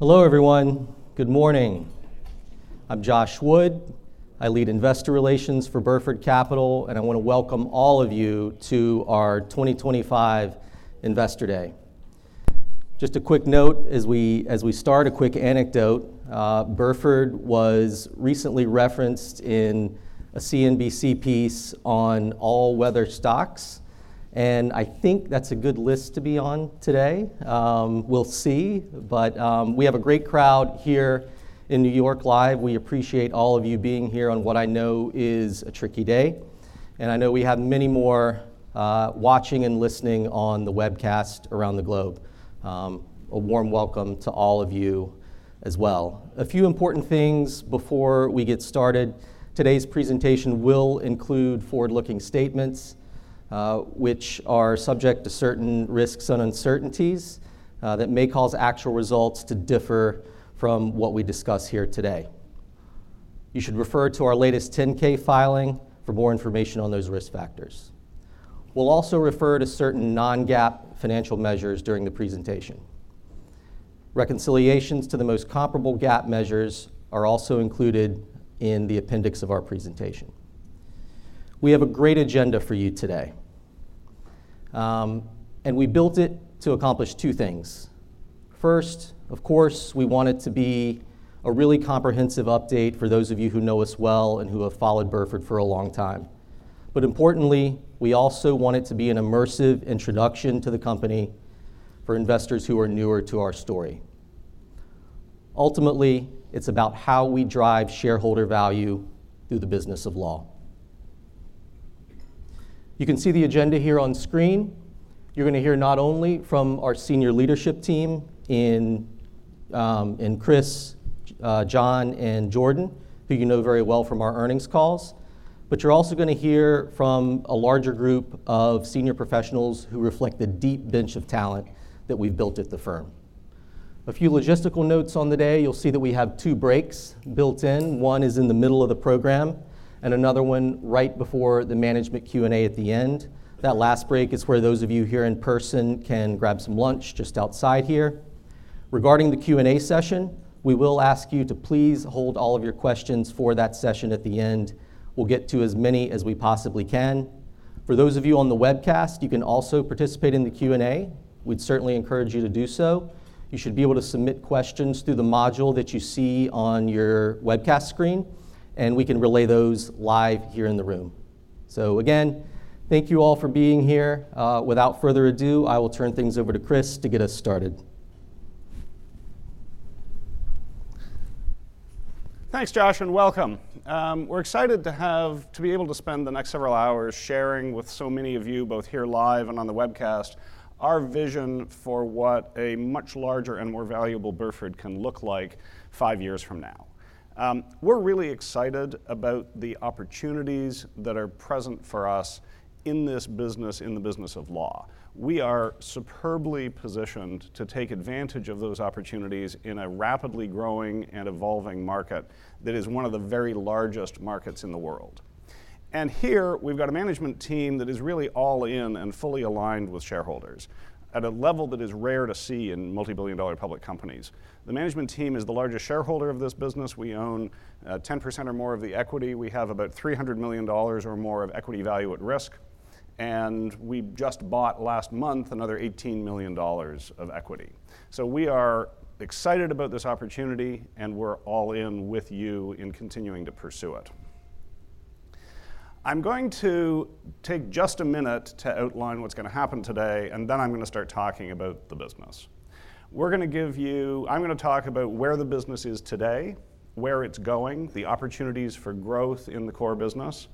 Hello, everyone. Good morning. I'm Josh Wood. I lead investor relations for Burford Capital, and I want to welcome all of you to our 2025 Investor Day. Just a quick note as we start, a quick anecdote. Burford was recently referenced in a CNBC piece on all-weather stocks, and I think that's a good list to be on today. We'll see. We have a great crowd here in New York Live. We appreciate all of you being here on what I know is a tricky day. I know we have many more watching and listening on the webcast around the globe. A warm welcome to all of you as well. A few important things before we get started. Today's presentation will include forward-looking statements, which are subject to certain risks and uncertainties that may cause actual results to differ from what we discuss here today. You should refer to our latest 10-K filing for more information on those risk factors. We will also refer to certain non-GAAP financial measures during the presentation. Reconciliations to the most comparable GAAP measures are also included in the appendix of our presentation. We have a great agenda for you today. We built it to accomplish two things. First, of course, we want it to be a really comprehensive update for those of you who know us well and who have followed Burford for a long time. Importantly, we also want it to be an immersive introduction to the company for investors who are newer to our story. Ultimately, it is about how we drive shareholder value through the business of law. You can see the agenda here on screen. You're going to hear not only from our senior leadership team in Christopher Bogart, John, and Jordan Licht, who you know very well from our earnings calls, but you're also going to hear from a larger group of senior professionals who reflect the deep bench of talent that we've built at the firm. A few logistical notes on the day. You'll see that we have two breaks built in. One is in the middle of the program, and another one right before the management Q&A at the end. That last break is where those of you here in person can grab some lunch just outside here. Regarding the Q&A session, we will ask you to please hold all of your questions for that session at the end. We'll get to as many as we possibly can. For those of you on the webcast, you can also participate in the Q&A. We'd certainly encourage you to do so. You should be able to submit questions through the module that you see on your webcast screen, and we can relay those live here in the room. Again, thank you all for being here. Without further ado, I will turn things over to Christopher Bogart to get us started. Thanks, Josh Wood, and welcome. We're excited to be able to spend the next several hours sharing with so many of you, both here live and on the webcast, our vision for what a much larger and more valuable Burford can look like five years from now. We're really excited about the opportunities that are present for us in this business, in the business of law. We are superbly positioned to take advantage of those opportunities in a rapidly growing and evolving market that is one of the very largest markets in the world. Here, we've got a management team that is really all in and fully aligned with shareholders at a level that is rare to see in multibillion-dollar public companies. The management team is the largest shareholder of this business. We own 10% or more of the equity. We have about $300 million or more of equity value at risk. We just bought last month another $18 million of equity. We are excited about this opportunity, and we're all in with you in continuing to pursue it. I'm going to take just a minute to outline what's going to happen today, and then I'm going to start talking about the business. I'm going to talk about where the business is today, where it's going, the opportunities for growth in the core business,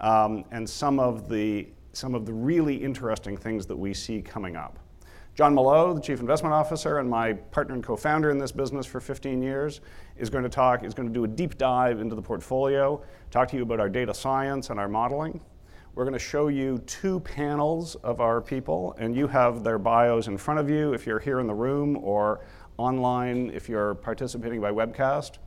and some of the really interesting things that we see coming up. Jonathan Molot, the Chief Investment Officer and my partner and co-founder in this business for 15 years, is going to talk, is going to do a deep dive into the portfolio, talk to you about our data science and our modeling. We're going to show you two panels of our people, and you have their bios in front of you if you're here in the room or online if you're participating by webcast.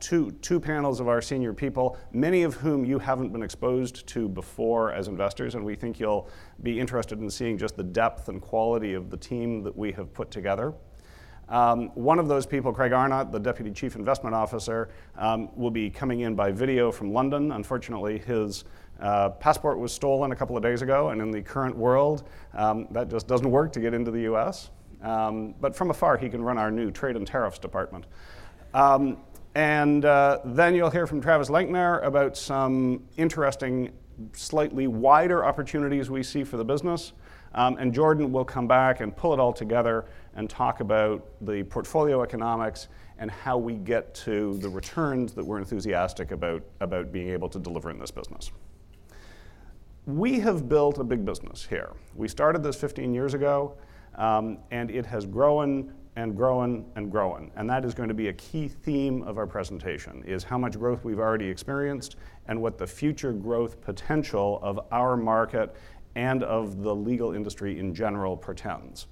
Two panels of our senior people, many of whom you haven't been exposed to before as investors, and we think you'll be interested in seeing just the depth and quality of the team that we have put together. One of those people, Craig Arnott, the Deputy Chief Investment Officer, will be coming in by video from London. Unfortunately, his passport was stolen a couple of days ago, and in the current world, that just doesn't work to get into the U.S. From afar, he can run our new trade and tariffs department. You will hear from Travis Lenkner about some interesting, slightly wider opportunities we see for the business. Jordan Licht will come back and pull it all together and talk about the portfolio economics and how we get to the returns that we're enthusiastic about being able to deliver in this business. We have built a big business here. We started this 15 years ago, and it has grown and grown and grown. That is going to be a key theme of our presentation, how much growth we've already experienced and what the future growth potential of our market and of the legal industry in general pretends.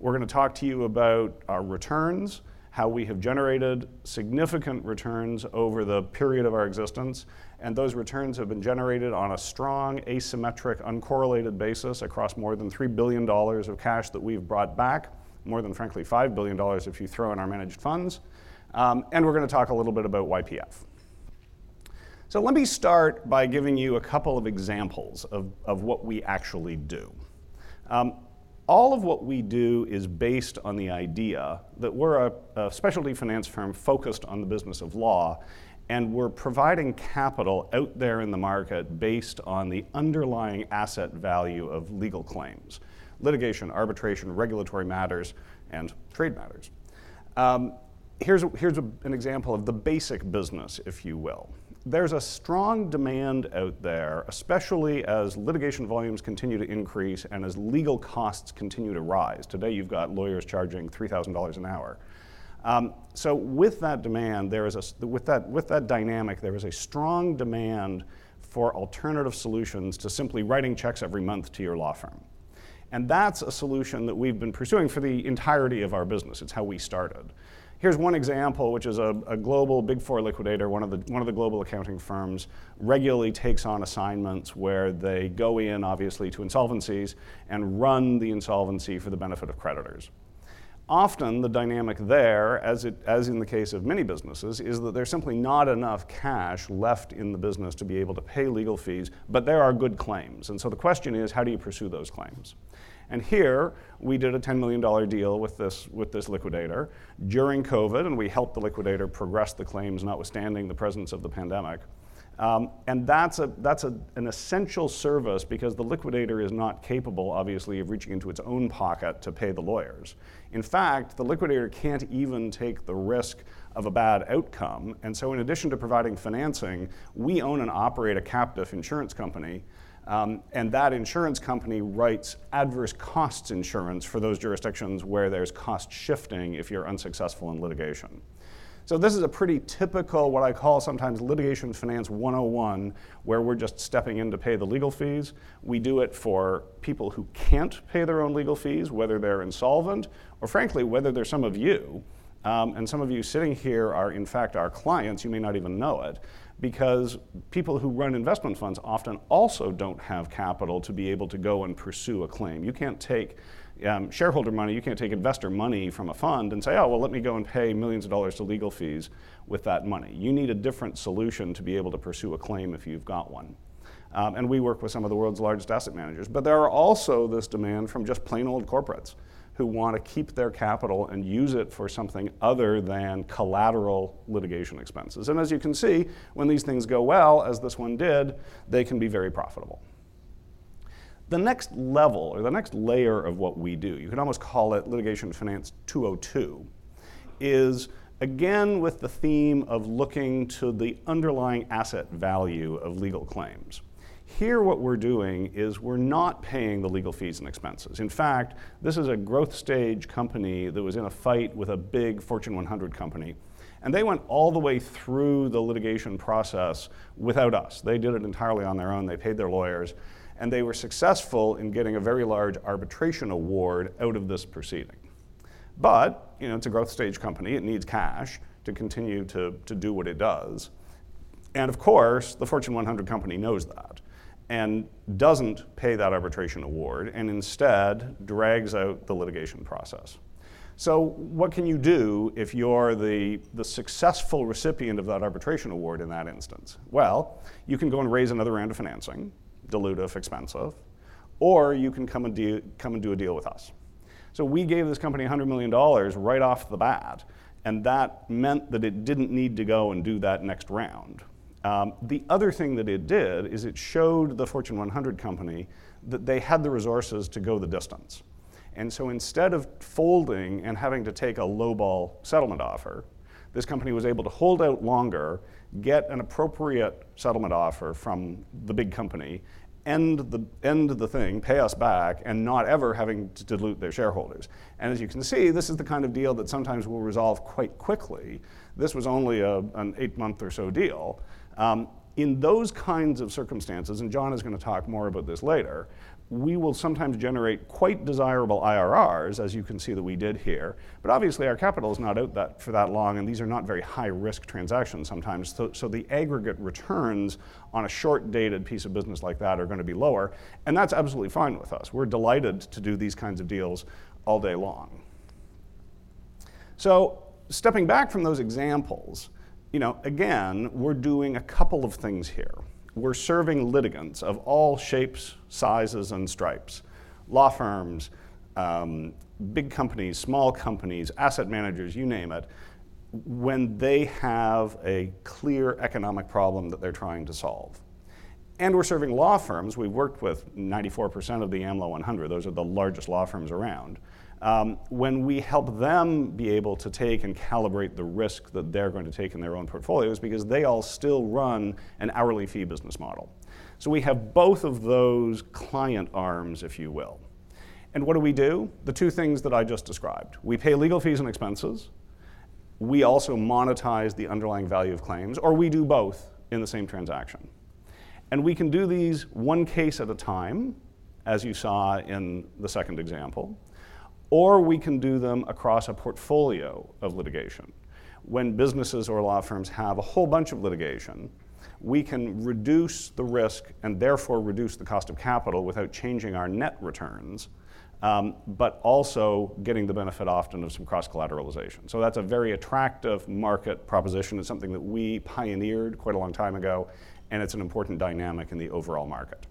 We're going to talk to you about our returns, how we have generated significant returns over the period of our existence, and those returns have been generated on a strong, asymmetric, uncorrelated basis across more than $3 billion of cash that we've brought back, more than, frankly, $5 billion if you throw in our managed funds. We're going to talk a little bit about YPF. Let me start by giving you a couple of examples of what we actually do. All of what we do is based on the idea that we're a specialty finance firm focused on the business of law, and we're providing capital out there in the market based on the underlying asset value of legal claims, litigation, arbitration, regulatory matters, and trade matters. Here's an example of the basic business, if you will. There's a strong demand out there, especially as litigation volumes continue to increase and as legal costs continue to rise. Today, you've got lawyers charging $3,000 an hour. With that demand, with that dynamic, there is a strong demand for alternative solutions to simply writing checks every month to your law firm. That's a solution that we've been pursuing for the entirety of our business. It's how we started. Here's one example, which is a global Big Four liquidator, one of the global accounting firms, regularly takes on assignments where they go in, obviously, to insolvencies and run the insolvency for the benefit of creditors. Often, the dynamic there, as in the case of many businesses, is that there's simply not enough cash left in the business to be able to pay legal fees, but there are good claims. The question is, how do you pursue those claims? Here, we did a $10 million deal with this liquidator during COVID, and we helped the liquidator progress the claims, notwithstanding the presence of the pandemic. That's an essential service because the liquidator is not capable, obviously, of reaching into its own pocket to pay the lawyers. In fact, the liquidator can't even take the risk of a bad outcome. In addition to providing financing, we own and operate a captive insurance company. That insurance company writes adverse costs insurance for those jurisdictions where there is cost shifting if you are unsuccessful in litigation. This is a pretty typical, what I call sometimes litigation finance 101, where we are just stepping in to pay the legal fees. We do it for people who cannot pay their own legal fees, whether they are insolvent or, frankly, whether they are some of you. Some of you sitting here are, in fact, our clients. You may not even know it because people who run investment funds often also do not have capital to be able to go and pursue a claim. You cannot take shareholder money. You can't take investor money from a fund and say, "Oh, well, let me go and pay millions of dollars to legal fees with that money." You need a different solution to be able to pursue a claim if you've got one. We work with some of the world's largest asset managers. There is also this demand from just plain old corporates who want to keep their capital and use it for something other than collateral litigation expenses. As you can see, when these things go well, as this one did, they can be very profitable. The next level or the next layer of what we do, you can almost call it litigation finance 202, is again with the theme of looking to the underlying asset value of legal claims. Here, what we're doing is we're not paying the legal fees and expenses. In fact, this is a growth stage company that was in a fight with a big Fortune 100 company. They went all the way through the litigation process without us. They did it entirely on their own. They paid their lawyers. They were successful in getting a very large arbitration award out of this proceeding. It is a growth stage company. It needs cash to continue to do what it does. Of course, the Fortune 100 company knows that and does not pay that arbitration award and instead drags out the litigation process. What can you do if you are the successful recipient of that arbitration award in that instance? You can go and raise another round of financing, dilutive, expensive, or you can come and do a deal with us. We gave this company $100 million right off the bat. That meant that it didn't need to go and do that next round. The other thing that it did is it showed the Fortune 100 company that they had the resources to go the distance. Instead of folding and having to take a low-ball settlement offer, this company was able to hold out longer, get an appropriate settlement offer from the big company, end the thing, pay us back, and not ever having to dilute their shareholders. As you can see, this is the kind of deal that sometimes will resolve quite quickly. This was only an eight-month or so deal. In those kinds of circumstances, and Jonathan Molot is going to talk more about this later, we will sometimes generate quite desirable IRRs, as you can see that we did here. Obviously, our capital is not out for that long, and these are not very high-risk transactions sometimes. The aggregate returns on a short-dated piece of business like that are going to be lower. That's absolutely fine with us. We're delighted to do these kinds of deals all day long. Stepping back from those examples, again, we're doing a couple of things here. We're serving litigants of all shapes, sizes, and stripes: law firms, big companies, small companies, asset managers, you name it, when they have a clear economic problem that they're trying to solve. We're serving law firms. We've worked with 94% of the AmLaw 100. Those are the largest law firms around. When we help them be able to take and calibrate the risk that they're going to take in their own portfolios because they all still run an hourly fee business model. We have both of those client arms, if you will. What do we do? The two things that I just described. We pay legal fees and expenses. We also monetize the underlying value of claims, or we do both in the same transaction. We can do these one case at a time, as you saw in the second example, or we can do them across a portfolio of litigation. When businesses or law firms have a whole bunch of litigation, we can reduce the risk and therefore reduce the cost of capital without changing our net returns, but also getting the benefit often of some cross-collateralization. That is a very attractive market proposition. It is something that we pioneered quite a long time ago, and it is an important dynamic in the overall market.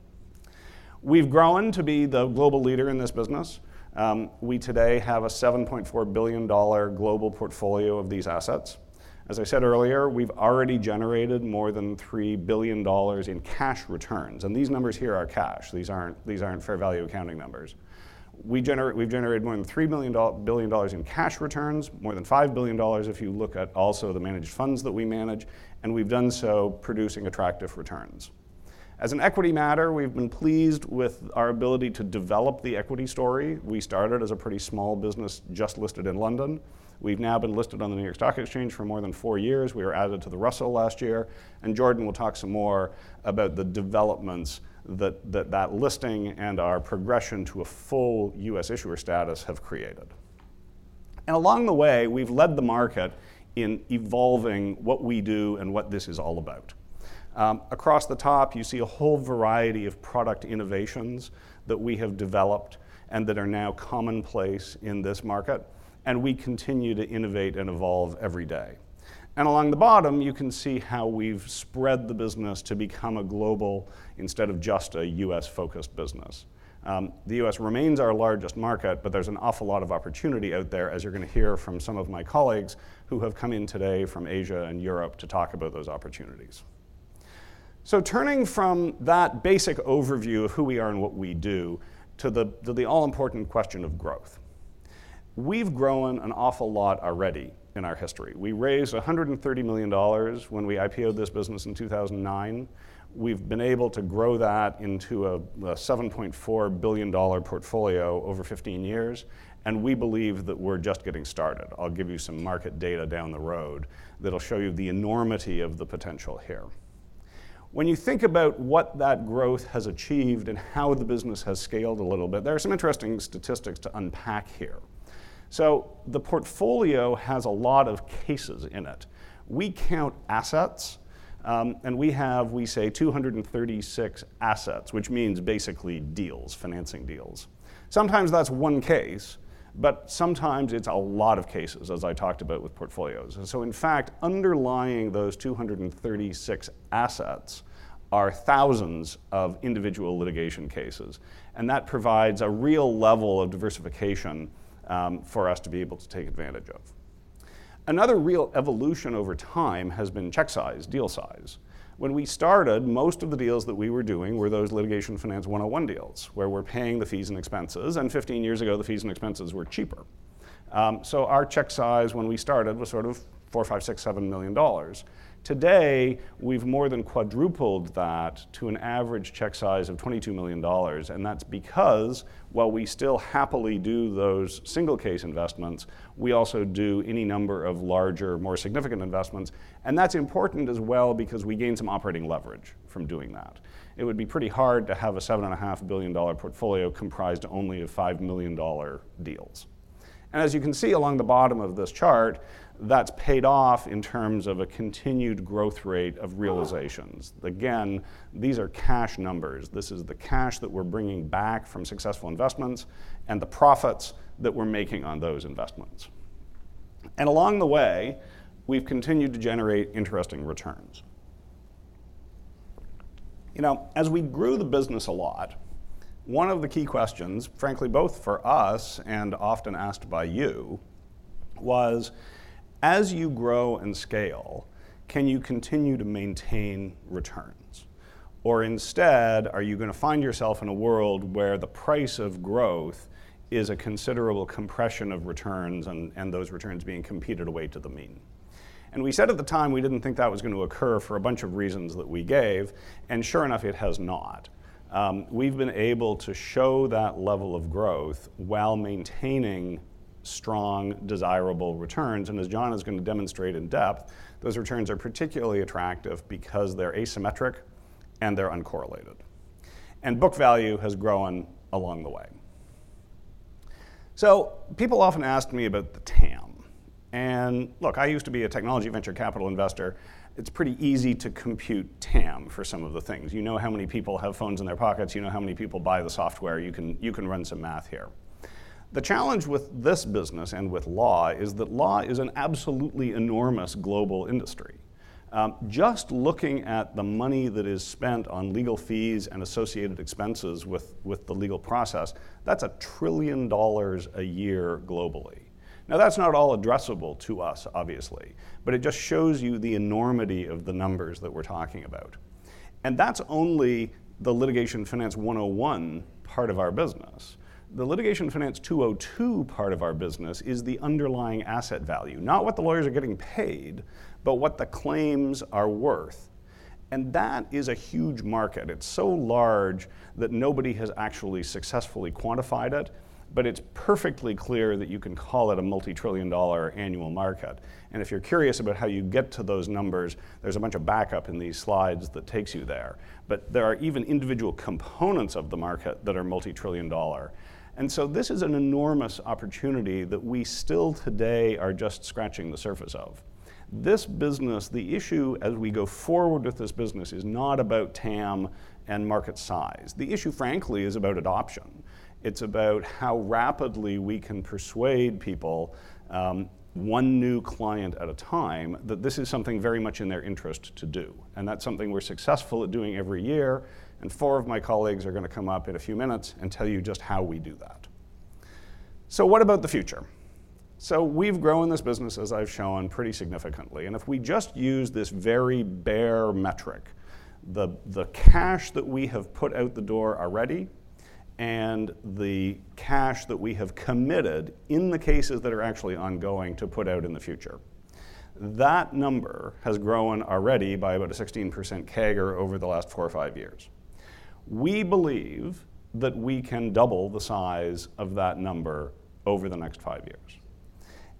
We have grown to be the global leader in this business. We today have a $7.4 billion global portfolio of these assets. As I said earlier, we've already generated more than $3 billion in cash returns. These numbers here are cash. These aren't fair value accounting numbers. We've generated more than $3 billion in cash returns, more than $5 billion if you look at also the managed funds that we manage. We've done so producing attractive returns. As an equity matter, we've been pleased with our ability to develop the equity story. We started as a pretty small business just listed in London. We've now been listed on the New York Stock Exchange for more than four years. We were added to the Russell last year. Jordan Licht will talk some more about the developments that that listing and our progression to a full U.S., issuer status have created. Along the way, we've led the market in evolving what we do and what this is all about. Across the top, you see a whole variety of product innovations that we have developed and that are now commonplace in this market. We continue to innovate and evolve every day. Along the bottom, you can see how we've spread the business to become a global instead of just a U.S.-focused business. The U.S., remains our largest market, but there's an awful lot of opportunity out there, as you're going to hear from some of my colleagues who have come in today from Asia and Europe to talk about those opportunities. Turning from that basic overview of who we are and what we do to the all-important question of growth. We've grown an awful lot already in our history. We raised $130 million when we IPO'd this business in 2009. We've been able to grow that into a $7.4 billion portfolio over 15 years. We believe that we're just getting started. I'll give you some market data down the road that'll show you the enormity of the potential here. When you think about what that growth has achieved and how the business has scaled a little bit, there are some interesting statistics to unpack here. The portfolio has a lot of cases in it. We count assets, and we have, we say, 236 assets, which means basically deals, financing deals. Sometimes that's one case, but sometimes it's a lot of cases, as I talked about with portfolios. In fact, underlying those 236 assets are thousands of individual litigation cases. That provides a real level of diversification for us to be able to take advantage of. Another real evolution over time has been check size, deal size. When we started, most of the deals that we were doing were those litigation finance 101 deals, where we're paying the fees and expenses. Fifteen years ago, the fees and expenses were cheaper. Our check size when we started was sort of $4, 5, 6, $7 million. Today, we've more than quadrupled that to an average check size of $22 million. That's because, while we still happily do those single-case investments, we also do any number of larger, more significant investments. That's important as well because we gain some operating leverage from doing that. It would be pretty hard to have a $7.5 billion portfolio comprised only of $5 million deals. As you can see along the bottom of this chart, that's paid off in terms of a continued growth rate of realizations. These are cash numbers. This is the cash that we're bringing back from successful investments and the profits that we're making on those investments. Along the way, we've continued to generate interesting returns. As we grew the business a lot, one of the key questions, frankly, both for us and often asked by you, was, as you grow and scale, can you continue to maintain returns? Or instead, are you going to find yourself in a world where the price of growth is a considerable compression of returns and those returns being competed away to the mean? We said at the time we didn't think that was going to occur for a bunch of reasons that we gave. Sure enough, it has not. We've been able to show that level of growth while maintaining strong, desirable returns. As Jonathan Molot is going to demonstrate in depth, those returns are particularly attractive because they're asymmetric and they're uncorrelated. Book value has grown along the way. People often ask me about the TAM. Look, I used to be a technology venture capital investor. It's pretty easy to compute TAM for some of the things. You know how many people have phones in their pockets. You know how many people buy the software. You can run some math here. The challenge with this business and with law is that law is an absolutely enormous global industry. Just looking at the money that is spent on legal fees and associated expenses with the legal process, that's $1 trillion a year globally. Now, that's not all addressable to us, obviously, but it just shows you the enormity of the numbers that we're talking about. That is only the litigation finance 101 part of our business. The litigation finance 202 part of our business is the underlying asset value, not what the lawyers are getting paid, but what the claims are worth. That is a huge market. It is so large that nobody has actually successfully quantified it. It is perfectly clear that you can call it a multi-trillion dollar annual market. If you're curious about how you get to those numbers, there is a bunch of backup in these slides that takes you there. There are even individual components of the market that are multi-trillion dollar. This is an enormous opportunity that we still today are just scratching the surface of. This business, the issue as we go forward with this business is not about TAM and market size. The issue, frankly, is about adoption. It's about how rapidly we can persuade people, one new client at a time, that this is something very much in their interest to do. That's something we're successful at doing every year. Four of my colleagues are going to come up in a few minutes and tell you just how we do that. What about the future? We've grown this business, as I've shown, pretty significantly. If we just use this very bare metric, the cash that we have put out the door already and the cash that we have committed in the cases that are actually ongoing to put out in the future, that number has grown already by about a 16% CAGR over the last four or five years. We believe that we can double the size of that number over the next five years.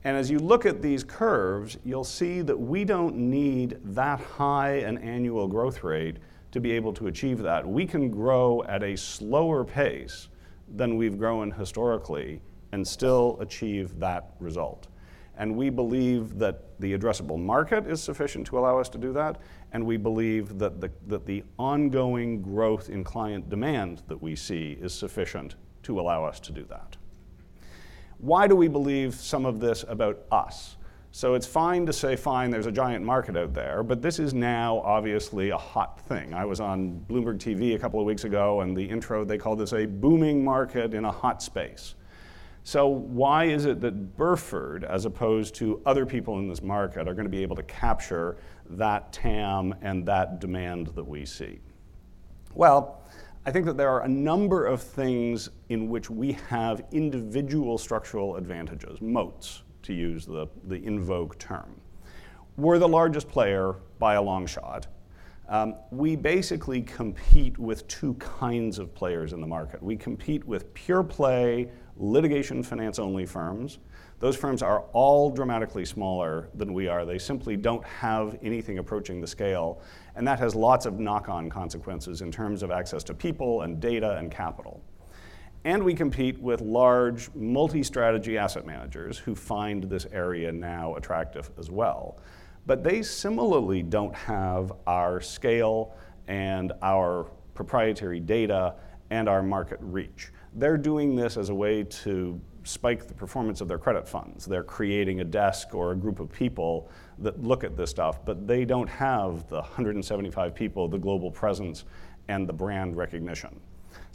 As you look at these curves, you'll see that we don't need that high an annual growth rate to be able to achieve that. We can grow at a slower pace than we've grown historically and still achieve that result. We believe that the addressable market is sufficient to allow us to do that. We believe that the ongoing growth in client demand that we see is sufficient to allow us to do that. Why do we believe some of this about us? It's fine to say, "Fine, there's a giant market out there," but this is now obviously a hot thing. I was on Bloomberg TV a couple of weeks ago, and the intro, they called this a booming market in a hot space. Why is it that Burford, as opposed to other people in this market, are going to be able to capture that TAM and that demand that we see? I think that there are a number of things in which we have individual structural advantages, moats, to use the invoke term. We're the largest player by a long shot. We basically compete with two kinds of players in the market. We compete with pure-play litigation finance-only firms. Those firms are all dramatically smaller than we are. They simply don't have anything approaching the scale. That has lots of knock-on consequences in terms of access to people and data and capital. We compete with large multi-strategy asset managers who find this area now attractive as well. They similarly do not have our scale and our proprietary data and our market reach. They are doing this as a way to spike the performance of their credit funds. They are creating a desk or a group of people that look at this stuff, but they do not have the 175 people, the global presence, and the brand recognition.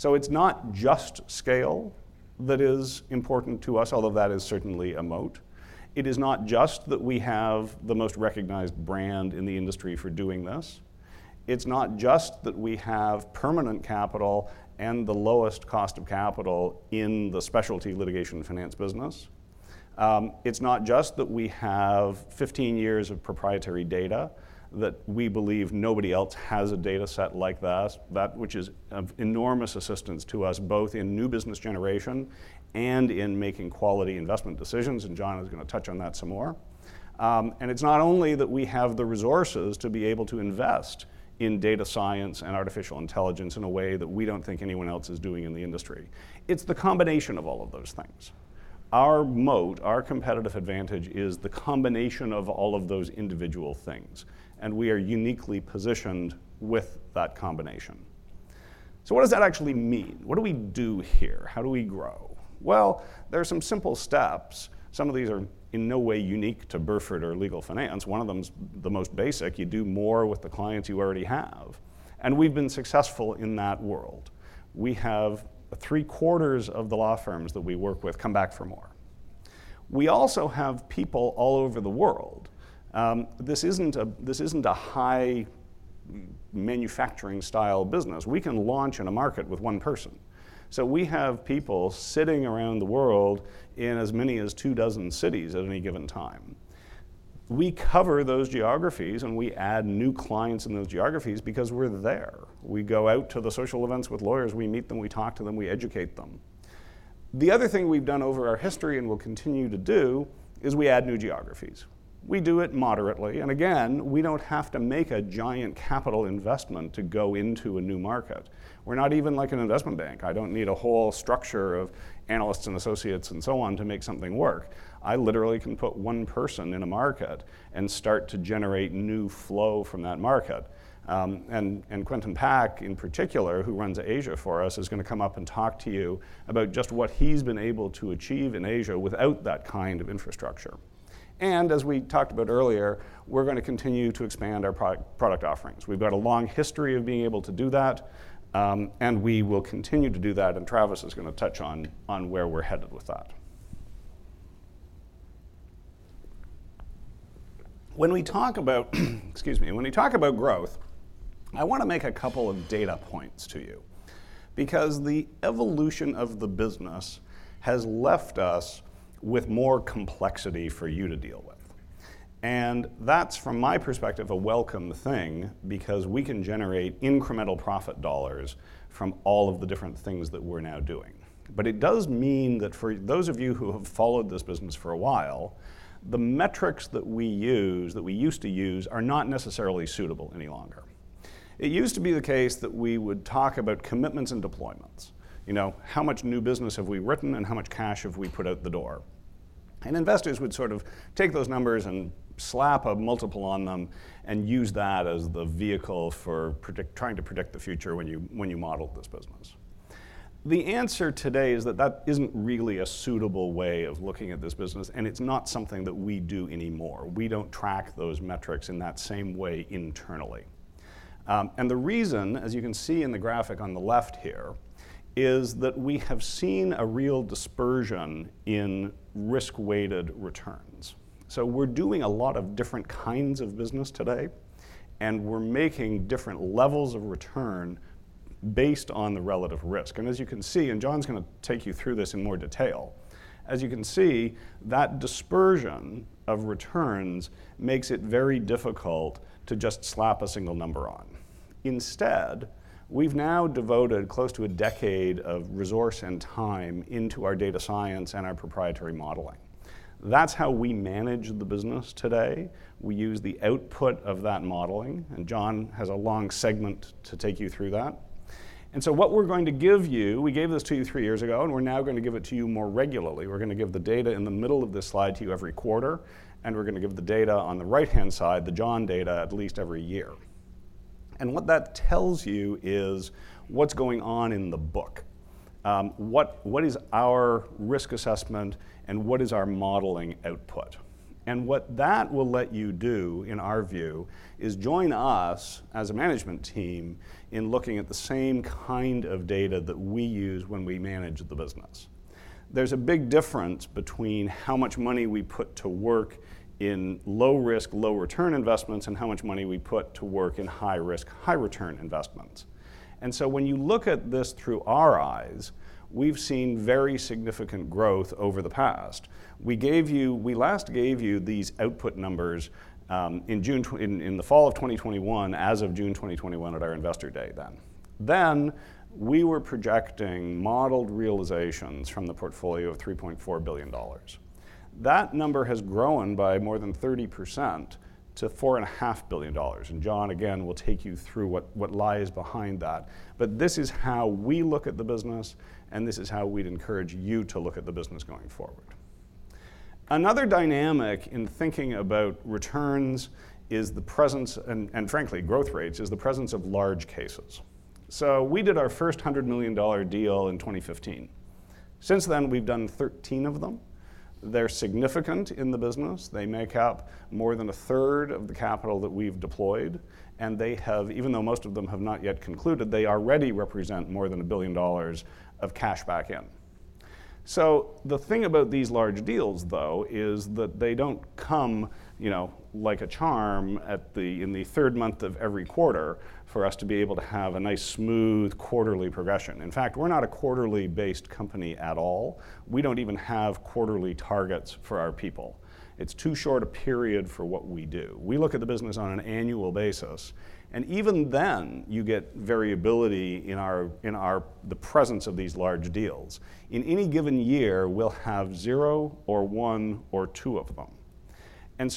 It is not just scale that is important to us, although that is certainly a moat. It is not just that we have the most recognized brand in the industry for doing this. It is not just that we have permanent capital and the lowest cost of capital in the specialty litigation finance business. It's not just that we have 15 years of proprietary data that we believe nobody else has a data set like that, which is of enormous assistance to us both in new business generation and in making quality investment decisions. Jonathan Molot is going to touch on that some more. It's not only that we have the resources to be able to invest in data science and artificial intelligence in a way that we don't think anyone else is doing in the industry. It's the combination of all of those things. Our moat, our competitive advantage is the combination of all of those individual things. We are uniquely positioned with that combination. What does that actually mean? What do we do here? How do we grow? There are some simple steps. Some of these are in no way unique to Burford or legal finance. One of them is the most basic. You do more with the clients you already have. We have been successful in that world. We have three-quarters of the law firms that we work with come back for more. We also have people all over the world. This is not a high manufacturing-style business. We can launch in a market with one person. We have people sitting around the world in as many as two dozen cities at any given time. We cover those geographies, and we add new clients in those geographies because we are there. We go out to the social events with lawyers. We meet them. We talk to them. We educate them. The other thing we have done over our history and will continue to do is we add new geographies. We do it moderately. We do not have to make a giant capital investment to go into a new market. We are not even like an investment bank. I do not need a whole structure of analysts and associates and so on to make something work. I literally can put one person in a market and start to generate new flow from that market. Quentin Pak, in particular, who runs Asia for us, is going to come up and talk to you about just what he has been able to achieve in Asia without that kind of infrastructure. As we talked about earlier, we are going to continue to expand our product offerings. We have a long history of being able to do that, and we will continue to do that. Travis Lenkner is going to touch on where we are headed with that. When we talk about, excuse me, when we talk about growth, I want to make a couple of data points to you because the evolution of the business has left us with more complexity for you to deal with. That is, from my perspective, a welcome thing because we can generate incremental profit dollars from all of the different things that we're now doing. It does mean that for those of you who have followed this business for a while, the metrics that we use, that we used to use, are not necessarily suitable any longer. It used to be the case that we would talk about commitments and deployments, how much new business have we written and how much cash have we put out the door. Investors would sort of take those numbers and slap a multiple on them and use that as the vehicle for trying to predict the future when you modeled this business. The answer today is that that is not really a suitable way of looking at this business, and it is not something that we do anymore. We do not track those metrics in that same way internally. The reason, as you can see in the graphic on the left here, is that we have seen a real dispersion in risk-weighted returns. We are doing a lot of different kinds of business today, and we are making different levels of return based on the relative risk. As you can see, and Jon is going to take you through this in more detail, as you can see, that dispersion of returns makes it very difficult to just slap a single number on. Instead, we've now devoted close to a decade of resource and time into our data science and our proprietary modeling. That's how we manage the business today. We use the output of that modeling. Jon has a long segment to take you through that. What we're going to give you, we gave this to you three years ago, and we're now going to give it to you more regularly. We're going to give the data in the middle of this slide to you every quarter, and we're going to give the data on the right-hand side, the Jon data, at least every year. What that tells you is what's going on in the book. What is our risk assessment, and what is our modeling output? What that will let you do, in our view, is join us as a management team in looking at the same kind of data that we use when we manage the business. There is a big difference between how much money we put to work in low-risk, low-return investments and how much money we put to work in high-risk, high-return investments. When you look at this through our eyes, we have seen very significant growth over the past. We last gave you these output numbers in the fall of 2021, as of June 2021, at our investor day then. We were projecting modeled realizations from the portfolio of $3.4 billion. That number has grown by more than 30% to $4.5 billion. Jon, again, will take you through what lies behind that. This is how we look at the business, and this is how we'd encourage you to look at the business going forward. Another dynamic in thinking about returns is the presence, and frankly, growth rates, is the presence of large cases. We did our first $100 million deal in 2015. Since then, we've done 13 of them. They're significant in the business. They make up more than a third of the capital that we've deployed. They have, even though most of them have not yet concluded, already represented more than $1 billion of cash back in. The thing about these large deals, though, is that they don't come like a charm in the third month of every quarter for us to be able to have a nice smooth quarterly progression. In fact, we're not a quarterly-based company at all. We do not even have quarterly targets for our people. It is too short a period for what we do. We look at the business on an annual basis. Even then, you get variability in the presence of these large deals. In any given year, we will have zero or one or two of them.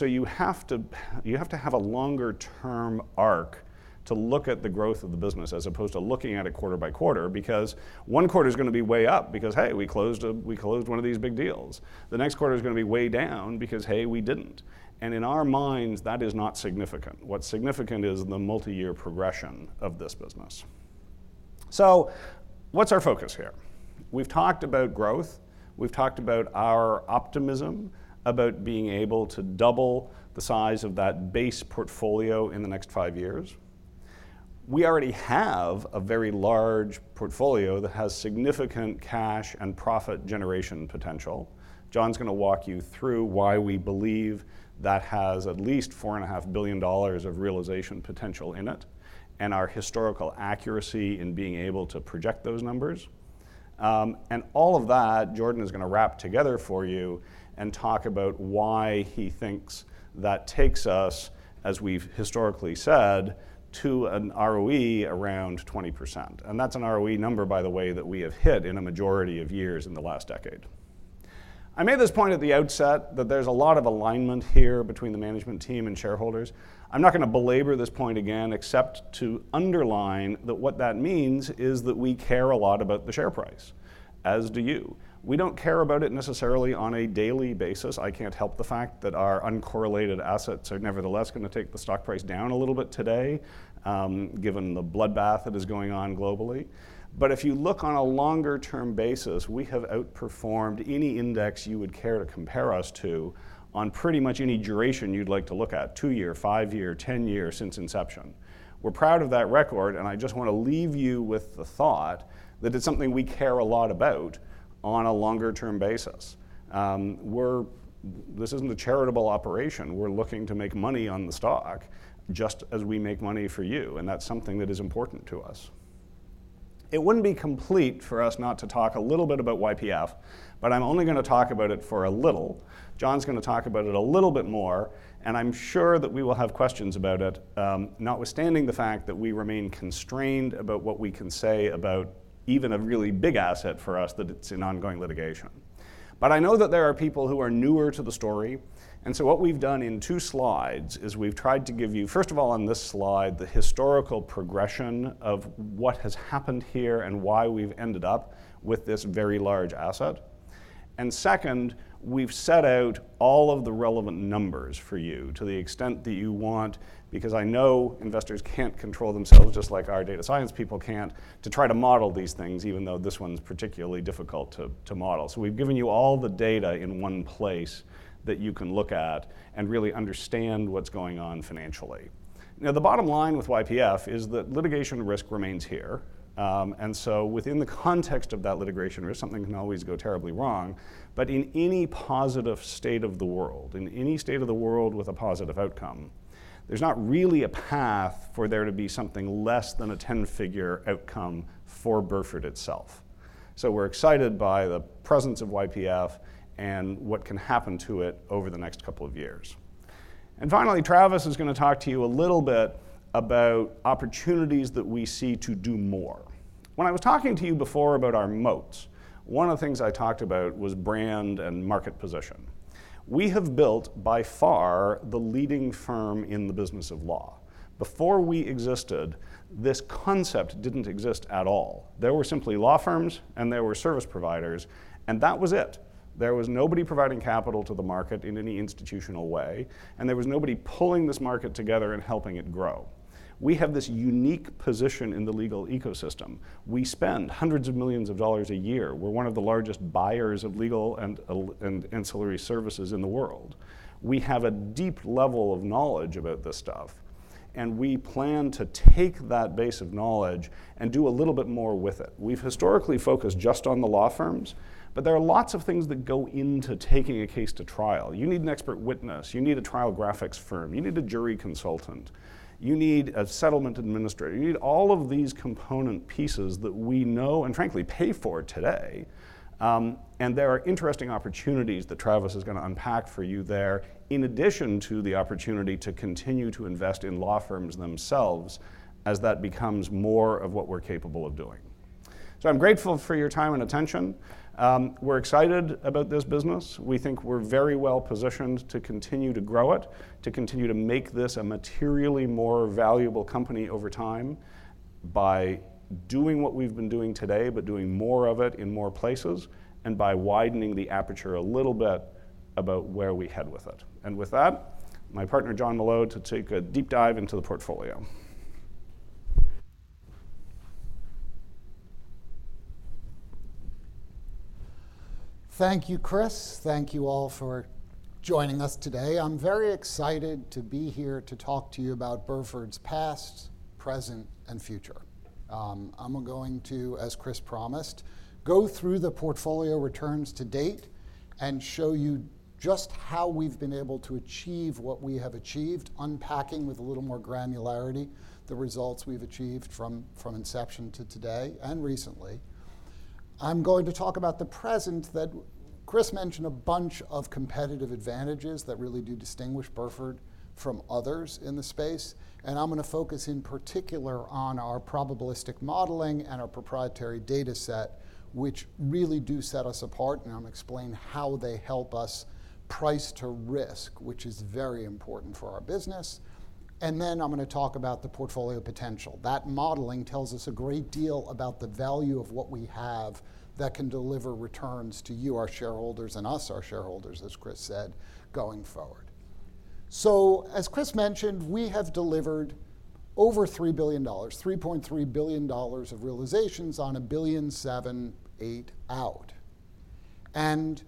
You have to have a longer-term arc to look at the growth of the business as opposed to looking at it quarter by quarter because one quarter is going to be way up because, hey, we closed one of these big deals. The next quarter is going to be way down because, hey, we did not. In our minds, that is not significant. What is significant is the multi-year progression of this business. What is our focus here? We have talked about growth. We've talked about our optimism about being able to double the size of that base portfolio in the next five years. We already have a very large portfolio that has significant cash and profit generation potential. Jonathan Molot going to walk you through why we believe that has at least $4.5 billion of realization potential in it and our historical accuracy in being able to project those numbers. All of that, Jordan Licht is going to wrap together for you and talk about why he thinks that takes us, as we've historically said, to an ROE around 20%. That's an ROE number, by the way, that we have hit in a majority of years in the last decade. I made this point at the outset that there's a lot of alignment here between the management team and shareholders. I'm not going to belabor this point again, except to underline that what that means is that we care a lot about the share price, as do you. We don't care about it necessarily on a daily basis. I can't help the fact that our uncorrelated assets are nevertheless going to take the stock price down a little bit today, given the bloodbath that is going on globally. If you look on a longer-term basis, we have outperformed any index you would care to compare us to on pretty much any duration you'd like to look at, two-year, five-year, ten-year, since inception. We're proud of that record. I just want to leave you with the thought that it's something we care a lot about on a longer-term basis. This isn't a charitable operation. We're looking to make money on the stock just as we make money for you. That is something that is important to us. It would not be complete for us not to talk a little bit about YPF, but I am only going to talk about it for a little. Jon is going to talk about it a little bit more. I am sure that we will have questions about it, notwithstanding the fact that we remain constrained about what we can say about even a really big asset for us that is in ongoing litigation. I know that there are people who are newer to the story. What we have done in two slides is we have tried to give you, first of all, on this slide, the historical progression of what has happened here and why we have ended up with this very large asset. We have set out all of the relevant numbers for you to the extent that you want because I know investors cannot control themselves, just like our data science people cannot, to try to model these things, even though this one is particularly difficult to model. We have given you all the data in one place that you can look at and really understand what is going on financially. The bottom line with YPF is that litigation risk remains here. Within the context of that litigation risk, something can always go terribly wrong. In any positive state of the world, in any state of the world with a positive outcome, there is not really a path for there to be something less than a ten-figure outcome for Burford itself. We're excited by the presence of YPF and what can happen to it over the next couple of years. Finally, Travis Lenkner is going to talk to you a little bit about opportunities that we see to do more. When I was talking to you before about our moats, one of the things I talked about was brand and market position. We have built, by far, the leading firm in the business of law. Before we existed, this concept didn't exist at all. There were simply law firms, and there were service providers, and that was it. There was nobody providing capital to the market in any institutional way, and there was nobody pulling this market together and helping it grow. We have this unique position in the legal ecosystem. We spend hundreds of millions of dollars a year. We're one of the largest buyers of legal and ancillary services in the world. We have a deep level of knowledge about this stuff, and we plan to take that base of knowledge and do a little bit more with it. We've historically focused just on the law firms, but there are lots of things that go into taking a case to trial. You need an expert witness. You need a trial graphics firm. You need a jury consultant. You need a settlement administrator. You need all of these component pieces that we know and, frankly, pay for today. There are interesting opportunities that Travis is going to unpack for you there, in addition to the opportunity to continue to invest in law firms themselves as that becomes more of what we're capable of doing. I'm grateful for your time and attention. We're excited about this business. We think we're very well positioned to continue to grow it, to continue to make this a materially more valuable company over time by doing what we've been doing today, but doing more of it in more places, and by widening the aperture a little bit about where we head with it. With that, my partner, Jonathan Molot, to take a deep dive into the portfolio. Thank you, Christopher Bogart. Thank you all for joining us today. I'm very excited to be here to talk to you about Burford's past, present, and future. I'm going to, as Christopher Bogart promised, go through the portfolio returns to date and show you just how we've been able to achieve what we have achieved, unpacking with a little more granularity the results we've achieved from inception to today and recently. I'm going to talk about the present that Christopher Bogart mentioned. A bunch of competitive advantages that really do distinguish Burford from others in the space. I'm going to focus in particular on our probabilistic modeling and our proprietary data set, which really do set us apart. I'm going to explain how they help us price to risk, which is very important for our business. I'm going to talk about the portfolio potential. That modeling tells us a great deal about the value of what we have that can deliver returns to you, our shareholders, and us, our shareholders, as Christopher Bogart said, going forward. As Christopher Bogart mentioned, we have delivered over $3 billion, $3.3 billion of realizations on $1.78 billion out, and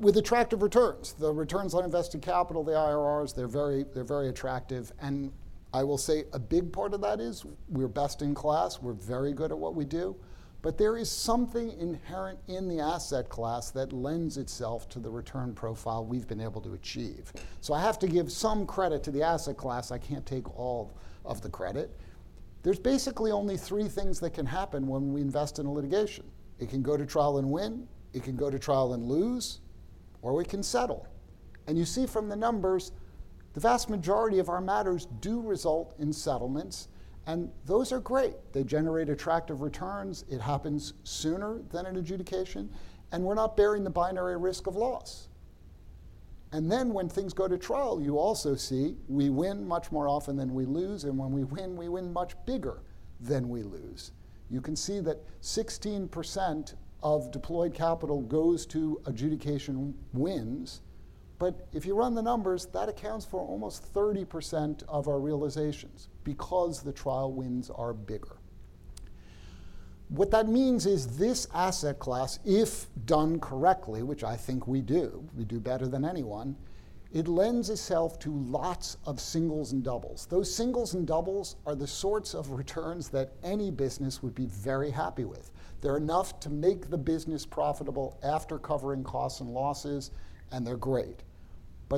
with attractive returns. The returns on invested capital, the IRRs, they're very attractive. I will say a big part of that is we're best in class. We're very good at what we do. There is something inherent in the asset class that lends itself to the return profile we've been able to achieve. I have to give some credit to the asset class. I can't take all of the credit. There's basically only three things that can happen when we invest in a litigation. It can go to trial and win. It can go to trial and lose, or we can settle. You see from the numbers, the vast majority of our matters do result in settlements. Those are great. They generate attractive returns. It happens sooner than an adjudication. We're not bearing the binary risk of loss. When things go to trial, you also see we win much more often than we lose. When we win, we win much bigger than we lose. You can see that 16% of deployed capital goes to adjudication wins. If you run the numbers, that accounts for almost 30% of our realizations because the trial wins are bigger. What that means is this asset class, if done correctly, which I think we do, we do better than anyone, it lends itself to lots of singles and doubles. Those singles and doubles are the sorts of returns that any business would be very happy with. They're enough to make the business profitable after covering costs and losses, and they're great.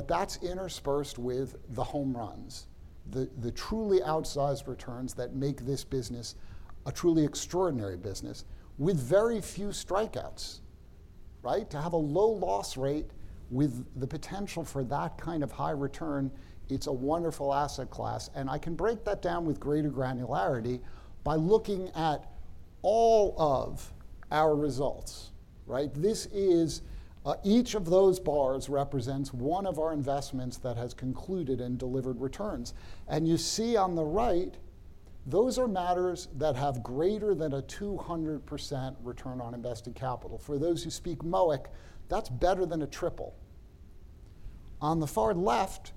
That's interspersed with the home runs, the truly outsized returns that make this business a truly extraordinary business with very few strikeouts. To have a low loss rate with the potential for that kind of high return, it's a wonderful asset class. I can break that down with greater granularity by looking at all of our results. Each of those bars represents one of our investments that has concluded and delivered returns. You see on the right, those are matters that have greater than a 200% return on invested capital. For those who speak MOIC, that's better than a triple. On the far left,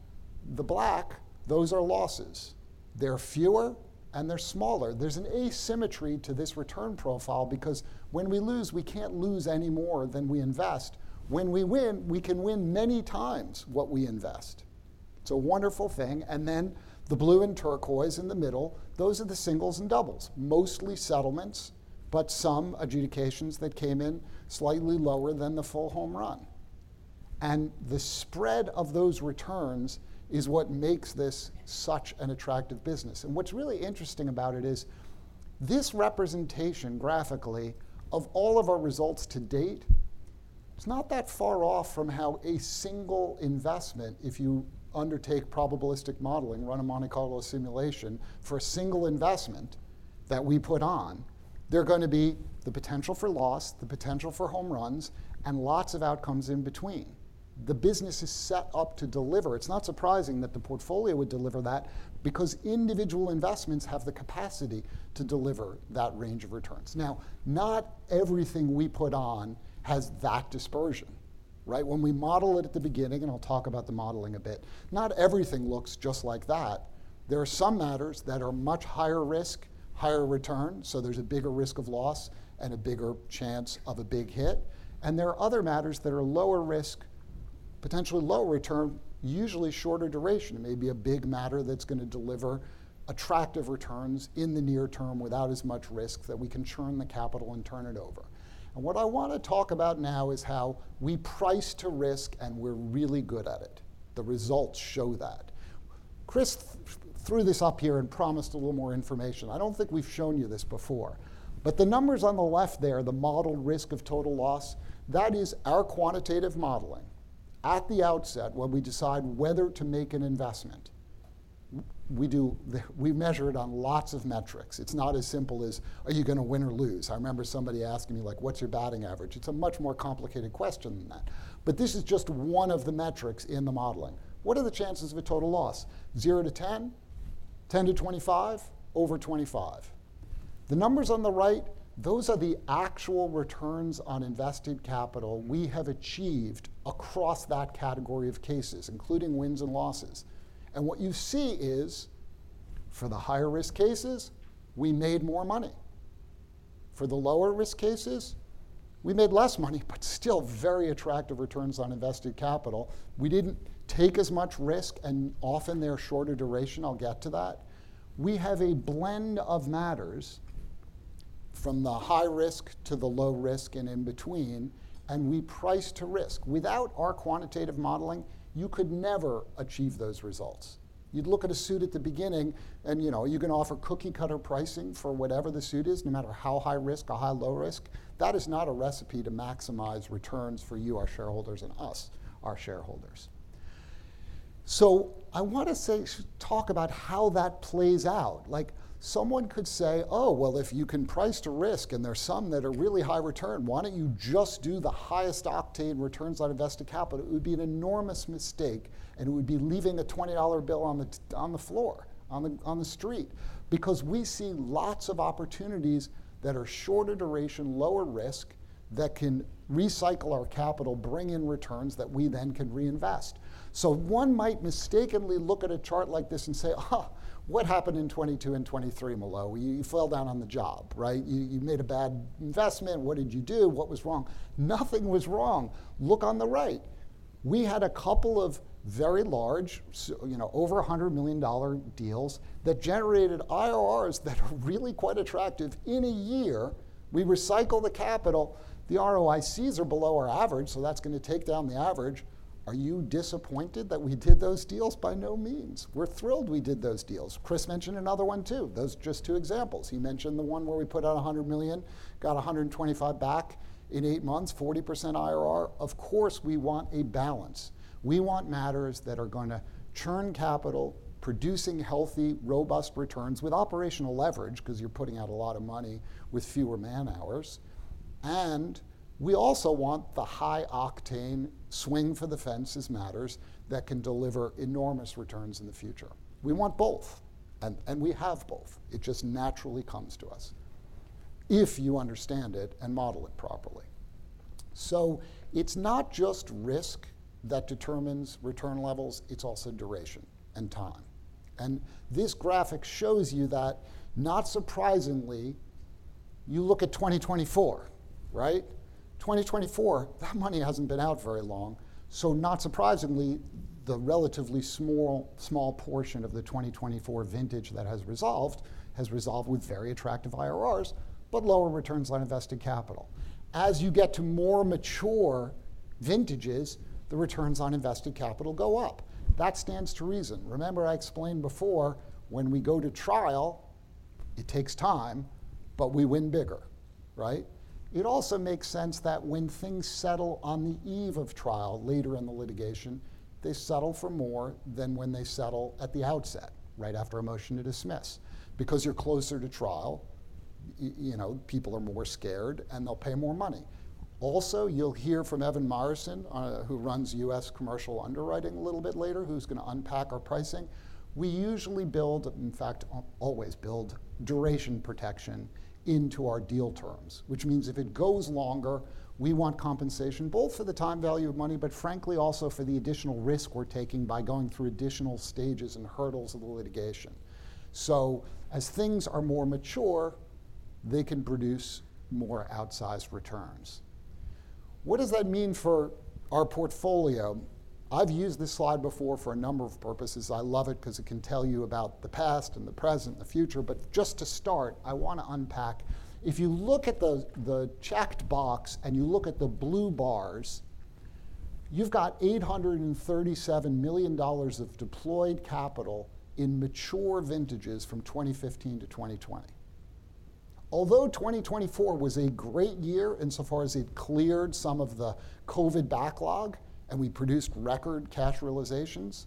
the black, those are losses. They're fewer, and they're smaller. There's an asymmetry to this return profile because when we lose, we can't lose any more than we invest. When we win, we can win many times what we invest. It's a wonderful thing. The blue and turquoise in the middle, those are the singles and doubles, mostly settlements, but some adjudications that came in slightly lower than the full home run. The spread of those returns is what makes this such an attractive business. What's really interesting about it is this representation graphically of all of our results to date is not that far off from how a single investment, if you undertake probabilistic modeling, run a Monte Carlo simulation for a single investment that we put on, there are going to be the potential for loss, the potential for home runs, and lots of outcomes in between. The business is set up to deliver. It's not surprising that the portfolio would deliver that because individual investments have the capacity to deliver that range of returns. Now, not everything we put on has that dispersion. When we model it at the beginning, and I'll talk about the modeling a bit, not everything looks just like that. There are some matters that are much higher risk, higher return. There is a bigger risk of loss and a bigger chance of a big hit. There are other matters that are lower risk, potentially lower return, usually shorter duration. It may be a big matter that is going to deliver attractive returns in the near term without as much risk that we can churn the capital and turn it over. What I want to talk about now is how we price to risk, and we are really good at it. The results show that. Christopher Bogart threw this up here and promised a little more information. I do not think we have shown you this before. The numbers on the left there, the model risk of total loss, that is our quantitative modeling at the outset when we decide whether to make an investment. We measure it on lots of metrics. It's not as simple as, are you going to win or lose? I remember somebody asking me, like, what's your batting average? It's a much more complicated question than that. This is just one of the metrics in the modeling. What are the chances of a total loss? 0-10, 10-25, over 25. The numbers on the right, those are the actual returns on invested capital we have achieved across that category of cases, including wins and losses. What you see is for the higher risk cases, we made more money. For the lower risk cases, we made less money, but still very attractive returns on invested capital. We didn't take as much risk, and often they're shorter duration. I'll get to that. We have a blend of matters from the high risk to the low risk and in between, and we price to risk. Without our quantitative modeling, you could never achieve those results. You'd look at a suit at the beginning, and you can offer cookie-cutter pricing for whatever the suit is, no matter how high risk or how low risk. That is not a recipe to maximize returns for you, our shareholders, and us, our shareholders. I want to talk about how that plays out. Someone could say, oh, if you can price to risk, and there are some that are really high return, why don't you just do the highest octane returns on invested capital? It would be an enormous mistake, and it would be leaving a $20 bill on the floor, on the street. Because we see lots of opportunities that are shorter duration, lower risk, that can recycle our capital, bring in returns that we then can reinvest. One might mistakenly look at a chart like this and say, what happened in 2022 and 2023, Molot? You fell down on the job. You made a bad investment. What did you do? What was wrong? Nothing was wrong. Look on the right. We had a couple of very large, over $100 million deals that generated IRRs that are really quite attractive in a year. We recycle the capital. The ROICs are below our average, so that's going to take down the average. Are you disappointed that we did those deals? By no means. We're thrilled we did those deals. Christopher Bogart mentioned another one, too. Those are just two examples. He mentioned the one where we put out $100 million, got $125 million back in eight months, 40% IRR. Of course, we want a balance. We want matters that are going to churn capital, producing healthy, robust returns with operational leverage because you're putting out a lot of money with fewer man hours. We also want the high octane swing for the fences matters that can deliver enormous returns in the future. We want both, and we have both. It just naturally comes to us if you understand it and model it properly. It is not just risk that determines return levels. It is also duration and time. This graphic shows you that, not surprisingly, you look at 2024. 2024, that money hasn't been out very long. Not surprisingly, the relatively small portion of the 2024 vintage that has resolved has resolved with very attractive IRRs, but lower returns on invested capital. As you get to more mature vintages, the returns on invested capital go up. That stands to reason. Remember I explained before, when we go to trial, it takes time, but we win bigger. It also makes sense that when things settle on the eve of trial later in the litigation, they settle for more than when they settle at the outset, right after a motion to dismiss. Because you're closer to trial, people are more scared, and they'll pay more money. Also, you'll hear from Evan Myerson, who runs U.S., commercial underwriting a little bit later, who's going to unpack our pricing. We usually build, in fact, always build duration protection into our deal terms, which means if it goes longer, we want compensation both for the time value of money, but frankly, also for the additional risk we're taking by going through additional stages and hurdles of the litigation. As things are more mature, they can produce more outsized returns. What does that mean for our portfolio? I've used this slide before for a number of purposes. I love it because it can tell you about the past and the present and the future. Just to start, I want to unpack. If you look at the checked box and you look at the blue bars, you've got $837 million of deployed capital in mature vintages from 2015 to 2020. Although 2024 was a great year insofar as it cleared some of the COVID backlog and we produced record cash realizations,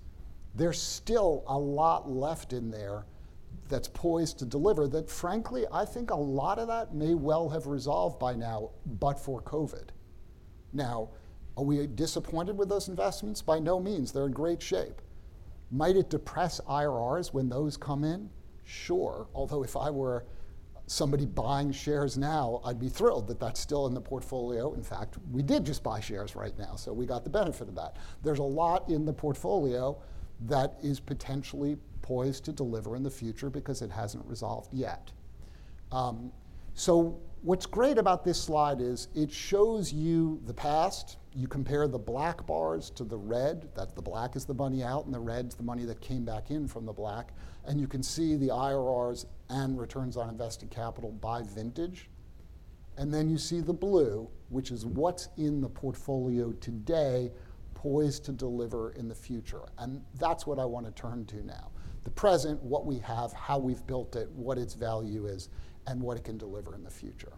there's still a lot left in there that's poised to deliver that, frankly, I think a lot of that may well have resolved by now, but for COVID. Now, are we disappointed with those investments? By no means. They're in great shape. Might it depress IRRs when those come in? Sure. Although if I were somebody buying shares now, I'd be thrilled that that's still in the portfolio. In fact, we did just buy shares right now, so we got the benefit of that. There's a lot in the portfolio that is potentially poised to deliver in the future because it hasn't resolved yet. What's great about this slide is it shows you the past. You compare the black bars to the red, that the black is the money out and the red is the money that came back in from the black. You can see the IRRs and returns on invested capital by vintage. You see the blue, which is what's in the portfolio today poised to deliver in the future. That's what I want to turn to now. The present, what we have, how we've built it, what its value is, and what it can deliver in the future.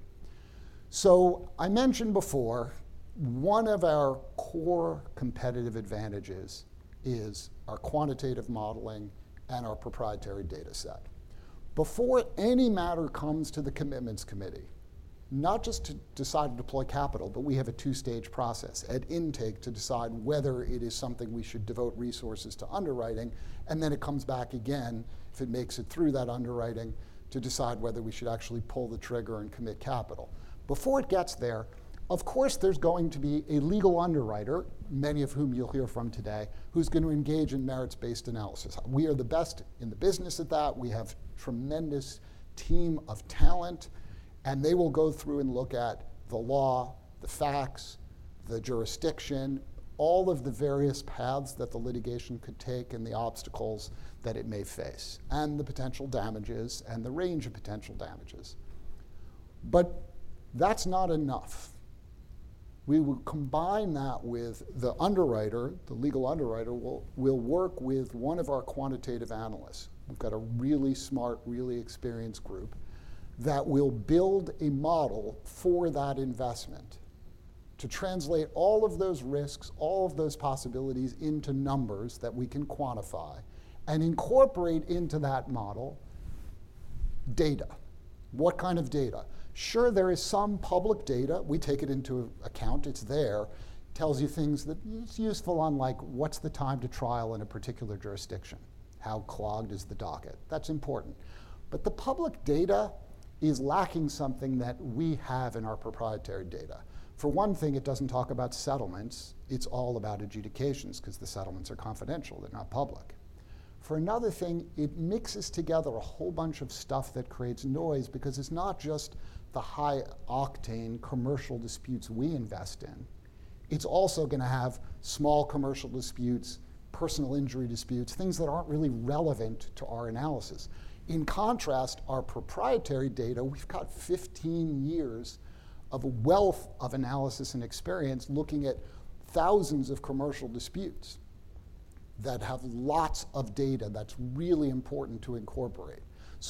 I mentioned before, one of our core competitive advantages is our quantitative modeling and our proprietary data set. Before any matter comes to the Commitments Committee, not just to decide to deploy capital, we have a two-stage process at intake to decide whether it is something we should devote resources to underwriting. It comes back again, if it makes it through that underwriting, to decide whether we should actually pull the trigger and commit capital. Before it gets there, of course, there's going to be a legal underwriter, many of whom you'll hear from today, who's going to engage in merits-based analysis. We are the best in the business at that. We have a tremendous team of talent, and they will go through and look at the law, the facts, the jurisdiction, all of the various paths that the litigation could take and the obstacles that it may face and the potential damages and the range of potential damages. That is not enough. We will combine that with the underwriter, the legal underwriter will work with one of our quantitative analysts. We have got a really smart, really experienced group that will build a model for that investment to translate all of those risks, all of those possibilities into numbers that we can quantify and incorporate into that model data. What kind of data? Sure, there is some public data. We take it into account. It is there. It tells you things that it is useful on, like, what is the time to trial in a particular jurisdiction? How clogged is the docket? That is important. The public data is lacking something that we have in our proprietary data. For one thing, it does not talk about settlements. It is all about adjudications because the settlements are confidential. They are not public. For another thing, it mixes together a whole bunch of stuff that creates noise because it is not just the high octane commercial disputes we invest in. It is also going to have small commercial disputes, personal injury disputes, things that are not really relevant to our analysis. In contrast, our proprietary data, we have got 15 years of a wealth of analysis and experience looking at thousands of commercial disputes that have lots of data that is really important to incorporate.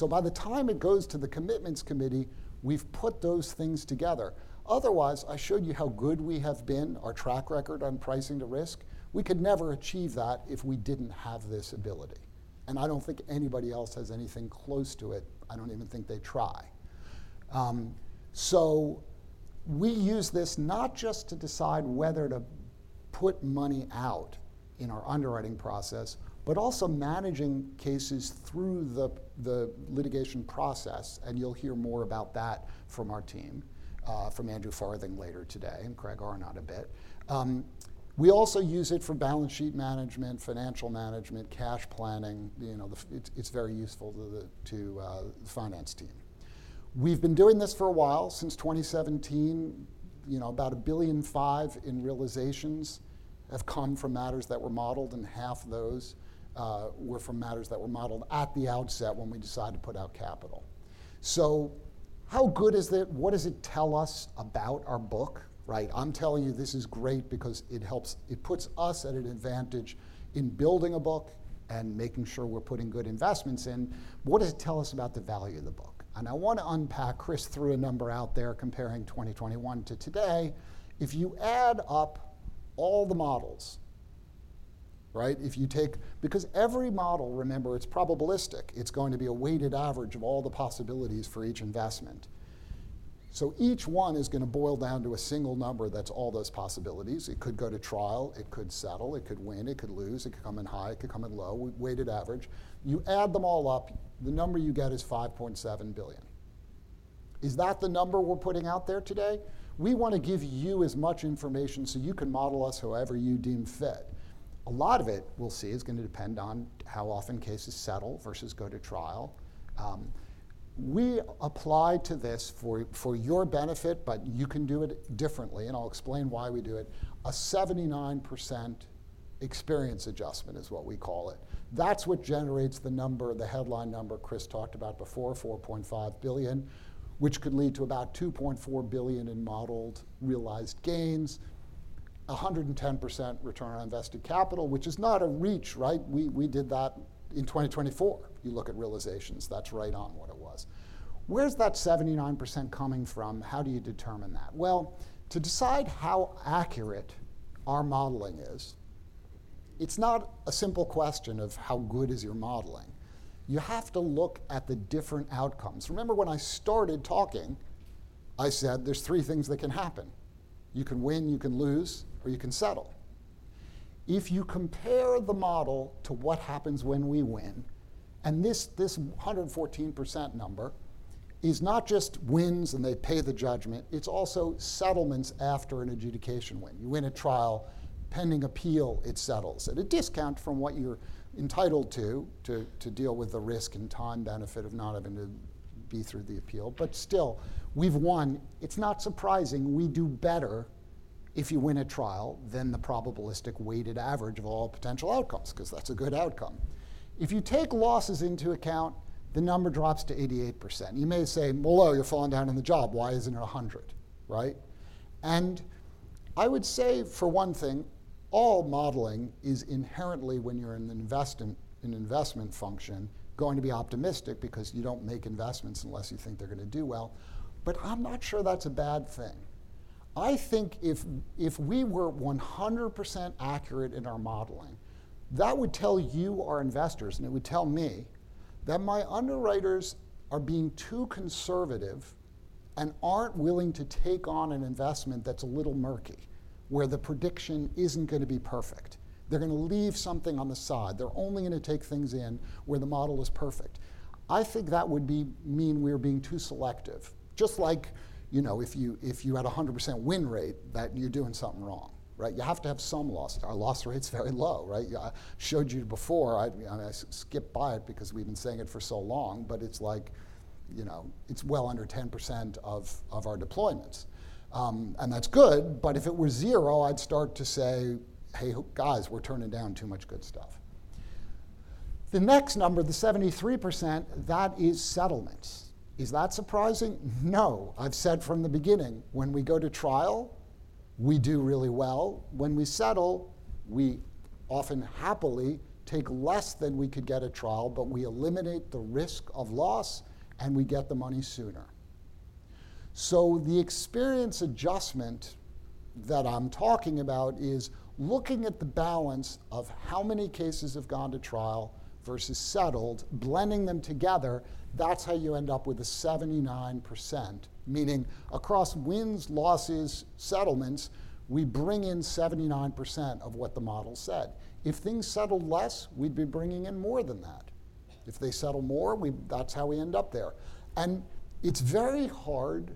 By the time it goes to the Commitments Committee, we have put those things together. Otherwise, I showed you how good we have been, our track record on pricing to risk. We could never achieve that if we did not have this ability. I do not think anybody else has anything close to it. I do not even think they try. We use this not just to decide whether to put money out in our underwriting process, but also managing cases through the litigation process. You will hear more about that from our team, from Andrew Farthing later today and Craig Arnott a bit. We also use it for balance sheet management, financial management, cash planning. It is very useful to the finance team. We have been doing this for a while since 2017. About $1.5 billion in realizations have come from matters that were modeled, and half of those were from matters that were modeled at the outset when we decided to put out capital. How good is it? What does it tell us about our book? I'm telling you, this is great because it puts us at an advantage in building a book and making sure we're putting good investments in. What does it tell us about the value of the book? I want to unpack, Christopher Bogart threw a number out there comparing 2021 to today. If you add up all the models, if you take because every model, remember, it's probabilistic. It's going to be a weighted average of all the possibilities for each investment. Each one is going to boil down to a single number that's all those possibilities. It could go to trial. It could settle. It could win. It could lose. It could come in high. It could come in low. We weighted average. You add them all up. The number you get is $5.7 billion. Is that the number we're putting out there today? We want to give you as much information so you can model us however you deem fit. A lot of it, we'll see, is going to depend on how often cases settle versus go to trial. We apply to this for your benefit, but you can do it differently. I'll explain why we do it. A 79% experience adjustment is what we call it. That's what generates the number, the headline number Christopher Bogart talked about before, $4.5 billion, which could lead to about $2.4 billion in modeled realized gains, 110% return on invested capital, which is not a reach. We did that in 2024. You look at realizations, that's right on what it was. Where's that 79% coming from? How do you determine that? To decide how accurate our modeling is, it's not a simple question of how good is your modeling. You have to look at the different outcomes. Remember when I started talking, I said there's three things that can happen. You can win, you can lose, or you can settle. If you compare the model to what happens when we win, and this 114% number is not just wins and they pay the judgment, it's also settlements after an adjudication win. You win a trial, pending appeal, it settles. At a discount from what you're entitled to, to deal with the risk and time benefit of not having to be through the appeal. Still, we've won. It's not surprising we do better if you win a trial than the probabilistic weighted average of all potential outcomes because that's a good outcome. If you take losses into account, the number drops to 88%. You may say, Molot, you're falling down in the job. Why isn't it 100? I would say, for one thing, all modeling is inherently, when you're in an investment function, going to be optimistic because you don't make investments unless you think they're going to do well. I'm not sure that's a bad thing. I think if we were 100% accurate in our modeling, that would tell you, our investors, and it would tell me that my underwriters are being too conservative and aren't willing to take on an investment that's a little murky, where the prediction isn't going to be perfect. They're going to leave something on the side. They're only going to take things in where the model is perfect. I think that would mean we're being too selective, just like if you had a 100% win rate, that you're doing something wrong. You have to have some loss. Our loss rate's very low. I showed you before. I skipped by it because we've been saying it for so long, but it's like it's well under 10% of our deployments. And that's good. If it were zero, I'd start to say, hey, guys, we're turning down too much good stuff. The next number, the 73%, that is settlements. Is that surprising? No. I've said from the beginning, when we go to trial, we do really well. When we settle, we often happily take less than we could get at trial, but we eliminate the risk of loss and we get the money sooner. The experience adjustment that I'm talking about is looking at the balance of how many cases have gone to trial versus settled, blending them together. That's how you end up with a 79%, meaning across wins, losses, settlements, we bring in 79% of what the model said. If things settle less, we'd be bringing in more than that. If they settle more, that's how we end up there. It is very hard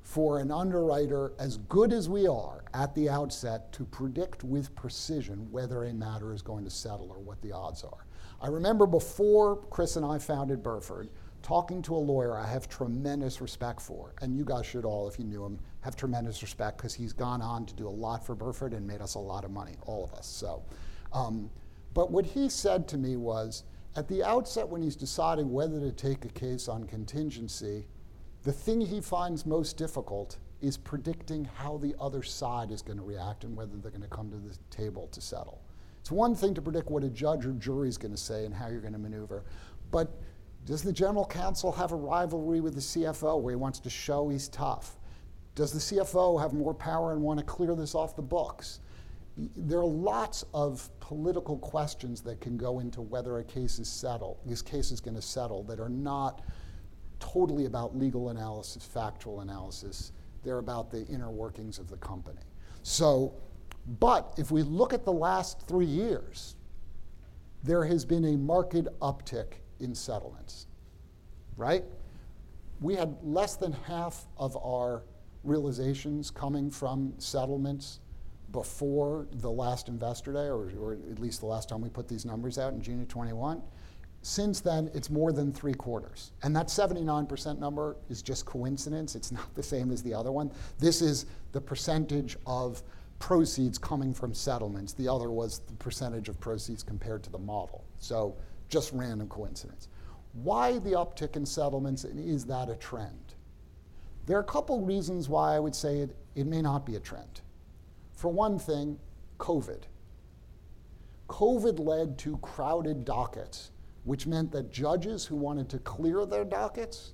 for an underwriter, as good as we are at the outset, to predict with precision whether a matter is going to settle or what the odds are. I remember before Christopher Bogart and I founded Burford, talking to a lawyer I have tremendous respect for, and you guys should all, if you knew him, have tremendous respect because he's gone on to do a lot for Burford and made us a lot of money, all of us. What he said to me was, at the outset, when he's deciding whether to take a case on contingency, the thing he finds most difficult is predicting how the other side is going to react and whether they're going to come to the table to settle. It's one thing to predict what a judge or jury is going to say and how you're going to maneuver. Does the general counsel have a rivalry with the CFO where he wants to show he's tough? Does the CFO have more power and want to clear this off the books? There are lots of political questions that can go into whether a case is settled, this case is going to settle, that are not totally about legal analysis, factual analysis. They're about the inner workings of the company. If we look at the last three years, there has been a marked uptick in settlements. We had less than half of our realizations coming from settlements before the last investor day, or at least the last time we put these numbers out in June of 2021. Since then, it's more than three quarters. That 79% number is just coincidence. It's not the same as the other one. This is the percentage of proceeds coming from settlements. The other was the percentage of proceeds compared to the model. Just random coincidence. Why the uptick in settlements? Is that a trend? There are a couple of reasons why I would say it may not be a trend. For one thing, COVID. COVID led to crowded dockets, which meant that judges who wanted to clear their dockets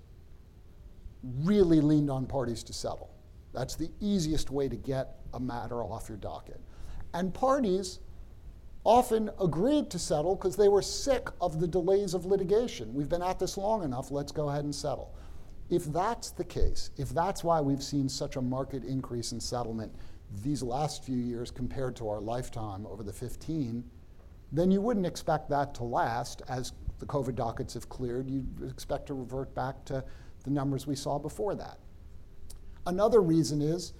really leaned on parties to settle. That's the easiest way to get a matter off your docket. Parties often agreed to settle because they were sick of the delays of litigation. We've been at this long enough. Let's go ahead and settle. If that's the case, if that's why we've seen such a market increase in settlement these last few years compared to our lifetime over the 2015, then you wouldn't expect that to last. As the COVID dockets have cleared, you'd expect to revert back to the numbers we saw before that. Another reason is,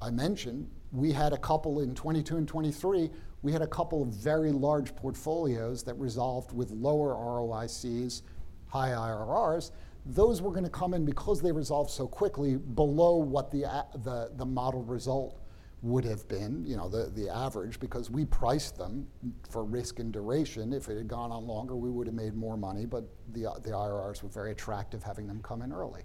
I mentioned, we had a couple in 2022 and 2023, we had a couple of very large portfolios that resolved with lower ROICs, high IRRs. Those were going to come in because they resolved so quickly below what the model result would have been, the average, because we priced them for risk and duration. If it had gone on longer, we would have made more money. The IRRs were very attractive having them come in early.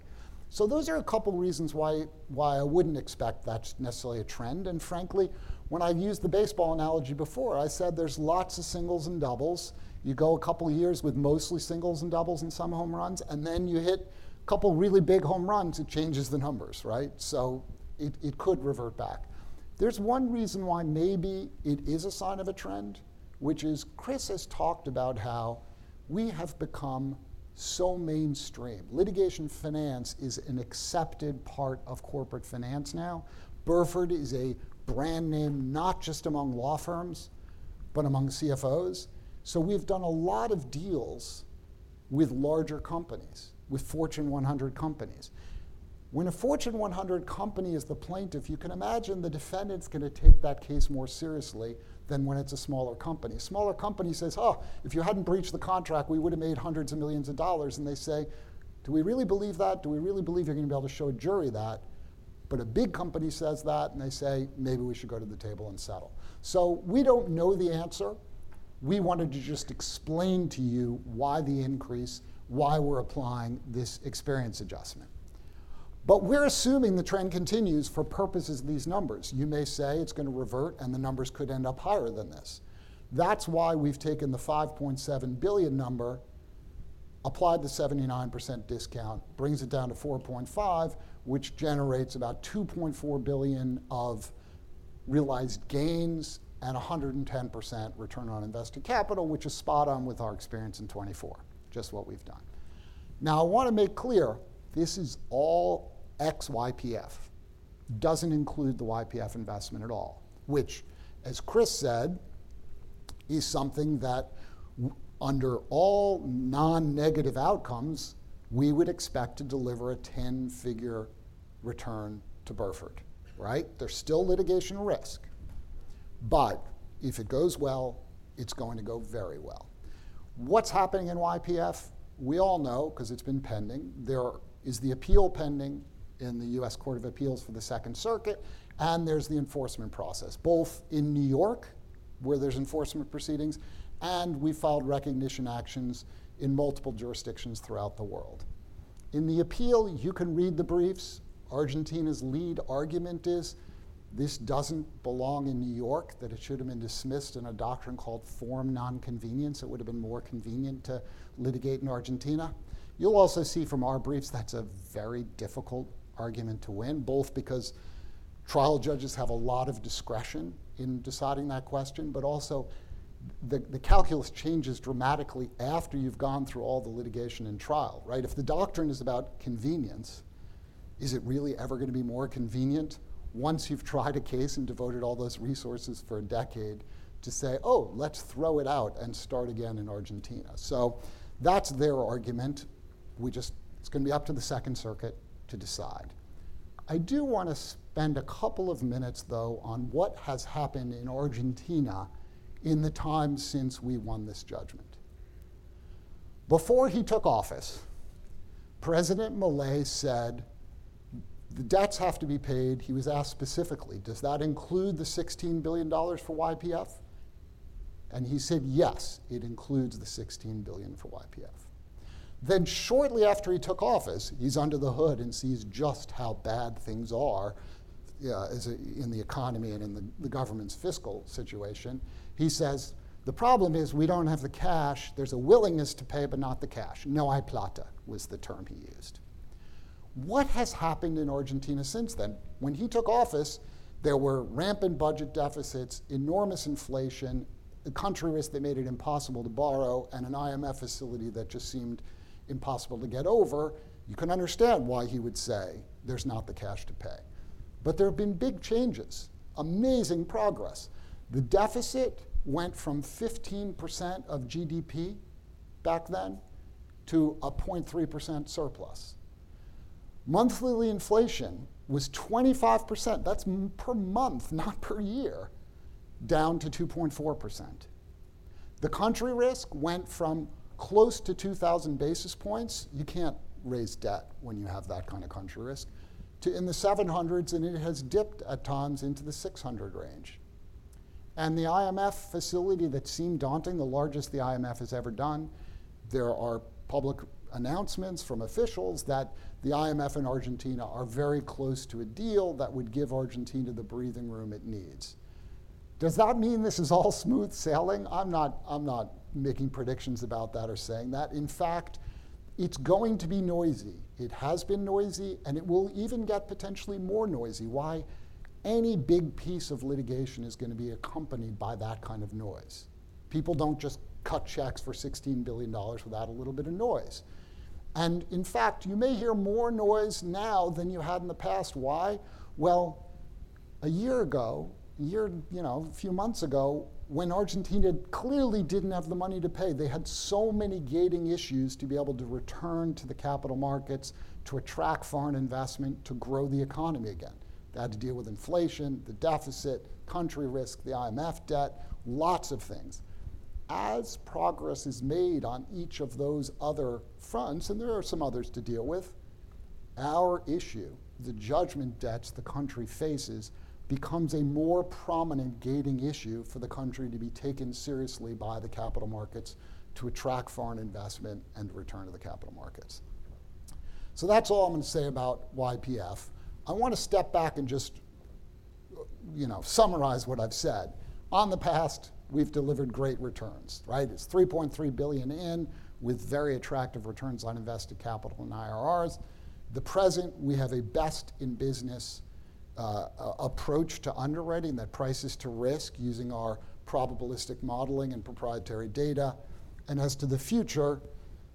Those are a couple of reasons why I wouldn't expect that's necessarily a trend. Frankly, when I've used the baseball analogy before, I said there's lots of singles and doubles. You go a couple of years with mostly singles and doubles and some home runs, and then you hit a couple of really big home runs, it changes the numbers. It could revert back. There's one reason why maybe it is a sign of a trend, which is Christopher Bogart has talked about how we have become so mainstream. Litigation finance is an accepted part of corporate finance now. Burford is a brand name not just among law firms, but among CFOs. We've done a lot of deals with larger companies, with Fortune 100 companies. When a Fortune 100 company is the plaintiff, you can imagine the defendant's going to take that case more seriously than when it's a smaller company. A smaller company says, oh, if you had not breached the contract, we would have made hundreds of millions of dollars. They say, do we really believe that? Do we really believe you are going to be able to show a jury that? A big company says that, and they say, maybe we should go to the table and settle. We do not know the answer. We wanted to just explain to you why the increase, why we are applying this experience adjustment. We are assuming the trend continues for purposes of these numbers. You may say it is going to revert, and the numbers could end up higher than this. That's why we've taken the $5.7 billion number, applied the 79% discount, brings it down to $4.5 billion, which generates about $2.4 billion of realized gains and 110% return on invested capital, which is spot on with our experience in 2024, just what we've done. Now, I want to make clear, this is all XYPF. It doesn't include the YPF investment at all, which, as Christopher Bogart said, is something that under all non-negative outcomes, we would expect to deliver a 10-figure return to Burford. There's still litigation risk. If it goes well, it's going to go very well. What's happening in YPF? We all know, because it's been pending. There is the appeal pending in the U.S., Court of Appeals for the Second Circuit, and there's the enforcement process, both in New York, where there's enforcement proceedings, and we filed recognition actions in multiple jurisdictions throughout the world. In the appeal, you can read the briefs. Argentina's lead argument is this does not belong in New York, that it should have been dismissed in a doctrine called forum non-convenience. It would have been more convenient to litigate in Argentina. You'll also see from our briefs that's a very difficult argument to win, both because trial judges have a lot of discretion in deciding that question, but also the calculus changes dramatically after you've gone through all the litigation and trial. If the doctrine is about convenience, is it really ever going to be more convenient once you've tried a case and devoted all those resources for a decade to say, oh, let's throw it out and start again in Argentina? That is their argument. It's going to be up to the Second Circuit to decide. I do want to spend a couple of minutes, though, on what has happened in Argentina in the time since we won this judgment. Before he took office, President Milei said the debts have to be paid. He was asked specifically, does that include the $16 billion for YPF? He said, yes, it includes the $16 billion for YPF. Shortly after he took office, he is under the hood and sees just how bad things are in the economy and in the government's fiscal situation. He says, the problem is we do not have the cash. There is a willingness to pay, but not the cash. No hay plata, was the term he used. What has happened in Argentina since then? When he took office, there were rampant budget deficits, enormous inflation, a country risk that made it impossible to borrow, and an IMF facility that just seemed impossible to get over. You can understand why he would say there's not the cash to pay. There have been big changes, amazing progress. The deficit went from 15% of GDP back then to a 0.3% surplus. Monthly, the inflation was 25%. That's per month, not per year, down to 2.4%. The country risk went from close to 2,000 basis points. You can't raise debt when you have that kind of country risk, to in the 700s, and it has dipped at times into the 600 range. The IMF facility that seemed daunting, the largest the IMF has ever done, there are public announcements from officials that the IMF and Argentina are very close to a deal that would give Argentina the breathing room it needs. Does that mean this is all smooth sailing? I'm not making predictions about that or saying that. In fact, it's going to be noisy. It has been noisy, and it will even get potentially more noisy. Why? Any big piece of litigation is going to be accompanied by that kind of noise. People don't just cut checks for $16 billion without a little bit of noise. In fact, you may hear more noise now than you had in the past. Why? A year ago, a few months ago, when Argentina clearly did not have the money to pay, they had so many gating issues to be able to return to the capital markets, to attract foreign investment, to grow the economy again. They had to deal with inflation, the deficit, country risk, the IMF debt, lots of things. As progress is made on each of those other fronts, and there are some others to deal with, our issue, the judgment debts the country faces, becomes a more prominent gating issue for the country to be taken seriously by the capital markets to attract foreign investment and return to the capital markets. That is all I am going to say about YPF. I want to step back and just summarize what I have said. In the past, we have delivered great returns. It is $3.3 billion in with very attractive returns on invested capital and IRRs. The present, we have a best in business approach to underwriting that prices to risk using our probabilistic modeling and proprietary data. As to the future,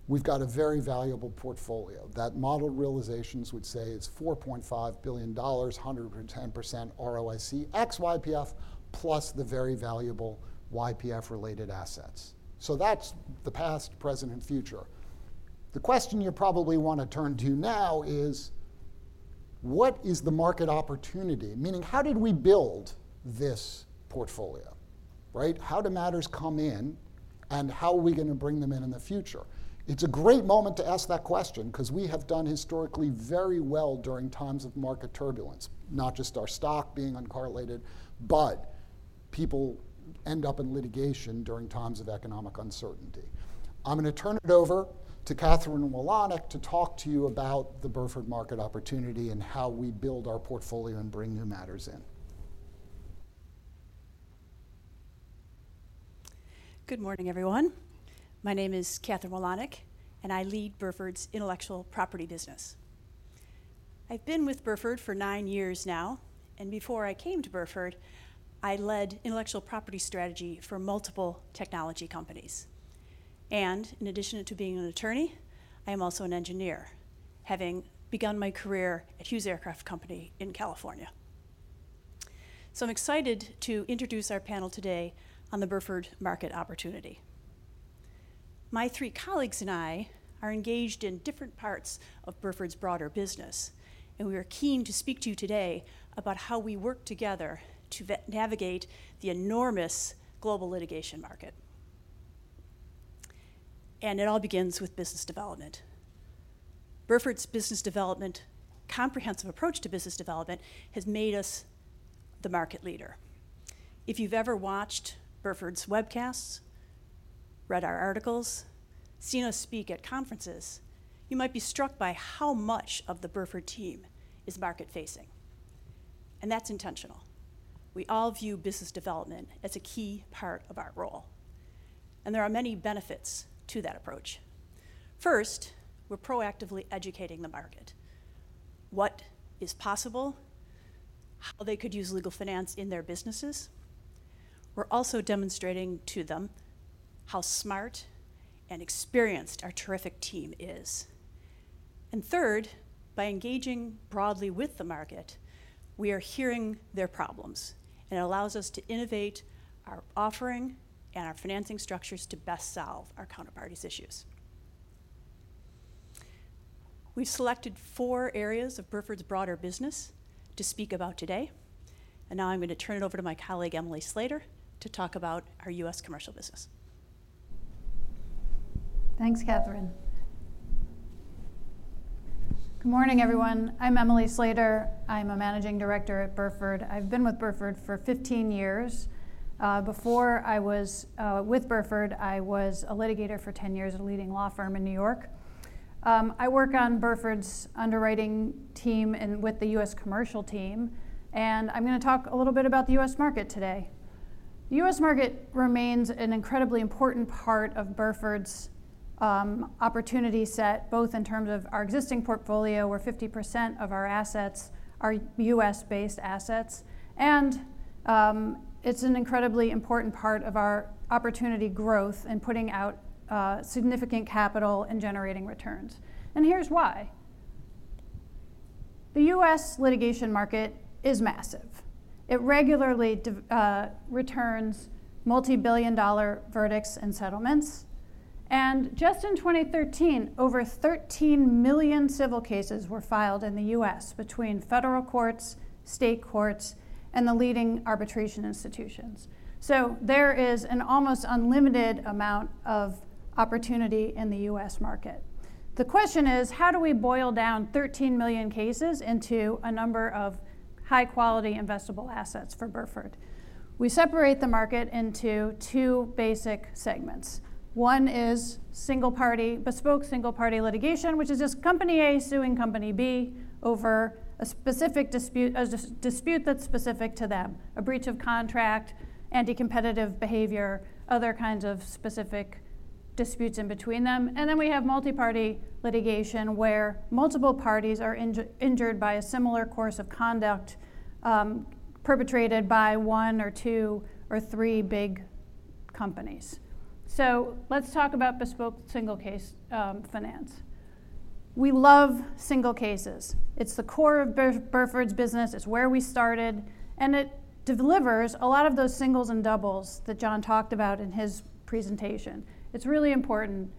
we've got a very valuable portfolio. That modeled realizations would say it's $4.5 billion, 110% ROIC, XYPF, plus the very valuable YPF-related assets. That is the past, present, and future. The question you probably want to turn to now is, what is the market opportunity? Meaning, how did we build this portfolio? How do matters come in, and how are we going to bring them in in the future? It's a great moment to ask that question because we have done historically very well during times of market turbulence, not just our stock being uncorrelated, but people end up in litigation during times of economic uncertainty. I'm going to turn it over to Katherine Walonek to talk to you about the Burford market opportunity and how we build our portfolio and bring new matters in. Good morning, everyone. My name is Katherine Walonek, and I lead Burford's intellectual property business. I've been with Burford for nine years now. Before I came to Burford, I led intellectual property strategy for multiple technology companies. In addition to being an attorney, I am also an engineer, having begun my career at Hughes Aircraft Company in California. I am excited to introduce our panel today on the Burford market opportunity. My three colleagues and I are engaged in different parts of Burford's broader business, and we are keen to speak to you today about how we work together to navigate the enormous global litigation market. It all begins with business development. Burford's business development, comprehensive approach to business development, has made us the market leader. If you've ever watched Burford's webcasts, read our articles, seen us speak at conferences, you might be struck by how much of the Burford team is market-facing. That is intentional. We all view business development as a key part of our role. There are many benefits to that approach. First, we're proactively educating the market. What is possible, how they could use legal finance in their businesses. We're also demonstrating to them how smart and experienced our terrific team is. Third, by engaging broadly with the market, we are hearing their problems, and it allows us to innovate our offering and our financing structures to best solve our counterparties' issues. We've selected four areas of Burford's broader business to speak about today. Now I'm going to turn it over to my colleague, Emily Slater, to talk about our U.S., commercial business. Thanks, Katherine. Good morning, everyone. I'm Emily Slater. I'm a Managing Director at Burford. I've been with Burford for 15 years. Before I was with Burford, I was a litigator for 10 years at a leading law firm in New York. I work on Burford's underwriting team and with the U.S., commercial team. I'm going to talk a little bit about the U.S., market today. The U.S., market remains an incredibly important part of Burford's opportunity set, both in terms of our existing portfolio, where 50% of our assets are U.S.-based assets, and it's an incredibly important part of our opportunity growth in putting out significant capital and generating returns. Here's why. The U.S., litigation market is massive. It regularly returns multi-billion dollar verdicts and settlements. In 2013, over 13 million civil cases were filed in the U.S., between federal courts, state courts, and the leading arbitration institutions. There is an almost unlimited amount of opportunity in the U.S., market. The question is, how do we boil down 13 million cases into a number of high-quality investable assets for Burford? We separate the market into two basic segments. One is single-party, bespoke single-party litigation, which is just company A suing company B over a dispute that's specific to them, a breach of contract, anti-competitive behavior, other kinds of specific disputes in between them. We also have multi-party litigation where multiple parties are injured by a similar course of conduct perpetrated by one or two or three big companies. Let's talk about bespoke single-case finance. We love single cases. It's the core of Burford's business. It's where we started. It delivers a lot of those singles and doubles that John talked about in his presentation. It is really important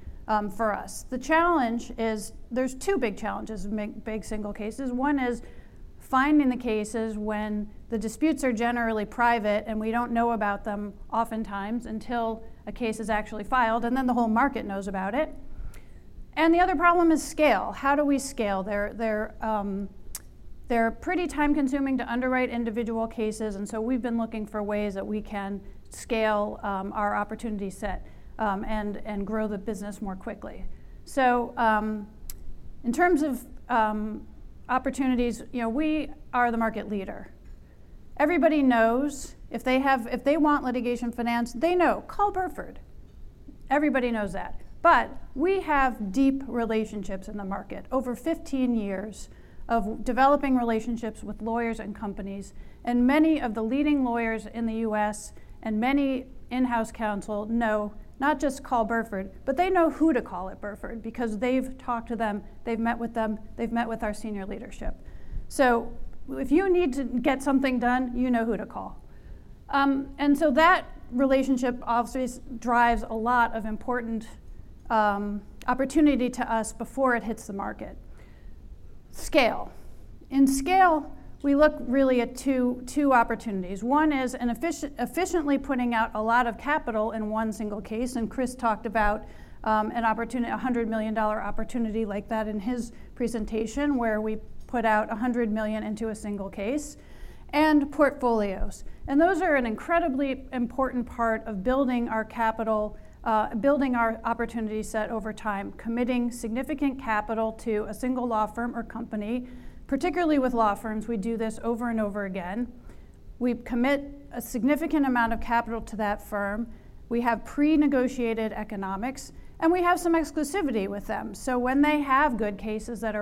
for us. The challenge is there are two big challenges with big single cases. One is finding the cases when the disputes are generally private and we do not know about them oftentimes until a case is actually filed, and then the whole market knows about it. The other problem is scale. How do we scale? They are pretty time-consuming to underwrite individual cases. We have been looking for ways that we can scale our opportunity set and grow the business more quickly. In terms of opportunities, we are the market leader. Everybody knows if they want litigation finance, they know, call Burford. Everybody knows that. We have deep relationships in the market, over 15 years of developing relationships with lawyers and companies. Many of the leading lawyers in the U.S., and many in-house counsel know not just to call Burford, but they know who to call at Burford because they've talked to them, they've met with them, they've met with our senior leadership. If you need to get something done, you know who to call. That relationship obviously drives a lot of important opportunity to us before it hits the market. Scale. In scale, we look really at two opportunities. One is efficiently putting out a lot of capital in one single case. Christopher Bogart talked about an opportunity, a $100 million opportunity like that in his presentation where we put out $100 million into a single case and portfolios. Those are an incredibly important part of building our capital, building our opportunity set over time, committing significant capital to a single law firm or company. Particularly with law firms, we do this over and over again. We commit a significant amount of capital to that firm. We have pre-negotiated economics, and we have some exclusivity with them. When they have good cases that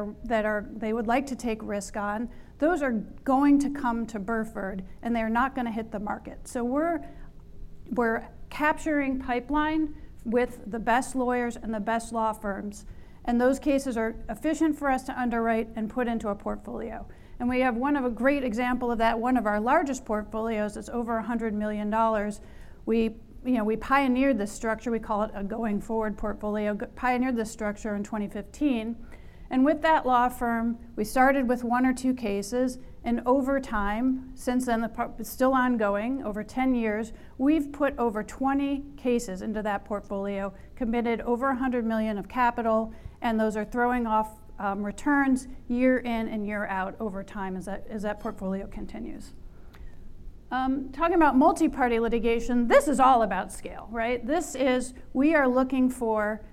they would like to take risk on, those are going to come to Burford, and they are not going to hit the market. We are capturing pipeline with the best lawyers and the best law firms. Those cases are efficient for us to underwrite and put into a portfolio. We have a great example of that, one of our largest portfolios that is over $100 million. We pioneered this structure. We call it a going forward portfolio, pioneered this structure in 2015. With that law firm, we started with one or two cases. Over time, since then, it's still ongoing, over 10 years, we've put over 20 cases into that portfolio, committed over $100 million of capital. Those are throwing off returns year in and year out over time as that portfolio continues. Talking about multi-party litigation, this is all about scale. We are looking for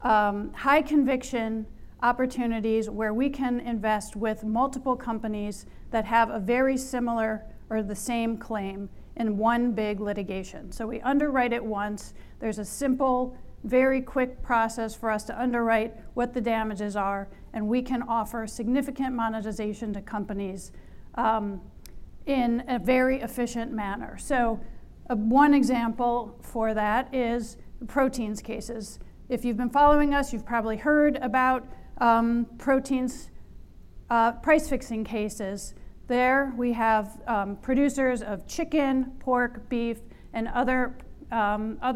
high conviction opportunities where we can invest with multiple companies that have a very similar or the same claim in one big litigation. We underwrite it once. There's a simple, very quick process for us to underwrite what the damages are, and we can offer significant monetization to companies in a very efficient manner. One example for that is proteins cases. If you've been following us, you've probably heard about proteins price-fixing cases. There we have producers of chicken, pork, beef, and other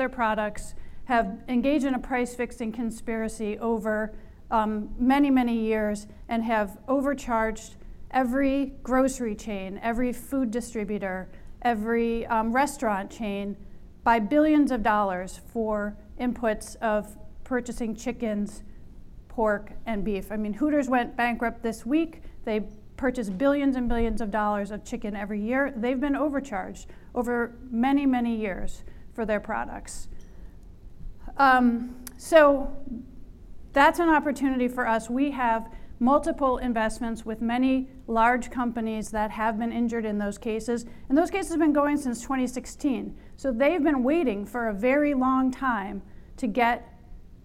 products have engaged in a price-fixing conspiracy over many, many years and have overcharged every grocery chain, every food distributor, every restaurant chain by billions of dollars for inputs of purchasing chickens, pork, and beef. I mean, Hooters went bankrupt this week. They purchased billions and billions of dollars of chicken every year. They've been overcharged over many, many years for their products. That is an opportunity for us. We have multiple investments with many large companies that have been injured in those cases. Those cases have been going since 2016. They have been waiting for a very long time to get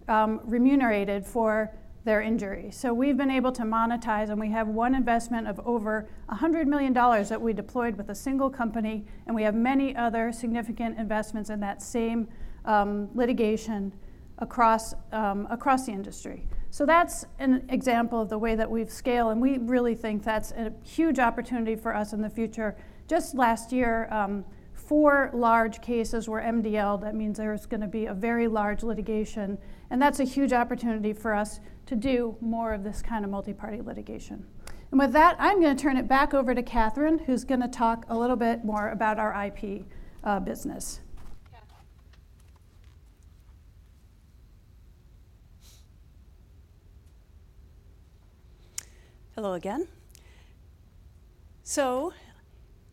remunerated for their injuries. We have been able to monetize, and we have one investment of over $100 million that we deployed with a single company. We have many other significant investments in that same litigation across the industry. That is an example of the way that we've scaled. We really think that's a huge opportunity for us in the future. Just last year, four large cases were MDL. That means there's going to be a very large litigation. That's a huge opportunity for us to do more of this kind of multi-party litigation. With that, I'm going to turn it back over to Katherine, who's going to talk a little bit more about our IP business. Hello again.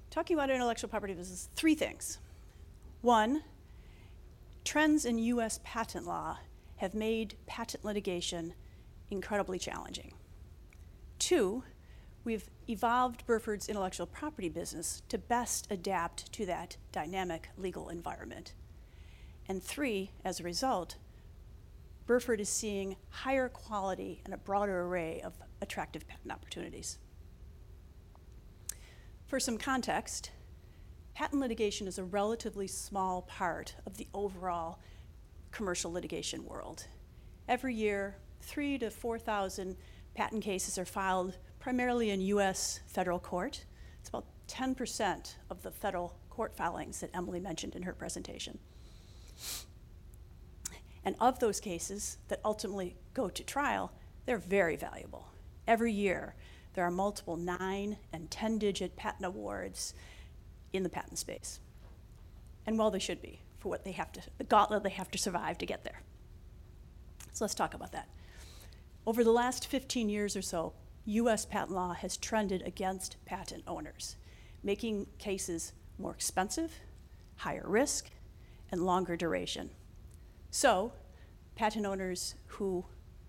Talking about intellectual property business, three things. One, trends in U.S., patent law have made patent litigation incredibly challenging. Two, we've evolved Burford's intellectual property business to best adapt to that dynamic legal environment. Three, as a result, Burford is seeing higher quality and a broader array of attractive patent opportunities. For some context, patent litigation is a relatively small part of the overall commercial litigation world. Every year, 3,000 to 4,000 patent cases are filed primarily in U.S., federal court. It's about 10% of the federal court filings that Emily Slater mentioned in her presentation. Of those cases that ultimately go to trial, they're very valuable. Every year, there are multiple nine and ten-digit patent awards in the patent space. They should be for what they have to the gauntlet they have to survive to get there. Let's talk about that. Over the last 15 years or so, U.S., patent law has trended against patent owners, making cases more expensive, higher risk, and longer duration. Patent owners who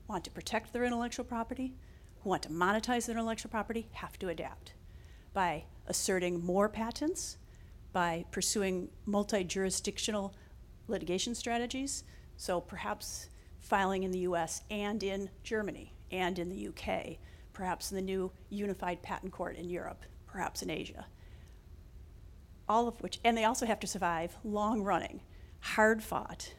want to protect their intellectual property, who want to monetize their intellectual property, have to adapt by asserting more patents, by pursuing multi-jurisdictional litigation strategies. Perhaps filing in the U.S., and in Germany and in the U.K., perhaps in the new unified patent court in Europe, perhaps in Asia. All of which, and they also have to survive long-running, hard-fought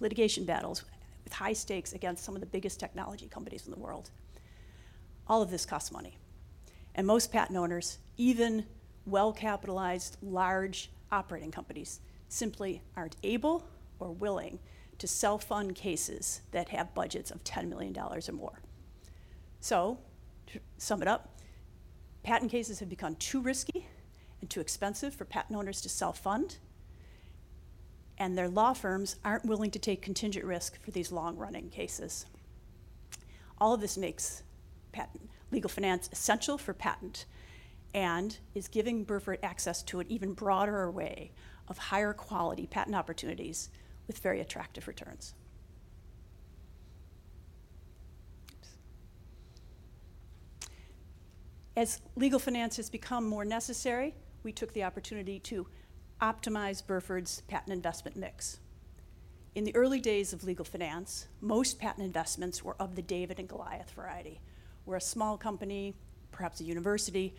litigation battles with high stakes against some of the biggest technology companies in the world. All of this costs money. Most patent owners, even well-capitalized, large operating companies, simply are not able or willing to self-fund cases that have budgets of $10 million or more. To sum it up, patent cases have become too risky and too expensive for patent owners to self-fund. Their law firms are not willing to take contingent risk for these long-running cases. All of this makes legal finance essential for patent and is giving Burford access to an even broader array of higher quality patent opportunities with very attractive returns. As legal finance has become more necessary, we took the opportunity to optimize Burford's patent investment mix. In the early days of legal finance, most patent investments were of the David and Goliath variety, where a small company, perhaps a university,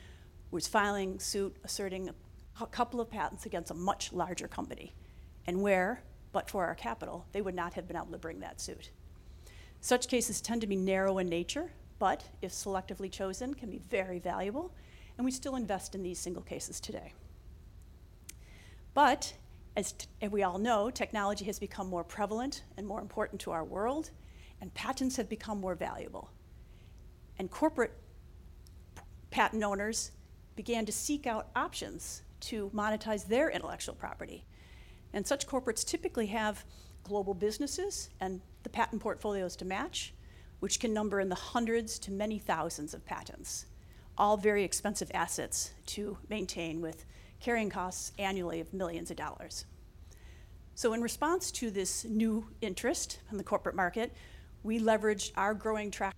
was filing suit, asserting a couple of patents against a much larger company. Where, but for our capital, they would not have been able to bring that suit. Such cases tend to be narrow in nature, but if selectively chosen, can be very valuable. We still invest in these single cases today. As we all know, technology has become more prevalent and more important to our world, and patents have become more valuable. Corporate patent owners began to seek out options to monetize their intellectual property. Such corporates typically have global businesses and the patent portfolios to match, which can number in the hundreds to many thousands of patents, all very expensive assets to maintain with carrying costs annually of millions of dollars. In response to this new interest in the corporate market, we leveraged our growing track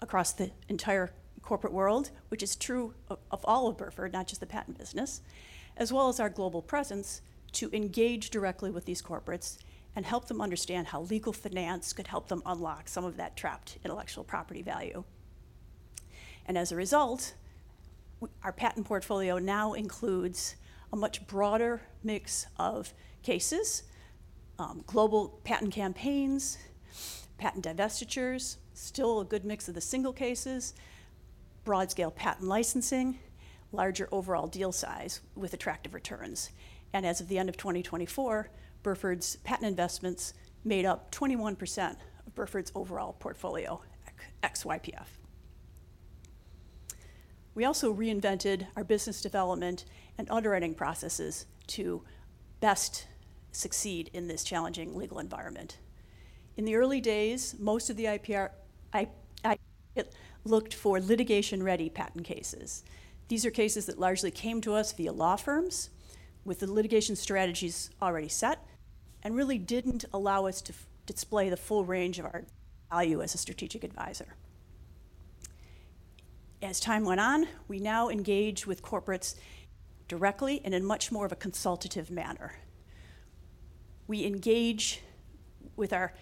across the entire corporate world, which is true of all of Burford, not just the patent business, as well as our global presence to engage directly with these corporates and help them understand how legal finance could help them unlock some of that trapped intellectual property value. As a result, our patent portfolio now includes a much broader mix of cases, global patent campaigns, patent divestitures, still a good mix of the single cases, broad-scale patent licensing, larger overall deal size with attractive returns. As of the end of 2024, Burford's patent investments made up 21% of Burford's overall portfolio XYPF. We also reinvented our business development and underwriting processes to best succeed in this challenging legal environment. In the early days, most of the IP looked for litigation-ready patent cases. These are cases that largely came to us via law firms with the litigation strategies already set and really did not allow us to display the full range of our value as a strategic advisor. As time went on, we now engage with corporates directly and in much more of a consultative manner. We engage with our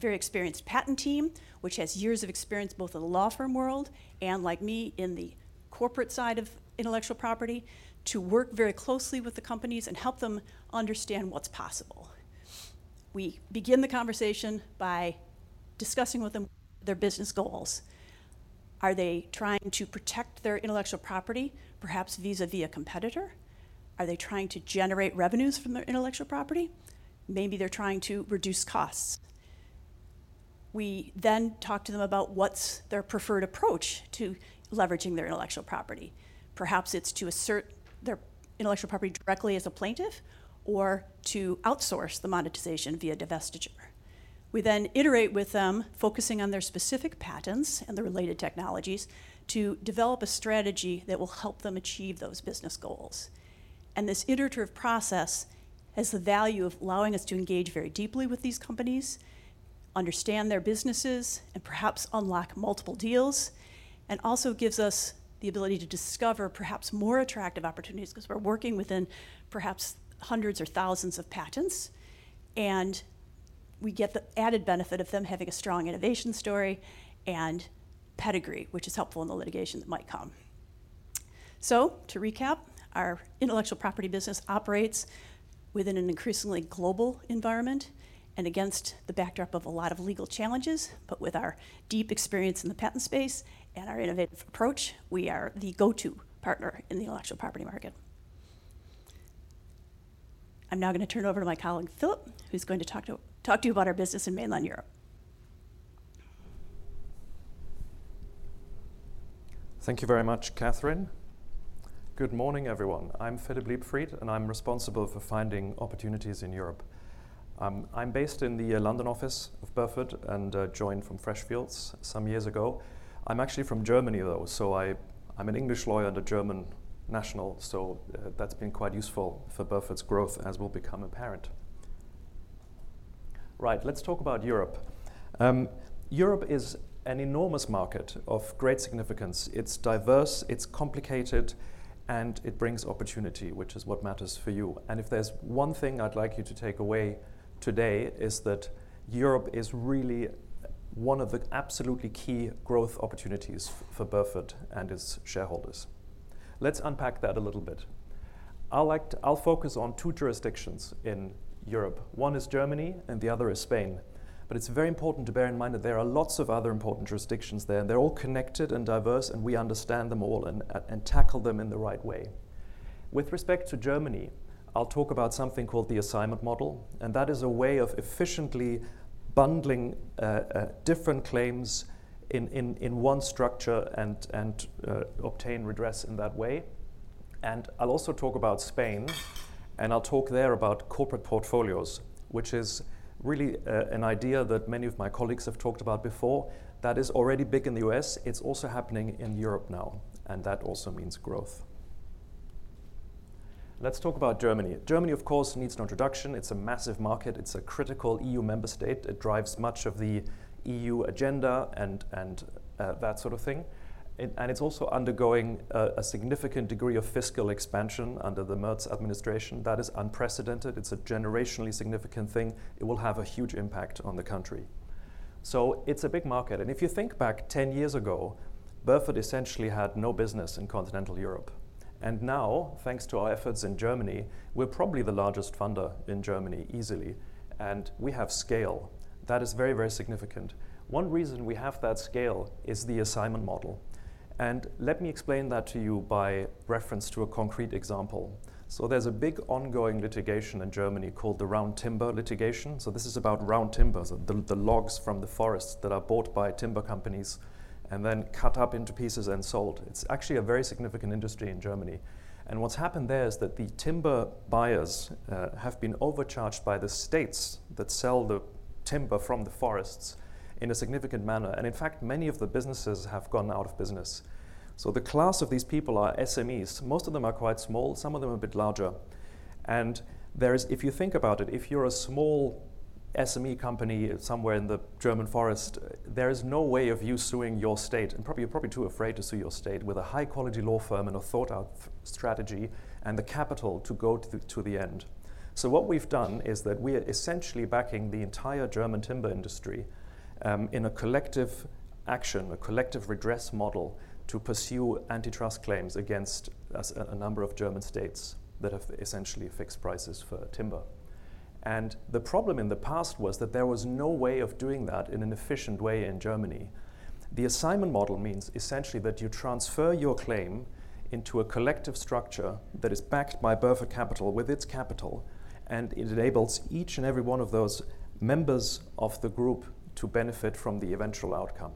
very experienced patent team, which has years of experience both in the law firm world and, like me, in the corporate side of intellectual property, to work very closely with the companies and help them understand what is possible. We begin the conversation by discussing with them their business goals. Are they trying to protect their intellectual property, perhaps vis-à-vis a competitor? Are they trying to generate revenues from their intellectual property? Maybe they're trying to reduce costs. We then talk to them about what's their preferred approach to leveraging their intellectual property. Perhaps it's to assert their intellectual property directly as a plaintiff or to outsource the monetization via divestiture. We then iterate with them, focusing on their specific patents and the related technologies to develop a strategy that will help them achieve those business goals. This iterative process has the value of allowing us to engage very deeply with these companies, understand their businesses, and perhaps unlock multiple deals, and also gives us the ability to discover perhaps more attractive opportunities because we're working within perhaps hundreds or thousands of patents. We get the added benefit of them having a strong innovation story and pedigree, which is helpful in the litigation that might come. To recap, our intellectual property business operates within an increasingly global environment and against the backdrop of a lot of legal challenges. With our deep experience in the patent space and our innovative approach, we are the go-to partner in the intellectual property market. I'm now going to turn it over to my colleague, Philipp Leibfried, who's going to talk to you about our business in mainland Europe. Thank you very much, Catherine. Good morning, everyone. I'm Philipp Leibfried, and I'm responsible for finding opportunities in Europe. I'm based in the London office of Burford and joined from Freshfields some years ago. I'm actually from Germany, though, so I'm an English lawyer and a German national. That's been quite useful for Burford's growth, as will become apparent. Right, let's talk about Europe. Europe is an enormous market of great significance. It's diverse, it's complicated, and it brings opportunity, which is what matters for you. If there's one thing I'd like you to take away today, it's that Europe is really one of the absolutely key growth opportunities for Burford and its shareholders. Let's unpack that a little bit. I'll focus on two jurisdictions in Europe. One is Germany, and the other is Spain. It's very important to bear in mind that there are lots of other important jurisdictions there, and they're all connected and diverse, and we understand them all and tackle them in the right way. With respect to Germany, I'll talk about something called the assignment model. That is a way of efficiently bundling different claims in one structure and obtain redress in that way. I'll also talk about Spain, and I'll talk there about corporate portfolios, which is really an idea that many of my colleagues have talked about before. That is already big in the U.S., It's also happening in Europe now, and that also means growth. Let's talk about Germany. Germany, of course, needs no introduction. It's a massive market. It's a critical EU member state. It drives much of the EU agenda and that sort of thing. It's also undergoing a significant degree of fiscal expansion under the Merz administration. That is unprecedented. It's a generationally significant thing. It will have a huge impact on the country. It's a big market. If you think back 10 years ago, Burford essentially had no business in continental Europe. Now, thanks to our efforts in Germany, we're probably the largest funder in Germany easily. We have scale. That is very, very significant. One reason we have that scale is the assignment model. Let me explain that to you by reference to a concrete example. There is a big ongoing litigation in Germany called the round timber litigation. This is about round timbers, the logs from the forests that are bought by timber companies and then cut up into pieces and sold. It's actually a very significant industry in Germany. What's happened there is that the timber buyers have been overcharged by the states that sell the timber from the forests in a significant manner. In fact, many of the businesses have gone out of business. The class of these people are SMEs. Most of them are quite small. Some of them are a bit larger. If you think about it, if you're a small SME company somewhere in the German forest, there is no way of you suing your state. You're probably too afraid to sue your state with a high-quality law firm and a thought-out strategy and the capital to go to the end. What we've done is that we're essentially backing the entire German timber industry in a collective action, a collective redress model to pursue antitrust claims against a number of German states that have essentially fixed prices for timber. The problem in the past was that there was no way of doing that in an efficient way in Germany. The assignment model means essentially that you transfer your claim into a collective structure that is backed by Burford Capital with its capital, and it enables each and every one of those members of the group to benefit from the eventual outcome.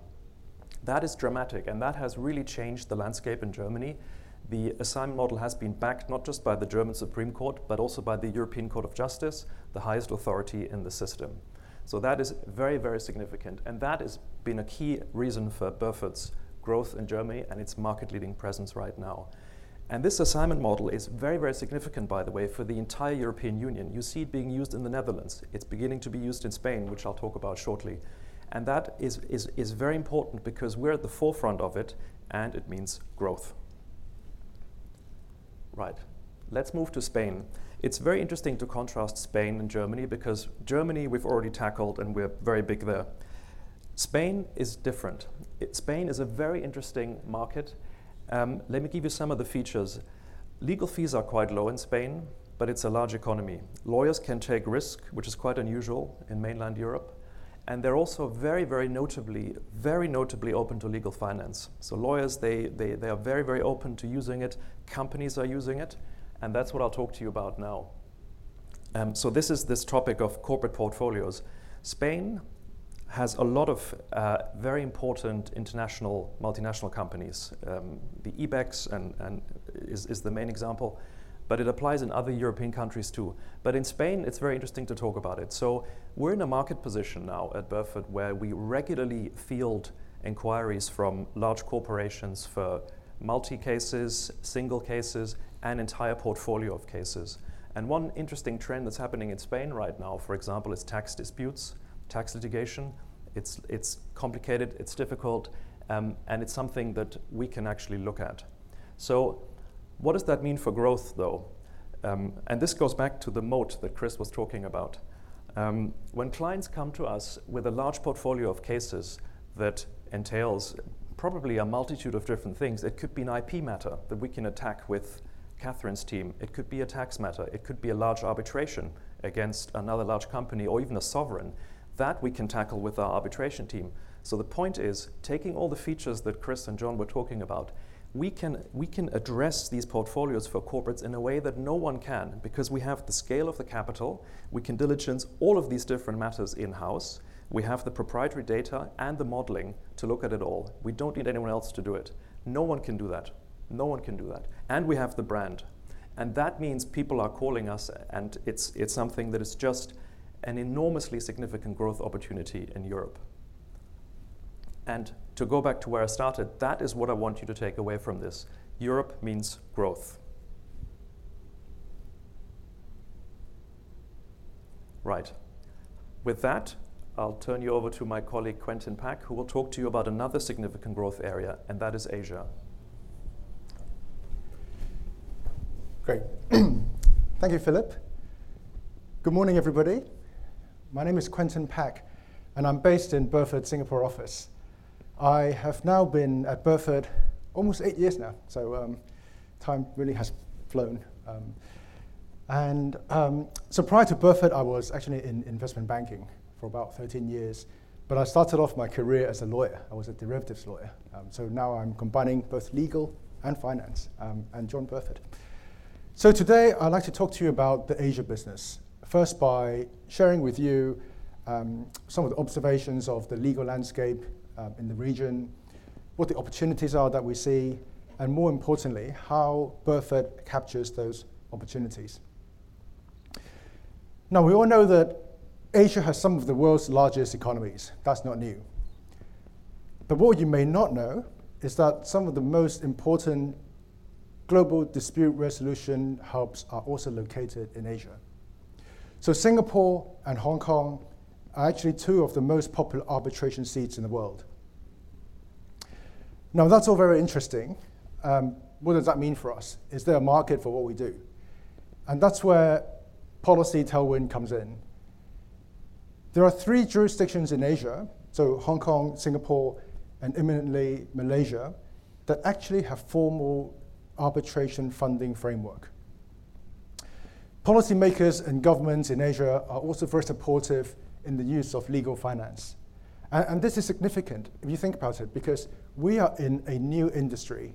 That is dramatic, and that has really changed the landscape in Germany. The assignment model has been backed not just by the German Supreme Court, but also by the European Court of Justice, the highest authority in the system. That is very, very significant. That has been a key reason for Burford's growth in Germany and its market-leading presence right now. This assignment model is very, very significant, by the way, for the entire European Union. You see it being used in the Netherlands. It's beginning to be used in Spain, which I'll talk about shortly. That is very important because we're at the forefront of it, and it means growth. Right, let's move to Spain. It's very interesting to contrast Spain and Germany because Germany we've already tackled, and we're very big there. Spain is different. Spain is a very interesting market. Let me give you some of the features. Legal fees are quite low in Spain, but it's a large economy. Lawyers can take risk, which is quite unusual in mainland Europe. They're also very, very notably open to legal finance. Lawyers, they are very, very open to using it. Companies are using it. That's what I'll talk to you about now. This is this topic of corporate portfolios. Spain has a lot of very important multinational companies. The IBEX is the main example, but it applies in other European countries too. In Spain, it's very interesting to talk about it. We're in a market position now at Burford where we regularly field inquiries from large corporations for multi-cases, single cases, and entire portfolio of cases. One interesting trend that's happening in Spain right now, for example, is tax disputes, tax litigation. It's complicated. It's difficult. It's something that we can actually look at. What does that mean for growth, though? This goes back to the moat that Christopher Bogart was talking about. When clients come to us with a large portfolio of cases that entails probably a multitude of different things, it could be an IP matter that we can attack with Catherine's team. It could be a tax matter. It could be a large arbitration against another large company or even a sovereign that we can tackle with our arbitration team. The point is, taking all the features that Christopher Bogart and John were talking about, we can address these portfolios for corporates in a way that no one can because we have the scale of the capital. We can diligence all of these different matters in-house. We have the proprietary data and the modeling to look at it all. We do not need anyone else to do it. No one can do that. No one can do that. We have the brand. That means people are calling us, and it is something that is just an enormously significant growth opportunity in Europe. To go back to where I started, that is what I want you to take away from this. Europe means growth. Right. With that, I will turn you over to my colleague, Quentin Pak, who will talk to you about another significant growth area, and that is Asia. Great. Thank you, Philipp Leibfried. Good morning, everybody. My name is Quentin Pak, and I'm based in Burford, Singapore office. I have now been at Burford almost eight years now, so time really has flown. Prior to Burford, I was actually in investment banking for about 13 years, but I started off my career as a lawyer. I was a derivatives lawyer. Now I'm combining both legal and finance and join Burford. Today, I'd like to talk to you about the Asia business, first by sharing with you some of the observations of the legal landscape in the region, what the opportunities are that we see, and more importantly, how Burford captures those opportunities. We all know that Asia has some of the world's largest economies. That's not new. What you may not know is that some of the most important global dispute resolution hubs are also located in Asia. Singapore and Hong Kong are actually two of the most popular arbitration seats in the world. Now, that's all very interesting. What does that mean for us? Is there a market for what we do? That is where policy tailwind comes in. There are three jurisdictions in Asia, Hong Kong, Singapore, and imminently Malaysia, that actually have formal arbitration funding framework. Policymakers and governments in Asia are also very supportive in the use of legal finance. This is significant if you think about it, because we are in a new industry,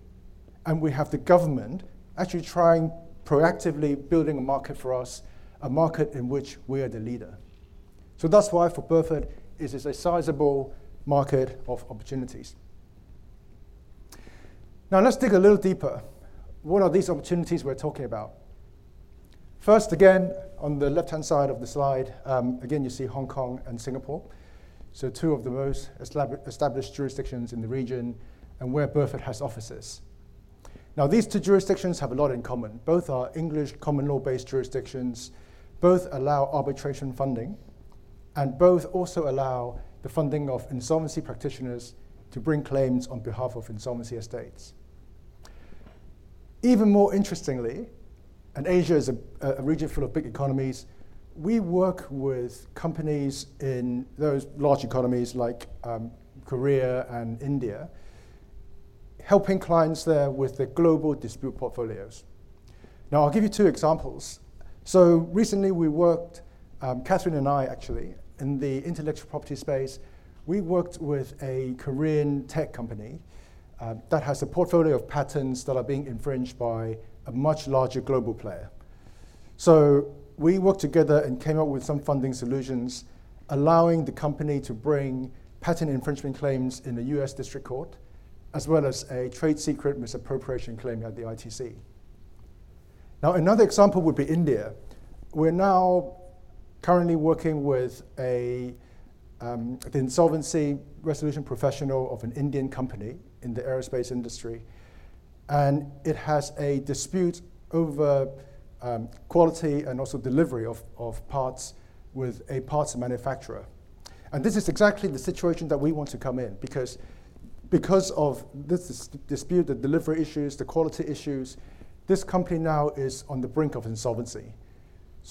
and we have the government actually proactively building a market for us, a market in which we are the leader. That is why for Burford, it is a sizable market of opportunities. Now, let's dig a little deeper. What are these opportunities we're talking about? First, again, on the left-hand side of the slide, again, you see Hong Kong and Singapore, two of the most established jurisdictions in the region and where Burford has offices. Now, these two jurisdictions have a lot in common. Both are English common law-based jurisdictions. Both allow arbitration funding, and both also allow the funding of insolvency practitioners to bring claims on behalf of insolvency estates. Even more interestingly, and Asia is a region full of big economies, we work with companies in those large economies like Korea and India, helping clients there with the global dispute portfolios. Now, I'll give you two examples. Recently, we worked, Catherine and I, actually, in the intellectual property space. We worked with a Korean tech company that has a portfolio of patents that are being infringed by a much larger global player. We worked together and came up with some funding solutions, allowing the company to bring patent infringement claims in the U.S., District Court, as well as a trade secret misappropriation claim at the ITC. Another example would be India. We are now currently working with the insolvency resolution professional of an Indian company in the aerospace industry. It has a dispute over quality and also delivery of parts with a parts manufacturer. This is exactly the situation that we want to come in because of this dispute, the delivery issues, the quality issues. This company now is on the brink of insolvency.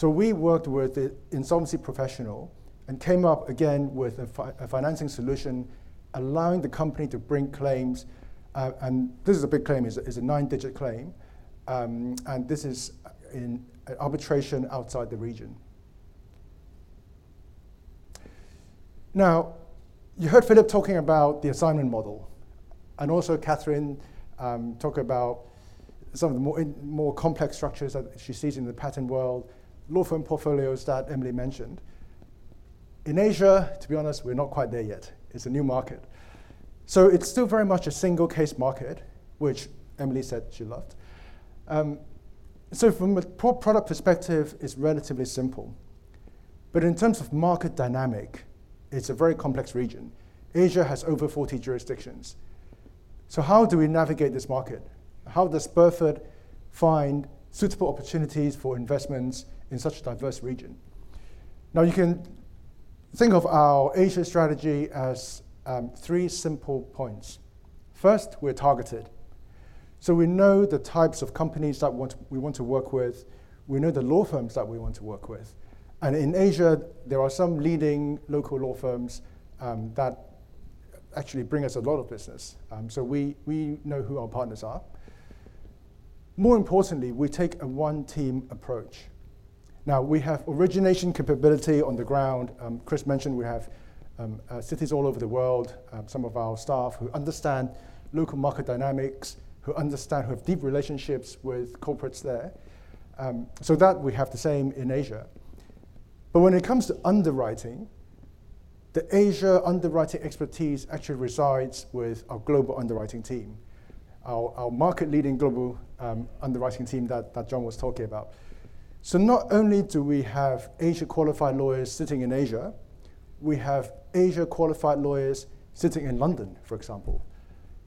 We worked with the insolvency professional and came up, again, with a financing solution allowing the company to bring claims. This is a big claim. It's a nine-digit claim. This is an arbitration outside the region. You heard Philipp Leibfried talking about the assignment model and also Katharine Wolanyk talking about some of the more complex structures that she sees in the patent world, law firm portfolios that Emily Slater mentioned. In Asia, to be honest, we're not quite there yet. It's a new market. It's still very much a single-case market, which Emily Slater said she loved. From a product perspective, it's relatively simple. In terms of market dynamic, it's a very complex region. Asia has over 40 jurisdictions. How do we navigate this market? How does Burford find suitable opportunities for investments in such a diverse region? You can think of our Asia strategy as three simple points. First, we're targeted. We know the types of companies that we want to work with. We know the law firms that we want to work with. In Asia, there are some leading local law firms that actually bring us a lot of business. We know who our partners are. More importantly, we take a one-team approach. Now, we have origination capability on the ground. Christopher Bogart mentioned we have cities all over the world, some of our staff who understand local market dynamics, who have deep relationships with corporates there. We have the same in Asia. When it comes to underwriting, the Asia underwriting expertise actually resides with our global underwriting team, our market-leading global underwriting team that John was talking about. Not only do we have Asia-qualified lawyers sitting in Asia, we have Asia-qualified lawyers sitting in London, for example.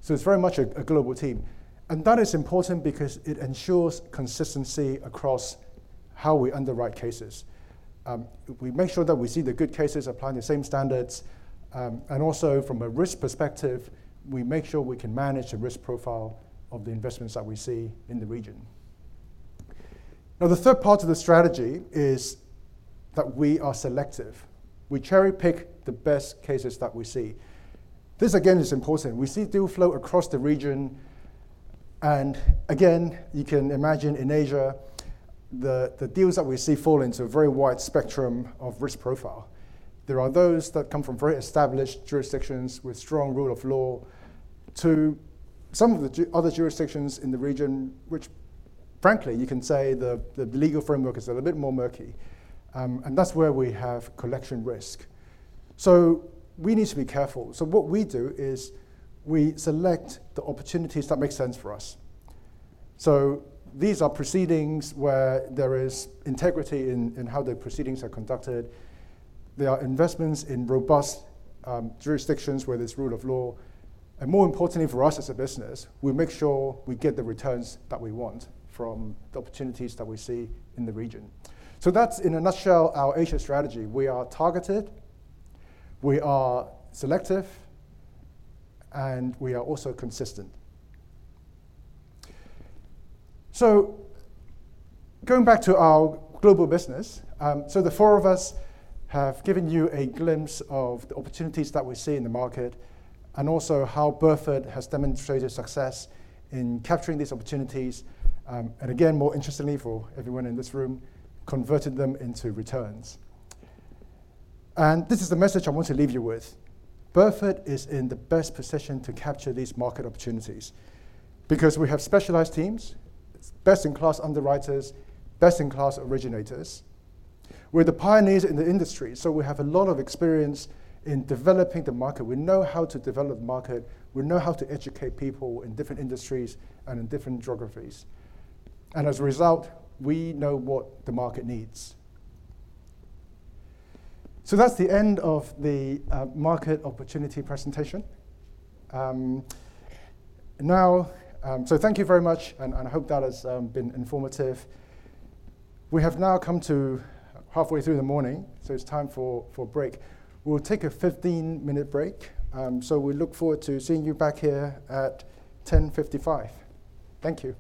It is very much a global team. That is important because it ensures consistency across how we underwrite cases. We make sure that we see the good cases applying the same standards. Also, from a risk perspective, we make sure we can manage the risk profile of the investments that we see in the region. The third part of the strategy is that we are selective. We cherry-pick the best cases that we see. This, again, is important. We see deal flow across the region. Again, you can imagine in Asia, the deals that we see fall into a very wide spectrum of risk profile. There are those that come from very established jurisdictions with strong rule of law to some of the other jurisdictions in the region, which, frankly, you can say the legal framework is a little bit more murky. That is where we have collection risk. We need to be careful. What we do is we select the opportunities that make sense for us. These are proceedings where there is integrity in how the proceedings are conducted. There are investments in robust jurisdictions where there is rule of law. More importantly for us as a business, we make sure we get the returns that we want from the opportunities that we see in the region. That is, in a nutshell, our Asia strategy. We are targeted. We are selective. We are also consistent. Going back to our global business, the four of us have given you a glimpse of the opportunities that we see in the market and also how Burford has demonstrated success in capturing these opportunities. Again, more interestingly for everyone in this room, converted them into returns. This is the message I want to leave you with. Burford is in the best position to capture these market opportunities because we have specialized teams, best-in-class underwriters, best-in-class originators. We're the pioneers in the industry, so we have a lot of experience in developing the market. We know how to develop the market. We know how to educate people in different industries and in different geographies. As a result, we know what the market needs. That is the end of the market opportunity presentation. Thank you very much, and I hope that has been informative. We have now come to halfway through the morning, so it's time for a break. We'll take a 15-minute break. We look forward to seeing you back here at 10:55. Thank you.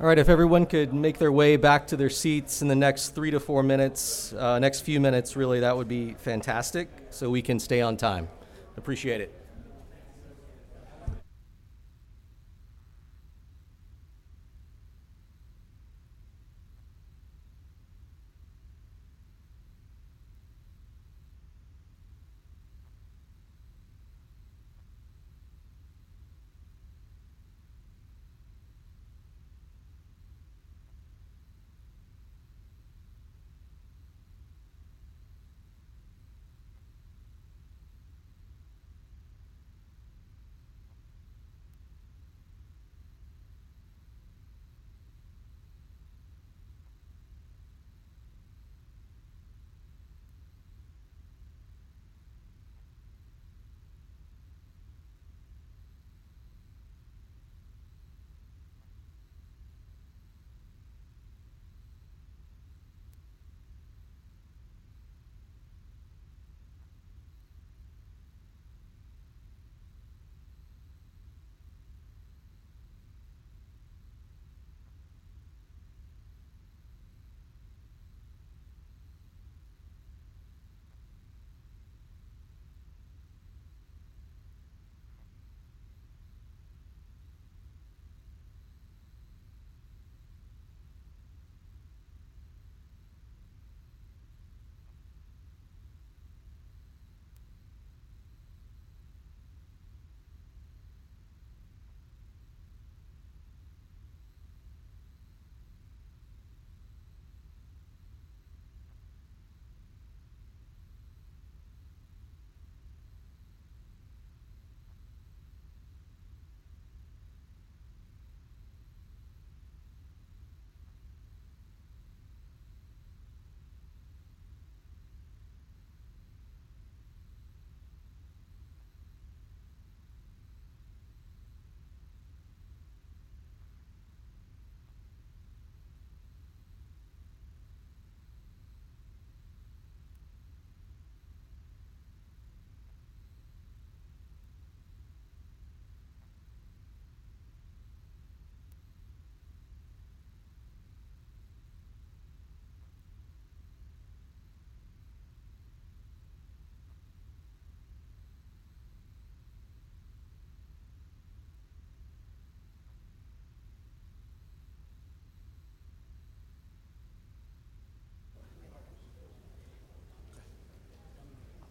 All right. If everyone could make their way back to their seats in the next three to four minutes, next few minutes, really, that would be fantastic so we can stay on time. Appreciate it.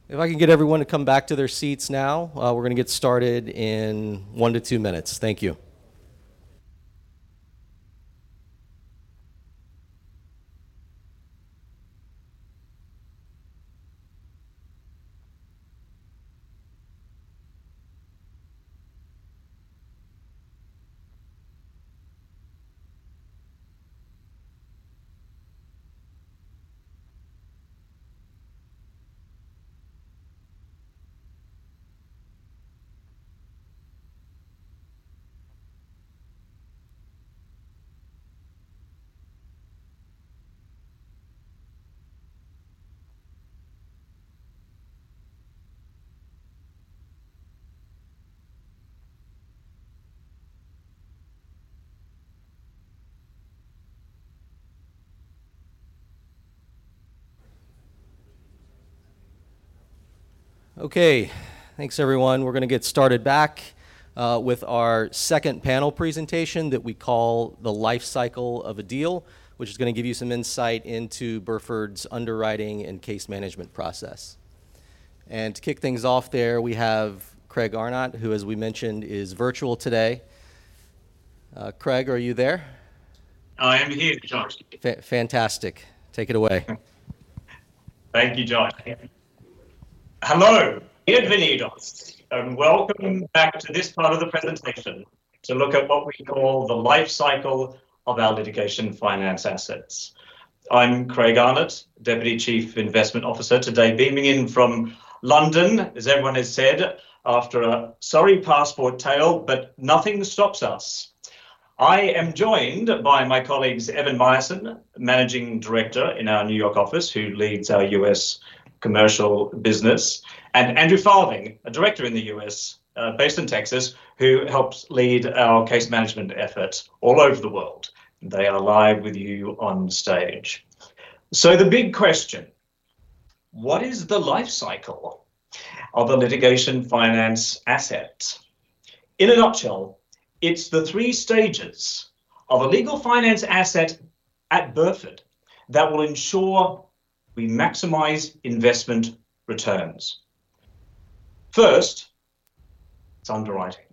Okay. If I can get everyone to come back to their seats now, we're going to get started in one to two minutes. Thank you. Okay. Thanks, everyone. We're going to get started back with our second panel presentation that we call The Life Cycle of a Deal, which is going to give you some insight into Burford's underwriting and case management process. To kick things off there, we have Craig Arnott, who, as we mentioned, is virtual today. Craig Arnott, are you there? I am here, Josh Wood. Fantastic. Take it away. Thank you, Josh Wood. Hello. Good evening, Josh Wood, and welcome back to this part of the presentation to look at what we call the life cycle of our litigation finance assets. I'm Craig Arnott, Deputy Chief Investment Officer, today beaming in from London, as everyone has said, after a sorry passport tale, but nothing stops us. I am joined by my colleagues, Evan Myerson, Managing Director in our New York office, who leads our U.S., commercial business, and Andrew Farthing, a Director in the U.S., based in Texas, who helps lead our case management efforts all over the world. They are live with you on stage. The big question: what is the life cycle of a litigation finance asset? In a nutshell, it's the three stages of a legal finance asset at Burford that will ensure we maximize investment returns. First, it's underwriting.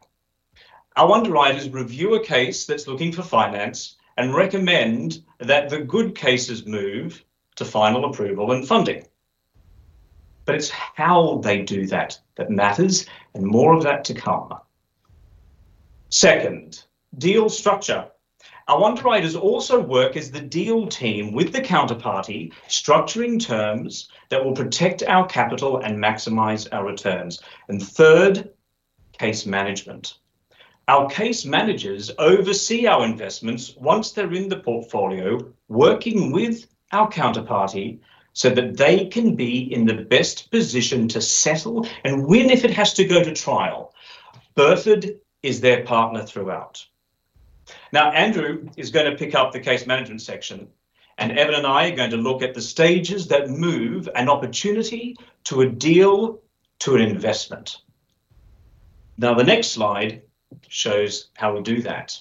Our underwriters review a case that's looking for finance and recommend that the good cases move to final approval and funding. It is how they do that that matters, and more of that to come. Second, deal structure. Our underwriters also work as the deal team with the counterparty, structuring terms that will protect our capital and maximize our returns. Third, case management. Our case managers oversee our investments once they're in the portfolio, working with our counterparty so that they can be in the best position to settle and win if it has to go to trial. Burford is their partner throughout. Now, Andrew Farthing is going to pick up the case management section, and Evan and I are going to look at the stages that move an opportunity to a deal to an investment. The next slide shows how we do that.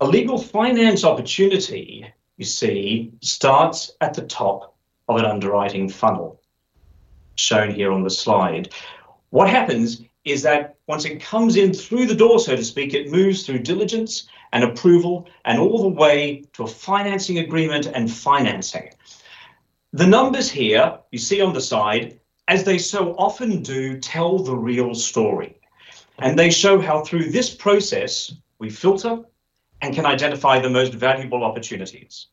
A legal finance opportunity, you see, starts at the top of an underwriting funnel, shown here on the slide. What happens is that once it comes in through the door, so to speak, it moves through diligence and approval and all the way to a financing agreement and financing. The numbers here you see on the side, as they so often do, tell the real story. They show how, through this process, we filter and can identify the most valuable opportunities.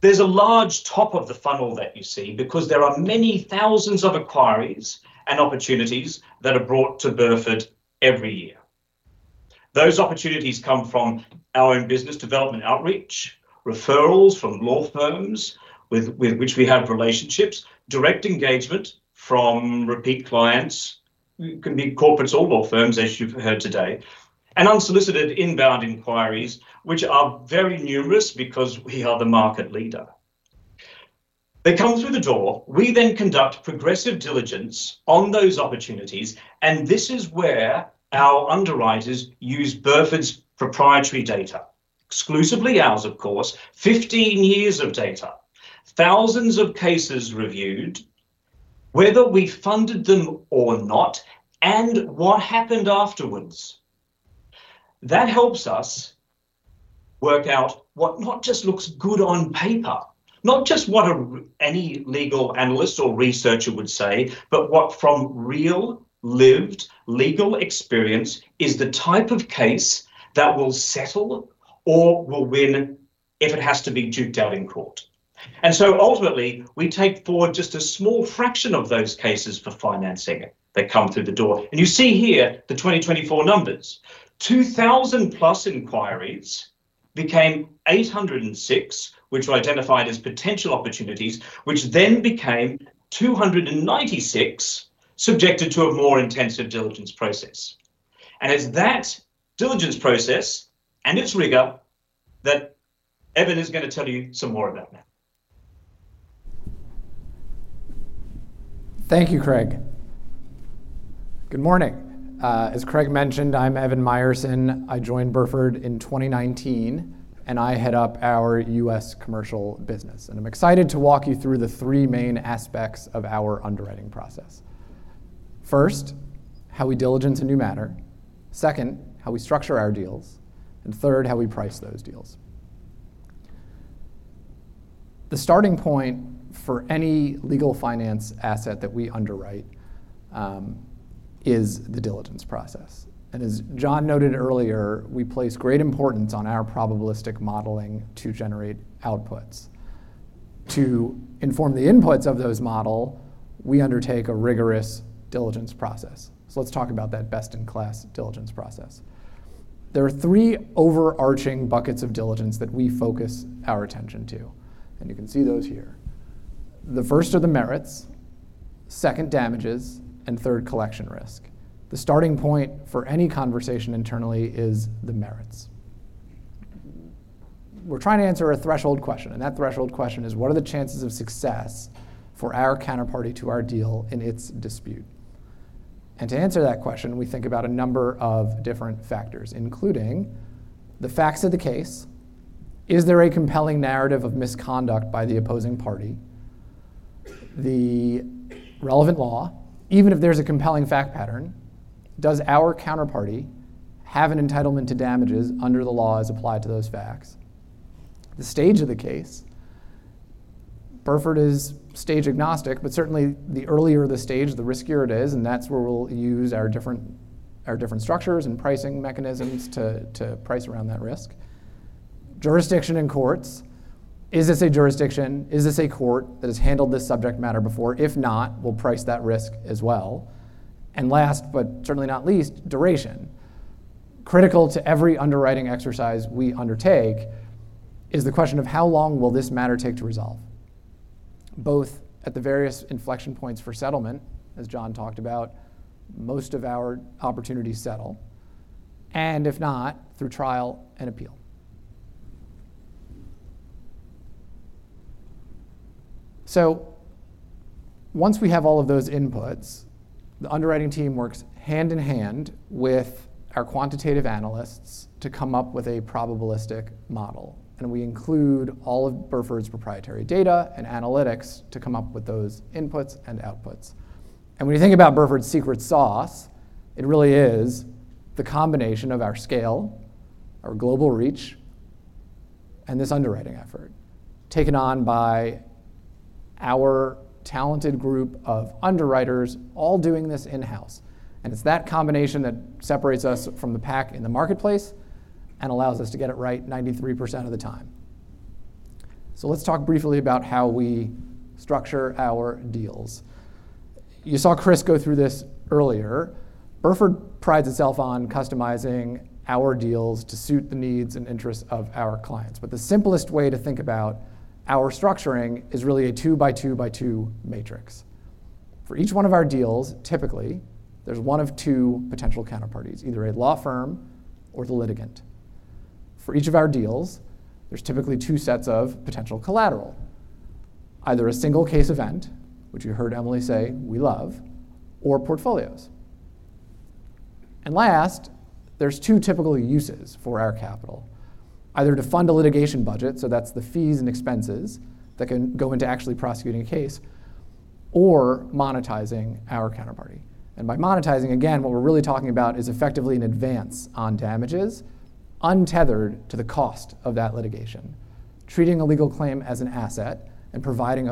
There is a large top of the funnel that you see because there are many thousands of inquiries and opportunities that are brought to Burford every year. Those opportunities come from our own business development outreach, referrals from law firms with which we have relationships, direct engagement from repeat clients, who can be corporates or law firms, as you've heard today, and unsolicited inbound inquiries, which are very numerous because we are the market leader. They come through the door. We then conduct progressive diligence on those opportunities, and this is where our underwriters use Burford's proprietary data, exclusively ours, of course, 15 years of data, thousands of cases reviewed, whether we funded them or not, and what happened afterwards. That helps us work out what not just looks good on paper, not just what any legal analyst or researcher would say, but what, from real lived legal experience, is the type of case that will settle or will win if it has to be duked out in court. Ultimately, we take forward just a small fraction of those cases for financing that come through the door. You see here the 2024 numbers: 2,000-plus inquiries became 806, which were identified as potential opportunities, which then became 296, subjected to a more intensive diligence process. It is that diligence process and its rigor that Evan Meyerson is going to tell you some more about now. Thank you, Craig Arnott. Good morning. As Craig Arnott mentioned, I'm Evan Meyerson. I joined Burford in 2019, and I head up our US commercial business. I'm excited to walk you through the three main aspects of our underwriting process. First, how we diligence a new matter. Second, how we structure our deals. Third, how we price those deals. The starting point for any legal finance asset that we underwrite is the diligence process. As John noted earlier, we place great importance on our probabilistic modeling to generate outputs. To inform the inputs of those models, we undertake a rigorous diligence process. Let's talk about that best-in-class diligence process. There are three overarching buckets of diligence that we focus our attention to. You can see those here. The first are the merits, second, damages, and third, collection risk. The starting point for any conversation internally is the merits. We're trying to answer a threshold question. That threshold question is, what are the chances of success for our counterparty to our deal in its dispute? To answer that question, we think about a number of different factors, including the facts of the case. Is there a compelling narrative of misconduct by the opposing party? The relevant law, even if there's a compelling fact pattern, does our counterparty have an entitlement to damages under the law as applied to those facts? The stage of the case, Burford is stage-agnostic, but certainly, the earlier the stage, the riskier it is. That is where we'll use our different structures and pricing mechanisms to price around that risk. Jurisdiction and courts. Is this a jurisdiction? Is this a court that has handled this subject matter before? If not, we'll price that risk as well. Last, but certainly not least, duration. Critical to every underwriting exercise we undertake is the question of how long will this matter take to resolve, both at the various inflection points for settlement, as Jonathan Molot talked about, most of our opportunities settle, and if not, through trial and appeal. Once we have all of those inputs, the underwriting team works hand in hand with our quantitative analysts to come up with a probabilistic model. We include all of Burford's proprietary data and analytics to come up with those inputs and outputs. When you think about Burford's secret sauce, it really is the combination of our scale, our global reach, and this underwriting effort taken on by our talented group of underwriters, all doing this in-house. It's that combination that separates us from the pack in the marketplace and allows us to get it right 93% of the time. Let's talk briefly about how we structure our deals. You saw Christopher Bogart go through this earlier. Burford prides itself on customizing our deals to suit the needs and interests of our clients. The simplest way to think about our structuring is really a two-by-two-by-two matrix. For each one of our deals, typically, there's one of two potential counterparties, either a law firm or the litigant. For each of our deals, there's typically two sets of potential collateral, either a single case event, which you heard Emily Slater say we love, or portfolios. Last, there's two typical uses for our capital, either to fund a litigation budget, so that's the fees and expenses that can go into actually prosecuting a case, or monetizing our counterparty. By monetizing, again, what we're really talking about is effectively an advance on damages untethered to the cost of that litigation, treating a legal claim as an asset and providing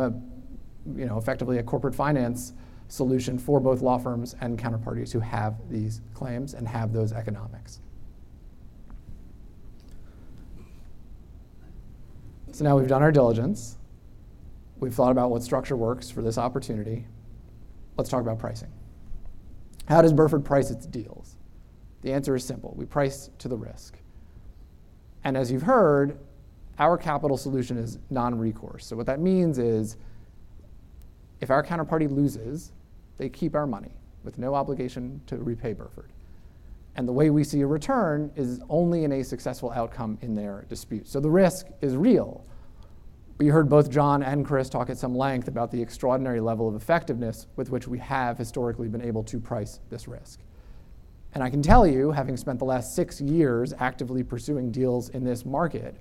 effectively a corporate finance solution for both law firms and counterparties who have these claims and have those economics. Now we've done our diligence. We've thought about what structure works for this opportunity. Let's talk about pricing. How does Burford price its deals? The answer is simple. We price to the risk. As you have heard, our capital solution is non-recourse. What that means is, if our counterparty loses, they keep our money with no obligation to repay Burford. The way we see a return is only in a successful outcome in their dispute. The risk is real. We heard both Jonathan Molot and Christopher Bogart talk at some length about the extraordinary level of effectiveness with which we have historically been able to price this risk. I can tell you, having spent the last six years actively pursuing deals in this market,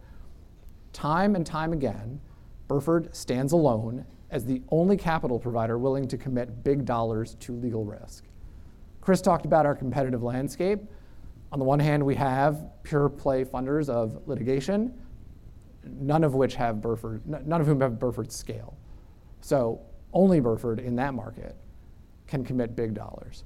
time and time again, Burford stands alone as the only capital provider willing to commit big dollars to legal risk. Christopher Bogart talked about our competitive landscape. On the one hand, we have pure-play funders of litigation, none of whom have Burford's scale. Only Burford in that market can commit big dollars.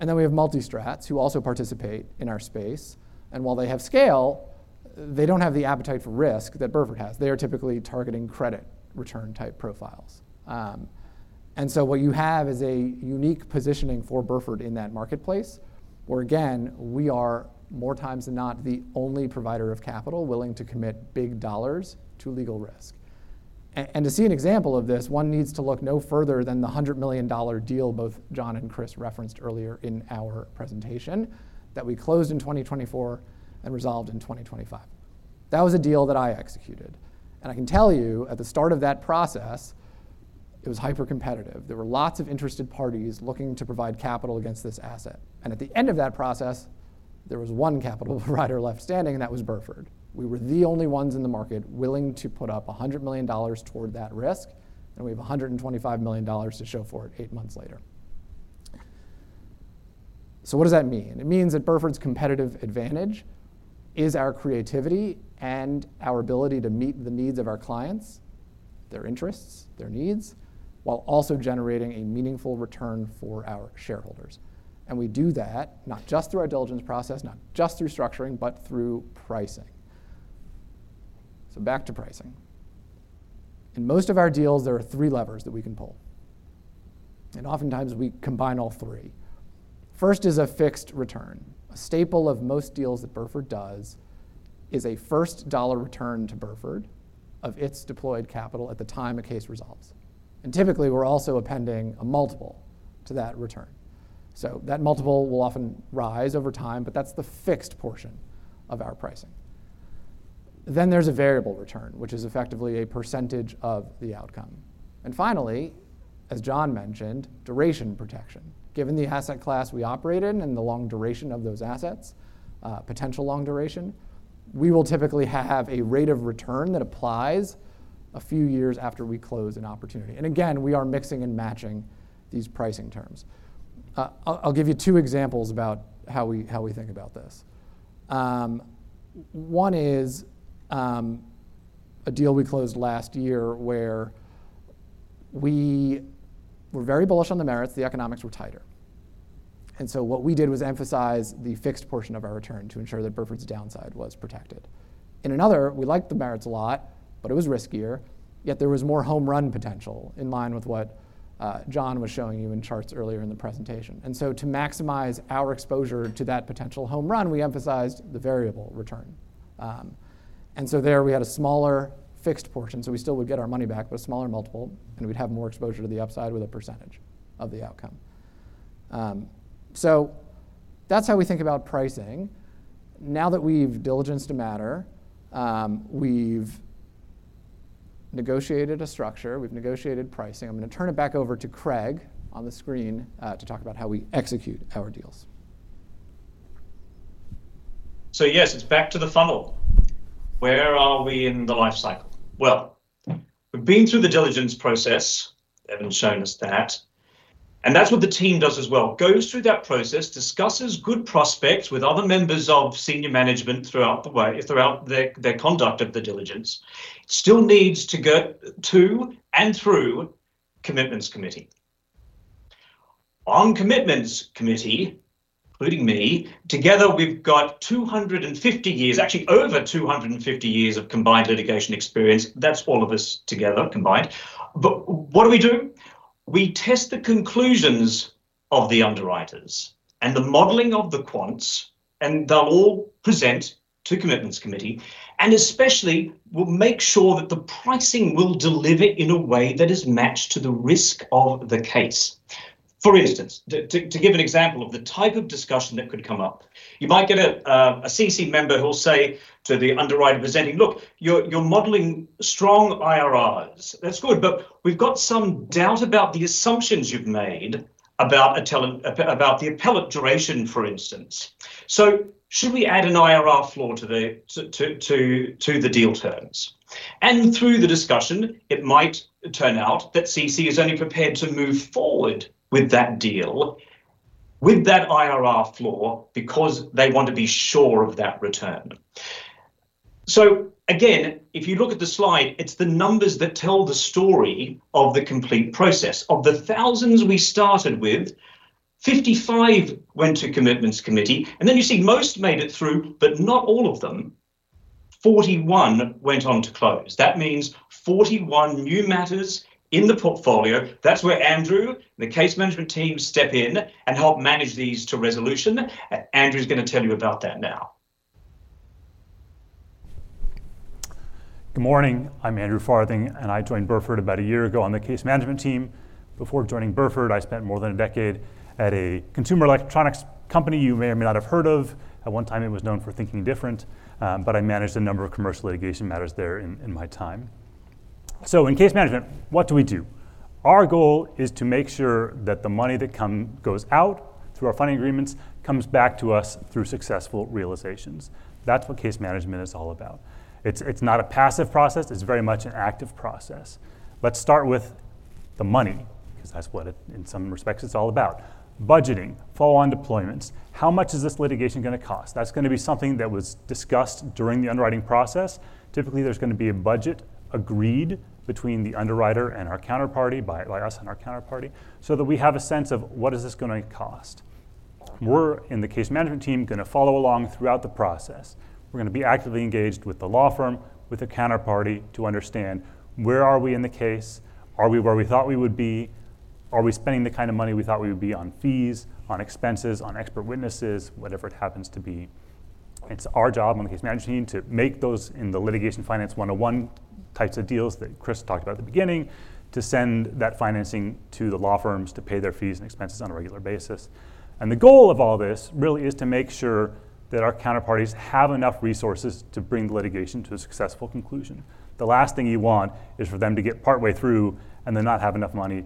We have MultiStrats, who also participate in our space. While they have scale, they do not have the appetite for risk that Burford has. They are typically targeting credit return-type profiles. What you have is a unique positioning for Burford in that marketplace where, again, we are more times than not the only provider of capital willing to commit big dollars to legal risk. To see an example of this, one needs to look no further than the $100 million deal both Jonathan Molot and Christopher Bogart referenced earlier in our presentation that we closed in 2024 and resolved in 2025. That was a deal that I executed. I can tell you, at the start of that process, it was hyper-competitive. There were lots of interested parties looking to provide capital against this asset. At the end of that process, there was one capital provider left standing, and that was Burford. We were the only ones in the market willing to put up $100 million toward that risk, and we have $125 million to show for it eight months later. What does that mean? It means that Burford's competitive advantage is our creativity and our ability to meet the needs of our clients, their interests, their needs, while also generating a meaningful return for our shareholders. We do that not just through our diligence process, not just through structuring, but through pricing. Back to pricing. In most of our deals, there are three levers that we can pull. Oftentimes, we combine all three. First is a fixed return. A staple of most deals that Burford does is a first dollar return to Burford of its deployed capital at the time a case resolves. Typically, we're also appending a multiple to that return. That multiple will often rise over time, but that's the fixed portion of our pricing. There is a variable return, which is effectively a percentage of the outcome. Finally, as Jonathan Molot mentioned, duration protection. Given the asset class we operate in and the long duration of those assets, potential long duration, we will typically have a rate of return that applies a few years after we close an opportunity. Again, we are mixing and matching these pricing terms. I'll give you two examples about how we think about this. One is a deal we closed last year where we were very bullish on the merits. The economics were tighter. What we did was emphasize the fixed portion of our return to ensure that Burford's downside was protected. In another, we liked the merits a lot, but it was riskier. Yet there was more home run potential in line with what John was showing you in charts earlier in the presentation. To maximize our exposure to that potential home run, we emphasized the variable return. There, we had a smaller fixed portion. We still would get our money back with a smaller multiple, and we would have more exposure to the upside with a percentage of the outcome. That is how we think about pricing. Now that we have diligenced a matter, we have negotiated a structure. We have negotiated pricing. I am going to turn it back over to Craig Arnott on the screen to talk about how we execute our deals. Yes, it's back to the funnel. Where are we in the lifecycle? We've been through the diligence process. Evan's shown us that. That's what the team does as well. Goes through that process, discusses good prospects with other members of senior management throughout their conduct of the diligence, still needs to get to and through commitments committee. On commitments committee, including me, together, we've got 250 years, actually over 250 years of combined litigation experience. That's all of us together combined. What do we do? We test the conclusions of the underwriters and the modeling of the quants, and they'll all present to commitments committee. Especially, we'll make sure that the pricing will deliver in a way that is matched to the risk of the case. For instance, to give an example of the type of discussion that could come up, you might get a CC member who'll say to the underwriter presenting, "Look, you're modeling strong IRRs. That's good, but we've got some doubt about the assumptions you've made about the appellate duration, for instance. Should we add an IRR floor to the deal terms?" Through the discussion, it might turn out that CC is only prepared to move forward with that deal with that IRR floor because they want to be sure of that return. Again, if you look at the slide, it's the numbers that tell the story of the complete process. Of the thousands we started with, 55 went to commitments committee. You see most made it through, but not all of them. 41 went on to close. That means 41 new matters in the portfolio. That's where Andrew Farthing and the case management team step in and help manage these to resolution. Andrew Farthing going to tell you about that now. Good morning. I'm Andrew Farthing, and I joined Burford about a year ago on the case management team. Before joining Burford, I spent more than a decade at a consumer electronics company you may or may not have heard of. At one time, it was known for thinking different. I managed a number of commercial litigation matters there in my time. In case management, what do we do? Our goal is to make sure that the money that goes out through our funding agreements comes back to us through successful realizations. That's what case management is all about. It's not a passive process. It's very much an active process. Let's start with the money, because that's what, in some respects, it's all about. Budgeting, follow-on deployments. How much is this litigation going to cost? That's going to be something that was discussed during the underwriting process. Typically, there's going to be a budget agreed between the underwriter and our counterparty, by us and our counterparty, so that we have a sense of what is this going to cost. We're, in the case management team, going to follow along throughout the process. We're going to be actively engaged with the law firm, with the counterparty, to understand where are we in the case? Are we where we thought we would be? Are we spending the kind of money we thought we would be on fees, on expenses, on expert witnesses, whatever it happens to be? It's our job on the case management team to make those in the litigation finance 101 types of deals that Christopher Bogart talked about at the beginning, to send that financing to the law firms to pay their fees and expenses on a regular basis. The goal of all this really is to make sure that our counterparties have enough resources to bring the litigation to a successful conclusion. The last thing you want is for them to get partway through and then not have enough money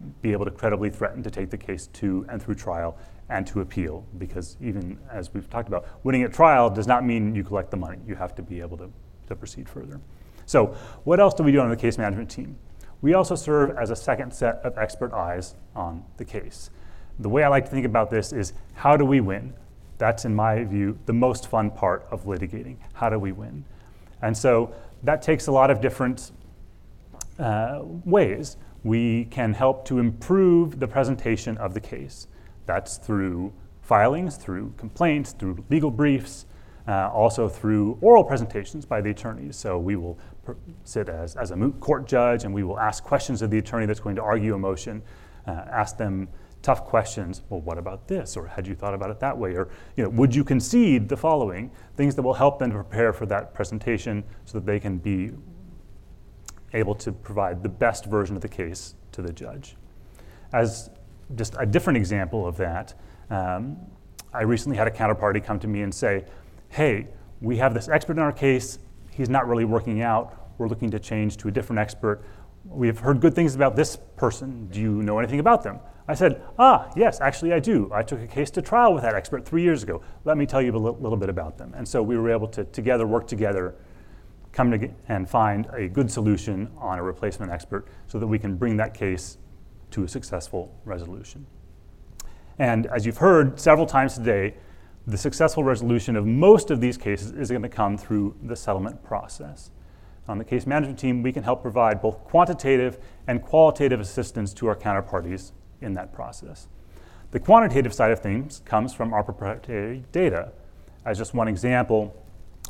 to be able to credibly threaten to take the case through trial and to appeal, because even as we've talked about, winning at trial does not mean you collect the money. You have to be able to proceed further. What else do we do on the case management team? We also serve as a second set of expert eyes on the case. The way I like to think about this is, how do we win? That's, in my view, the most fun part of litigating. How do we win? That takes a lot of different ways. We can help to improve the presentation of the case. That's through filings, through complaints, through legal briefs, also through oral presentations by the attorneys. We will sit as a court judge, and we will ask questions of the attorney that's going to argue a motion, ask them tough questions. "Well, what about this?" or, "Had you thought about it that way?" or, "Would you concede the following?" Things that will help them to prepare for that presentation so that they can be able to provide the best version of the case to the judge. As just a different example of that, I recently had a counterparty come to me and say, "Hey, we have this expert in our case. He's not really working out. We're looking to change to a different expert. We have heard good things about this person. Do you know anything about them?" I said, yes. Actually, I do. I took a case to trial with that expert three years ago. Let me tell you a little bit about them." We were able to together work together and find a good solution on a replacement expert so that we can bring that case to a successful resolution. As you have heard several times today, the successful resolution of most of these cases is going to come through the settlement process. On the case management team, we can help provide both quantitative and qualitative assistance to our counterparties in that process. The quantitative side of things comes from our proprietary data. As just one example,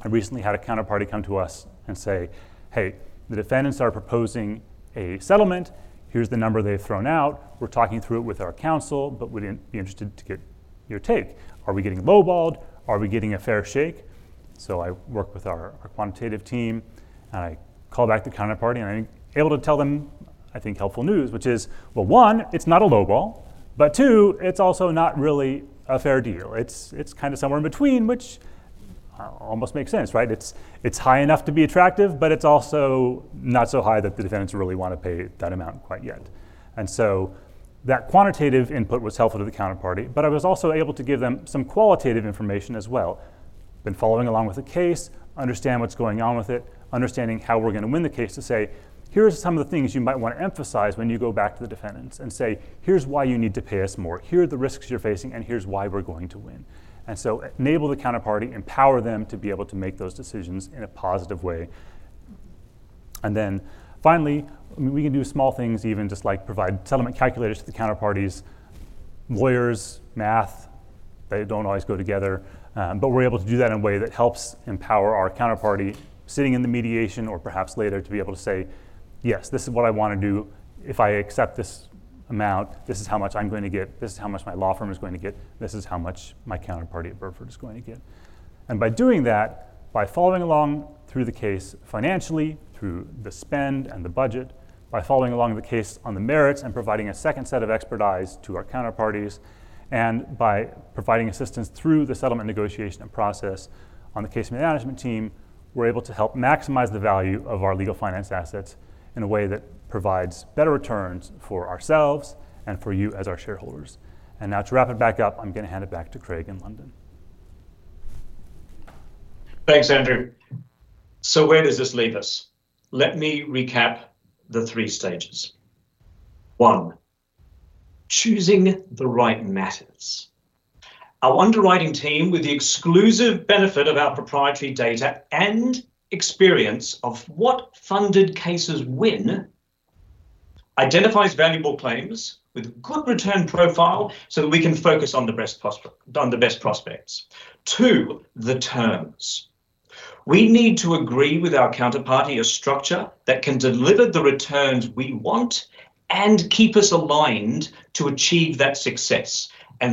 I recently had a counterparty come to us and say, "Hey, the defendants are proposing a settlement. Here's the number they've thrown out. We're talking through it with our counsel, but we'd be interested to get your take. Are we getting lowballed? Are we getting a fair shake?" I work with our quantitative team, and I call back the counterparty, and I'm able to tell them, I think, helpful news, which is, one, it's not a lowball, but two, it's also not really a fair deal. It's kind of somewhere in between, which almost makes sense, right? It's high enough to be attractive, but it's also not so high that the defendants really want to pay that amount quite yet. That quantitative input was helpful to the counterparty, but I was also able to give them some qualitative information as well. Been following along with the case, understand what's going on with it, understanding how we're going to win the case to say, "Here are some of the things you might want to emphasize when you go back to the defendants and say, 'Here's why you need to pay us more. Here are the risks you're facing, and here's why we're going to win.'" Enable the counterparty, empower them to be able to make those decisions in a positive way. Finally, we can do small things, even just like provide settlement calculators to the counterparties, lawyers, math. They do not always go together. We are able to do that in a way that helps empower our counterparty sitting in the mediation or perhaps later to be able to say, "Yes, this is what I want to do. If I accept this amount, this is how much I am going to get. This is how much my law firm is going to get. This is how much my counterparty at Burford is going to get. By doing that, by following along through the case financially, through the spend and the budget, by following along the case on the merits and providing a second set of expertise to our counterparties, and by providing assistance through the settlement negotiation and process on the case management team, we're able to help maximize the value of our legal finance assets in a way that provides better returns for ourselves and for you as our shareholders. To wrap it back up, I'm going to hand it back to Craig Arnott in London. Thanks, Andrew Farthing. Where does this leave us? Let me recap the three stages. One, choosing the right matters. Our underwriting team, with the exclusive benefit of our proprietary data and experience of what funded cases win, identifies valuable claims with a good return profile so that we can focus on the best prospects. Two, the terms. We need to agree with our counterparty a structure that can deliver the returns we want and keep us aligned to achieve that success.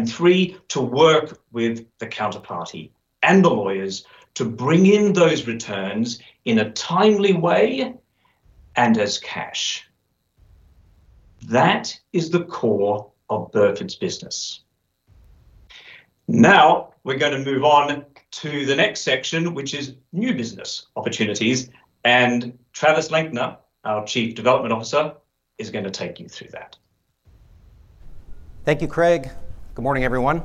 Three, to work with the counterparty and the lawyers to bring in those returns in a timely way and as cash. That is the core of Burford's business. Now we're going to move on to the next section, which is new business opportunities. Travis Lenkner, our Chief Development Officer, is going to take you through that. Thank you, Craig Arnott. Good morning, everyone.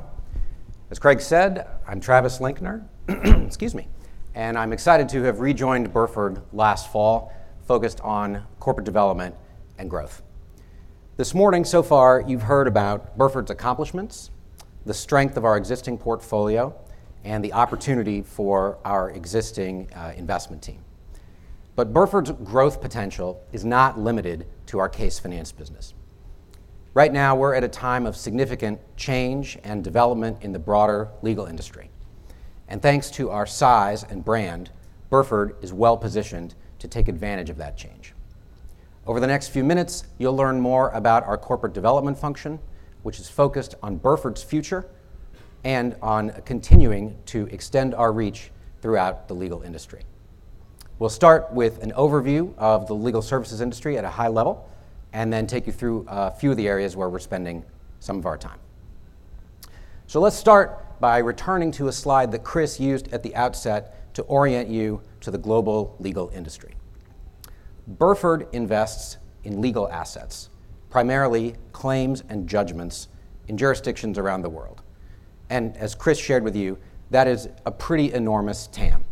As Craig Arnott said, I'm Travis Lenkner. Excuse me. I'm excited to have rejoined Burford last fall, focused on corporate development and growth. This morning, so far, you've heard about Burford's accomplishments, the strength of our existing portfolio, and the opportunity for our existing investment team. Burford's growth potential is not limited to our case finance business. Right now, we're at a time of significant change and development in the broader legal industry. Thanks to our size and brand, Burford is well positioned to take advantage of that change. Over the next few minutes, you'll learn more about our corporate development function, which is focused on Burford's future and on continuing to extend our reach throughout the legal industry. We'll start with an overview of the legal services industry at a high level and then take you through a few of the areas where we're spending some of our time. Let's start by returning to a slide that Christopher Bogart used at the outset to orient you to the global legal industry. Burford invests in legal assets, primarily claims and judgments in jurisdictions around the world. As Christopher Bogart shared with you, that is a pretty enormous TAM.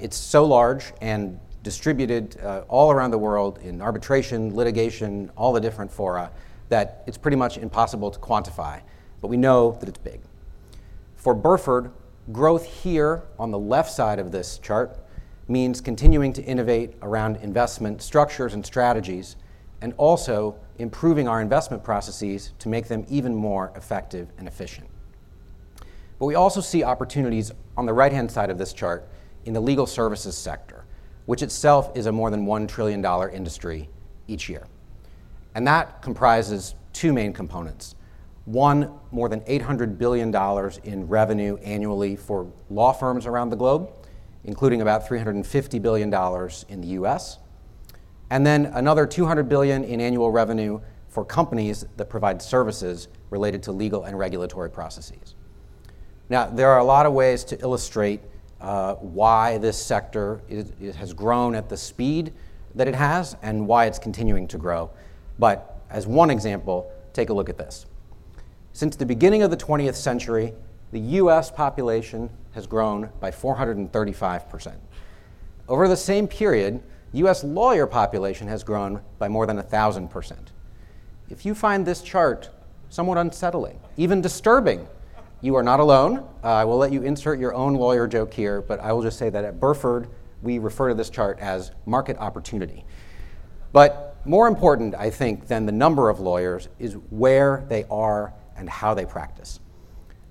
It's so large and distributed all around the world in arbitration, litigation, all the different fora that it's pretty much impossible to quantify, but we know that it's big. For Burford, growth here on the left side of this chart means continuing to innovate around investment structures and strategies and also improving our investment processes to make them even more effective and efficient. We also see opportunities on the right-hand side of this chart in the legal services sector, which itself is a more than $1 trillion industry each year. That comprises two main components. One, more than $800 billion in revenue annually for law firms around the globe, including about $350 billion in the U.S., and then another $200 billion in annual revenue for companies that provide services related to legal and regulatory processes. Now, there are a lot of ways to illustrate why this sector has grown at the speed that it has and why it's continuing to grow. As one example, take a look at this. Since the beginning of the 20th century, the U.S., population has grown by 435%. Over the same period, the U.S., lawyer population has grown by more than 1,000%. If you find this chart somewhat unsettling, even disturbing, you are not alone. I will let you insert your own lawyer joke here, but I will just say that at Burford, we refer to this chart as market opportunity. More important, I think, than the number of lawyers is where they are and how they practice.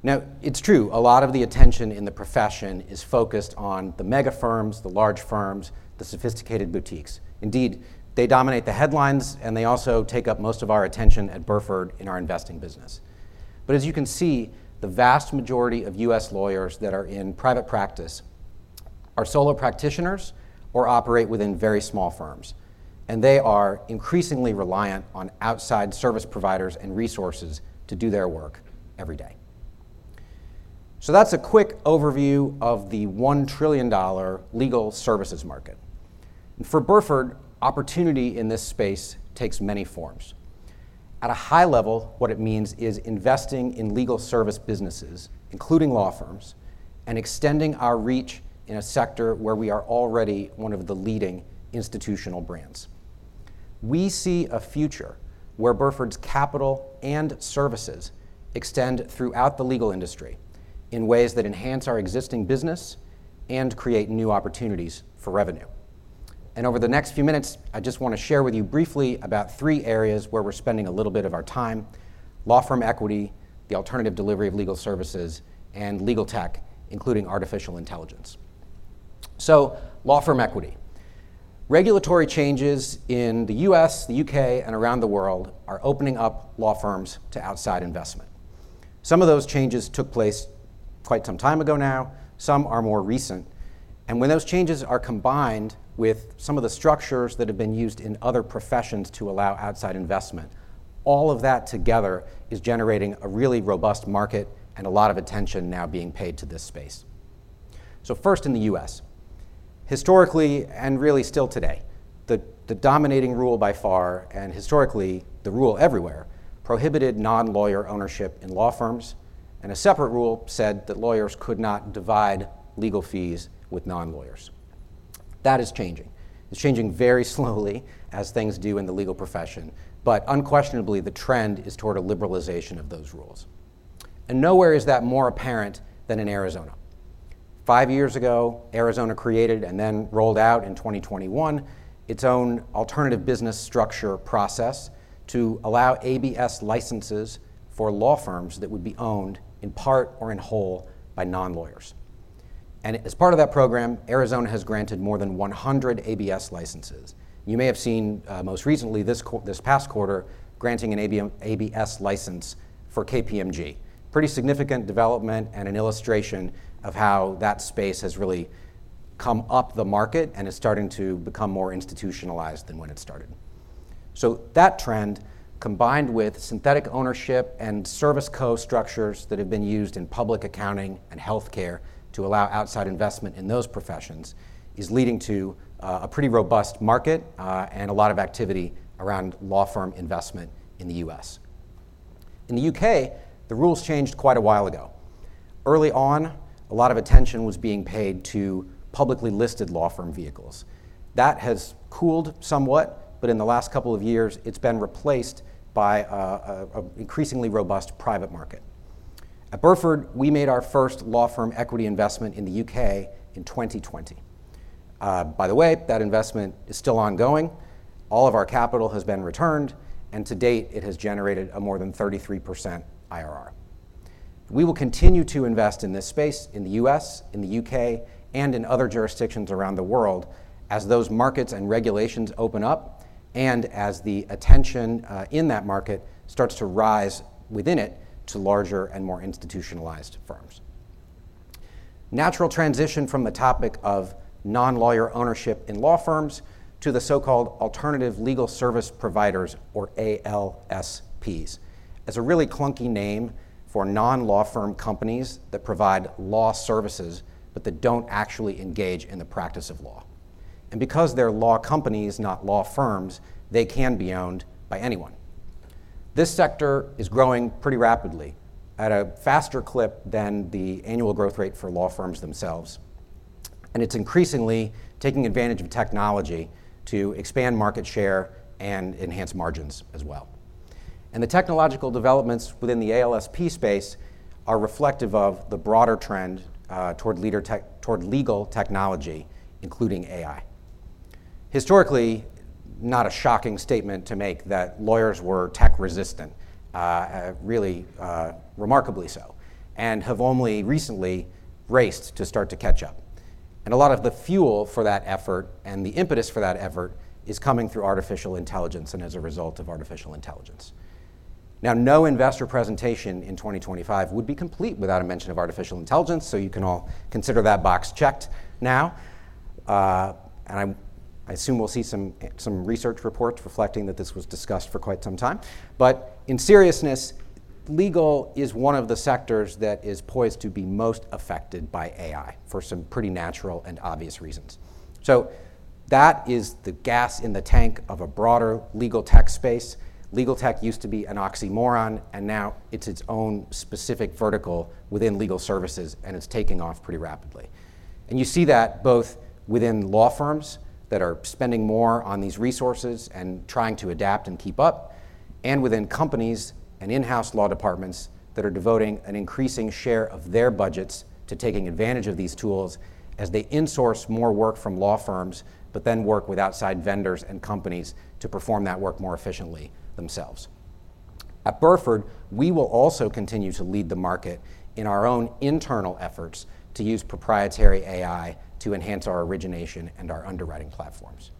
Now, it's true. A lot of the attention in the profession is focused on the mega firms, the large firms, the sophisticated boutiques. Indeed, they dominate the headlines, and they also take up most of our attention at Burford in our investing business. As you can see, the vast majority of U.S., lawyers that are in private practice are solo practitioners or operate within very small firms. They are increasingly reliant on outside service providers and resources to do their work every day. That is a quick overview of the $1 trillion legal services market. For Burford, opportunity in this space takes many forms. At a high level, what it means is investing in legal service businesses, including law firms, and extending our reach in a sector where we are already one of the leading institutional brands. We see a future where Burford's capital and services extend throughout the legal industry in ways that enhance our existing business and create new opportunities for revenue. Over the next few minutes, I just want to share with you briefly about three areas where we're spending a little bit of our time: law firm equity, the alternative delivery of legal services, and legal tech, including artificial intelligence. Law firm equity. Regulatory changes in the U.S., the U.K., and around the world are opening up law firms to outside investment. Some of those changes took place quite some time ago now. Some are more recent. When those changes are combined with some of the structures that have been used in other professions to allow outside investment, all of that together is generating a really robust market and a lot of attention now being paid to this space. First, in the U.S., historically and really still today, the dominating rule by far and historically the rule everywhere prohibited non-lawyer ownership in law firms, and a separate rule said that lawyers could not divide legal fees with non-lawyers. That is changing. It's changing very slowly as things do in the legal profession, but unquestionably, the trend is toward a liberalization of those rules. Nowhere is that more apparent than in Arizona. Five years ago, Arizona created and then rolled out in 2021 its own alternative business structure process to allow ABS licenses for law firms that would be owned in part or in whole by non-lawyers. As part of that program, Arizona has granted more than 100 ABS licenses. You may have seen most recently this past quarter granting an ABS license for KPMG. Pretty significant development and an illustration of how that space has really come up the market and is starting to become more institutionalized than when it started. That trend, combined with synthetic ownership and service co-structures that have been used in public accounting and healthcare to allow outside investment in those professions, is leading to a pretty robust market and a lot of activity around law firm investment in the U.S., In the U.K., the rules changed quite a while ago. Early on, a lot of attention was being paid to publicly listed law firm vehicles. That has cooled somewhat, but in the last couple of years, it's been replaced by an increasingly robust private market. At Burford, we made our first law firm equity investment in the U.K., in 2020. By the way, that investment is still ongoing. All of our capital has been returned, and to date, it has generated a more than 33% IRR. We will continue to invest in this space in the U.S., in the U.K., and in other jurisdictions around the world as those markets and regulations open up and as the attention in that market starts to rise within it to larger and more institutionalized firms. Natural transition from the topic of non-lawyer ownership in law firms to the so-called alternative legal service providers, or ALSPs, is a really clunky name for non-law firm companies that provide law services but that do not actually engage in the practice of law. Because they are law companies, not law firms, they can be owned by anyone. This sector is growing pretty rapidly at a faster clip than the annual growth rate for law firms themselves, and it is increasingly taking advantage of technology to expand market share and enhance margins as well. The technological developments within the ALSP space are reflective of the broader trend toward legal technology, including AI. Historically, not a shocking statement to make that lawyers were tech-resistant, really remarkably so, and have only recently raced to start to catch up. A lot of the fuel for that effort and the impetus for that effort is coming through artificial intelligence and as a result of artificial intelligence. No investor presentation in 2025 would be complete without a mention of artificial intelligence, so you can all consider that box checked now. I assume we'll see some research reports reflecting that this was discussed for quite some time. In seriousness, legal is one of the sectors that is poised to be most affected by AI for some pretty natural and obvious reasons. That is the gas in the tank of a broader legal tech space. Legal tech used to be an oxymoron, and now it's its own specific vertical within legal services, and it's taking off pretty rapidly. You see that both within law firms that are spending more on these resources and trying to adapt and keep up, and within companies and in-house law departments that are devoting an increasing share of their budgets to taking advantage of these tools as they insource more work from law firms, but then work with outside vendors and companies to perform that work more efficiently themselves. At Burford, we will also continue to lead the market in our own internal efforts to use proprietary AI to enhance our origination and our underwriting platforms.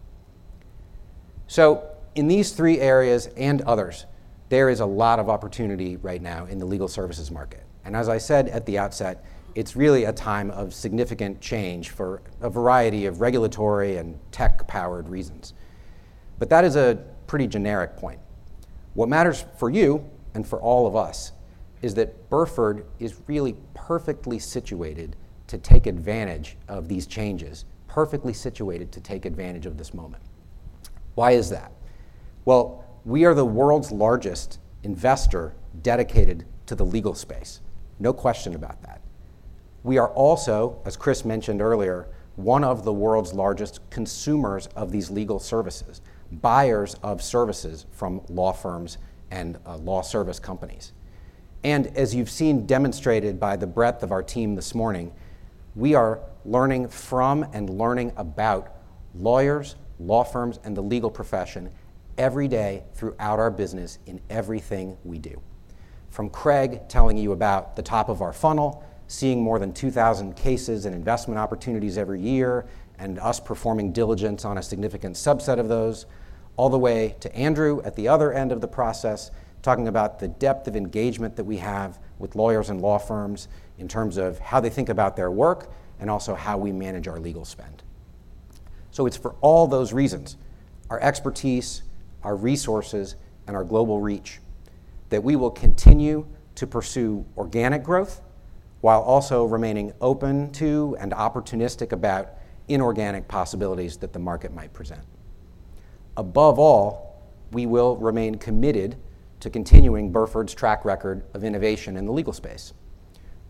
In these three areas and others, there is a lot of opportunity right now in the legal services market. As I said at the outset, it's really a time of significant change for a variety of regulatory and tech-powered reasons. That is a pretty generic point. What matters for you and for all of us is that Burford is really perfectly situated to take advantage of these changes, perfectly situated to take advantage of this moment. Why is that? We are the world's largest investor dedicated to the legal space, no question about that. We are also, as Christopher Bogart mentioned earlier, one of the world's largest consumers of these legal services, buyers of services from law firms and law service companies. As you've seen demonstrated by the breadth of our team this morning, we are learning from and learning about lawyers, law firms, and the legal profession every day throughout our business in everything we do. From Craig Arnott telling you about the top of our funnel, seeing more than 2,000 cases and investment opportunities every year, and us performing diligence on a significant subset of those, all the way to Andrew Farthing at the other end of the process talking about the depth of engagement that we have with lawyers and law firms in terms of how they think about their work and also how we manage our legal spend. For all those reasons, our expertise, our resources, and our global reach, we will continue to pursue organic growth while also remaining open to and opportunistic about inorganic possibilities that the market might present. Above all, we will remain committed to continuing Burford's track record of innovation in the legal space.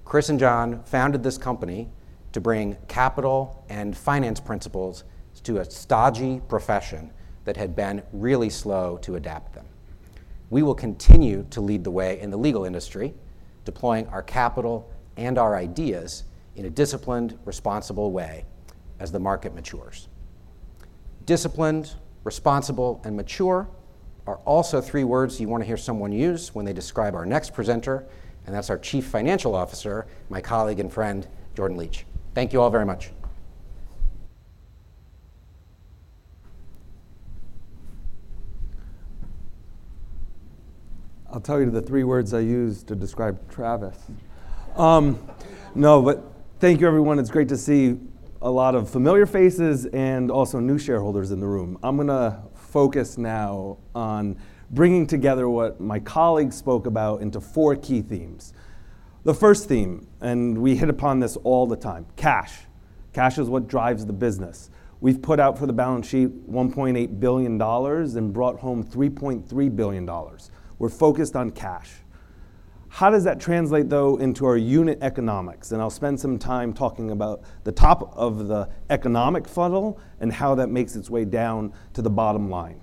Christopher Bogart and Jonathan Molot founded this company to bring capital and finance principles to a stodgy profession that had been really slow to adapt them. We will continue to lead the way in the legal industry, deploying our capital and our ideas in a disciplined, responsible way as the market matures. Disciplined, responsible, and mature are also three words you want to hear someone use when they describe our next presenter, and that's our Chief Financial Officer, my colleague and friend, Jordan Licht. Thank you all very much. I'll tell you the three words I used to describe Travis Lenkner. No, but thank you, everyone. It's great to see a lot of familiar faces and also new shareholders in the room. I'm going to focus now on bringing together what my colleagues spoke about into four key themes. The first theme, and we hit upon this all the time, cash. Cash is what drives the business. We've put out for the balance sheet $1.8 billion and brought home $3.3 billion. We're focused on cash. How does that translate, though, into our unit economics? I'll spend some time talking about the top of the economic funnel and how that makes its way down to the bottom line.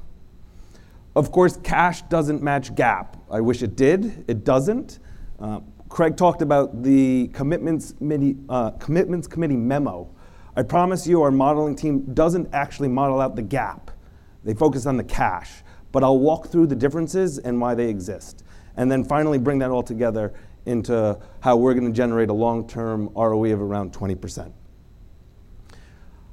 Of course, cash doesn't match GAAP. I wish it did. It doesn't. Craig Arnott talked about the commitments committee memo. I promise you our modeling team doesn't actually model out the GAAP. They focus on the cash. I'll walk through the differences and why they exist. Finally, bring that all together into how we're going to generate a long-term ROE of around 20%.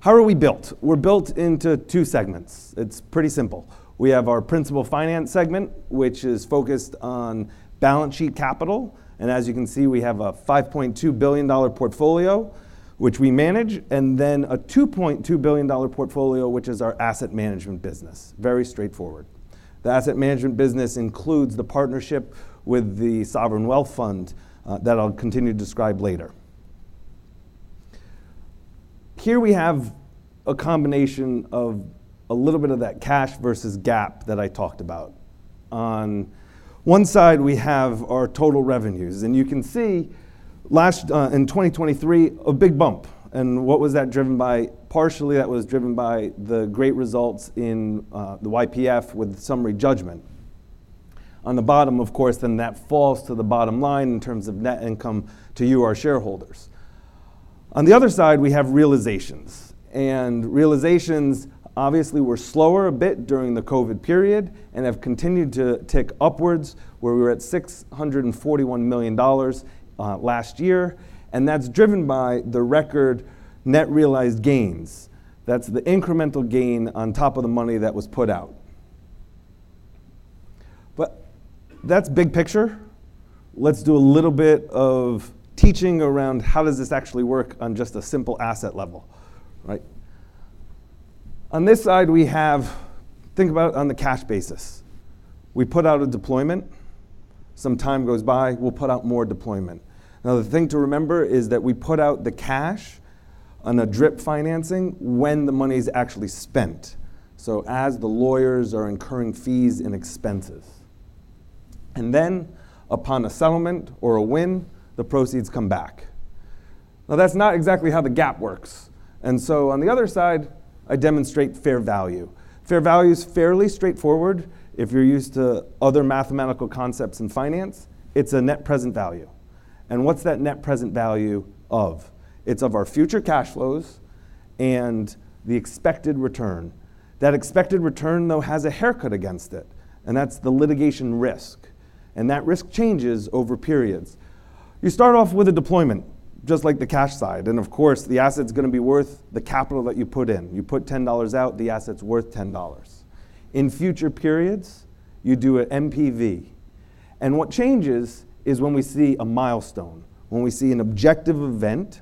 How are we built? We're built into two segments. It's pretty simple. We have our principal finance segment, which is focused on balance sheet capital. As you can see, we have a $5.2 billion portfolio, which we manage, and then a $2.2 billion portfolio, which is our asset management business. Very straightforward. The asset management business includes the partnership with the Sovereign Wealth Fund that I'll continue to describe later. Here we have a combination of a little bit of that cash versus GAAP that I talked about. On one side, we have our total revenues. You can see in 2023, a big bump. What was that driven by? Partially, that was driven by the great results in the YPF with summary judgment. On the bottom, of course, that falls to the bottom line in terms of net income to you, our shareholders. On the other side, we have realizations. Realizations, obviously, were slower a bit during the COVID period and have continued to tick upwards, where we were at $641 million last year. That is driven by the record net realized gains. That is the incremental gain on top of the money that was put out. That is big picture. Let's do a little bit of teaching around how does this actually work on just a simple asset level. On this side, we have think about on the cash basis. We put out a deployment. Some time goes by, we will put out more deployment. Now, the thing to remember is that we put out the cash on the drip financing when the money is actually spent, so as the lawyers are incurring fees and expenses. Upon a settlement or a win, the proceeds come back. That is not exactly how the GAAP works. On the other side, I demonstrate fair value. Fair value is fairly straightforward. If you're used to other mathematical concepts in finance, it's a net present value. What's that net present value of? It's of our future cash flows and the expected return. That expected return, though, has a haircut against it, and that's the litigation risk. That risk changes over periods. You start off with a deployment, just like the cash side. Of course, the asset's going to be worth the capital that you put in. You put $10 out, the asset's worth $10. In future periods, you do an MPV. What changes is when we see a milestone, when we see an objective event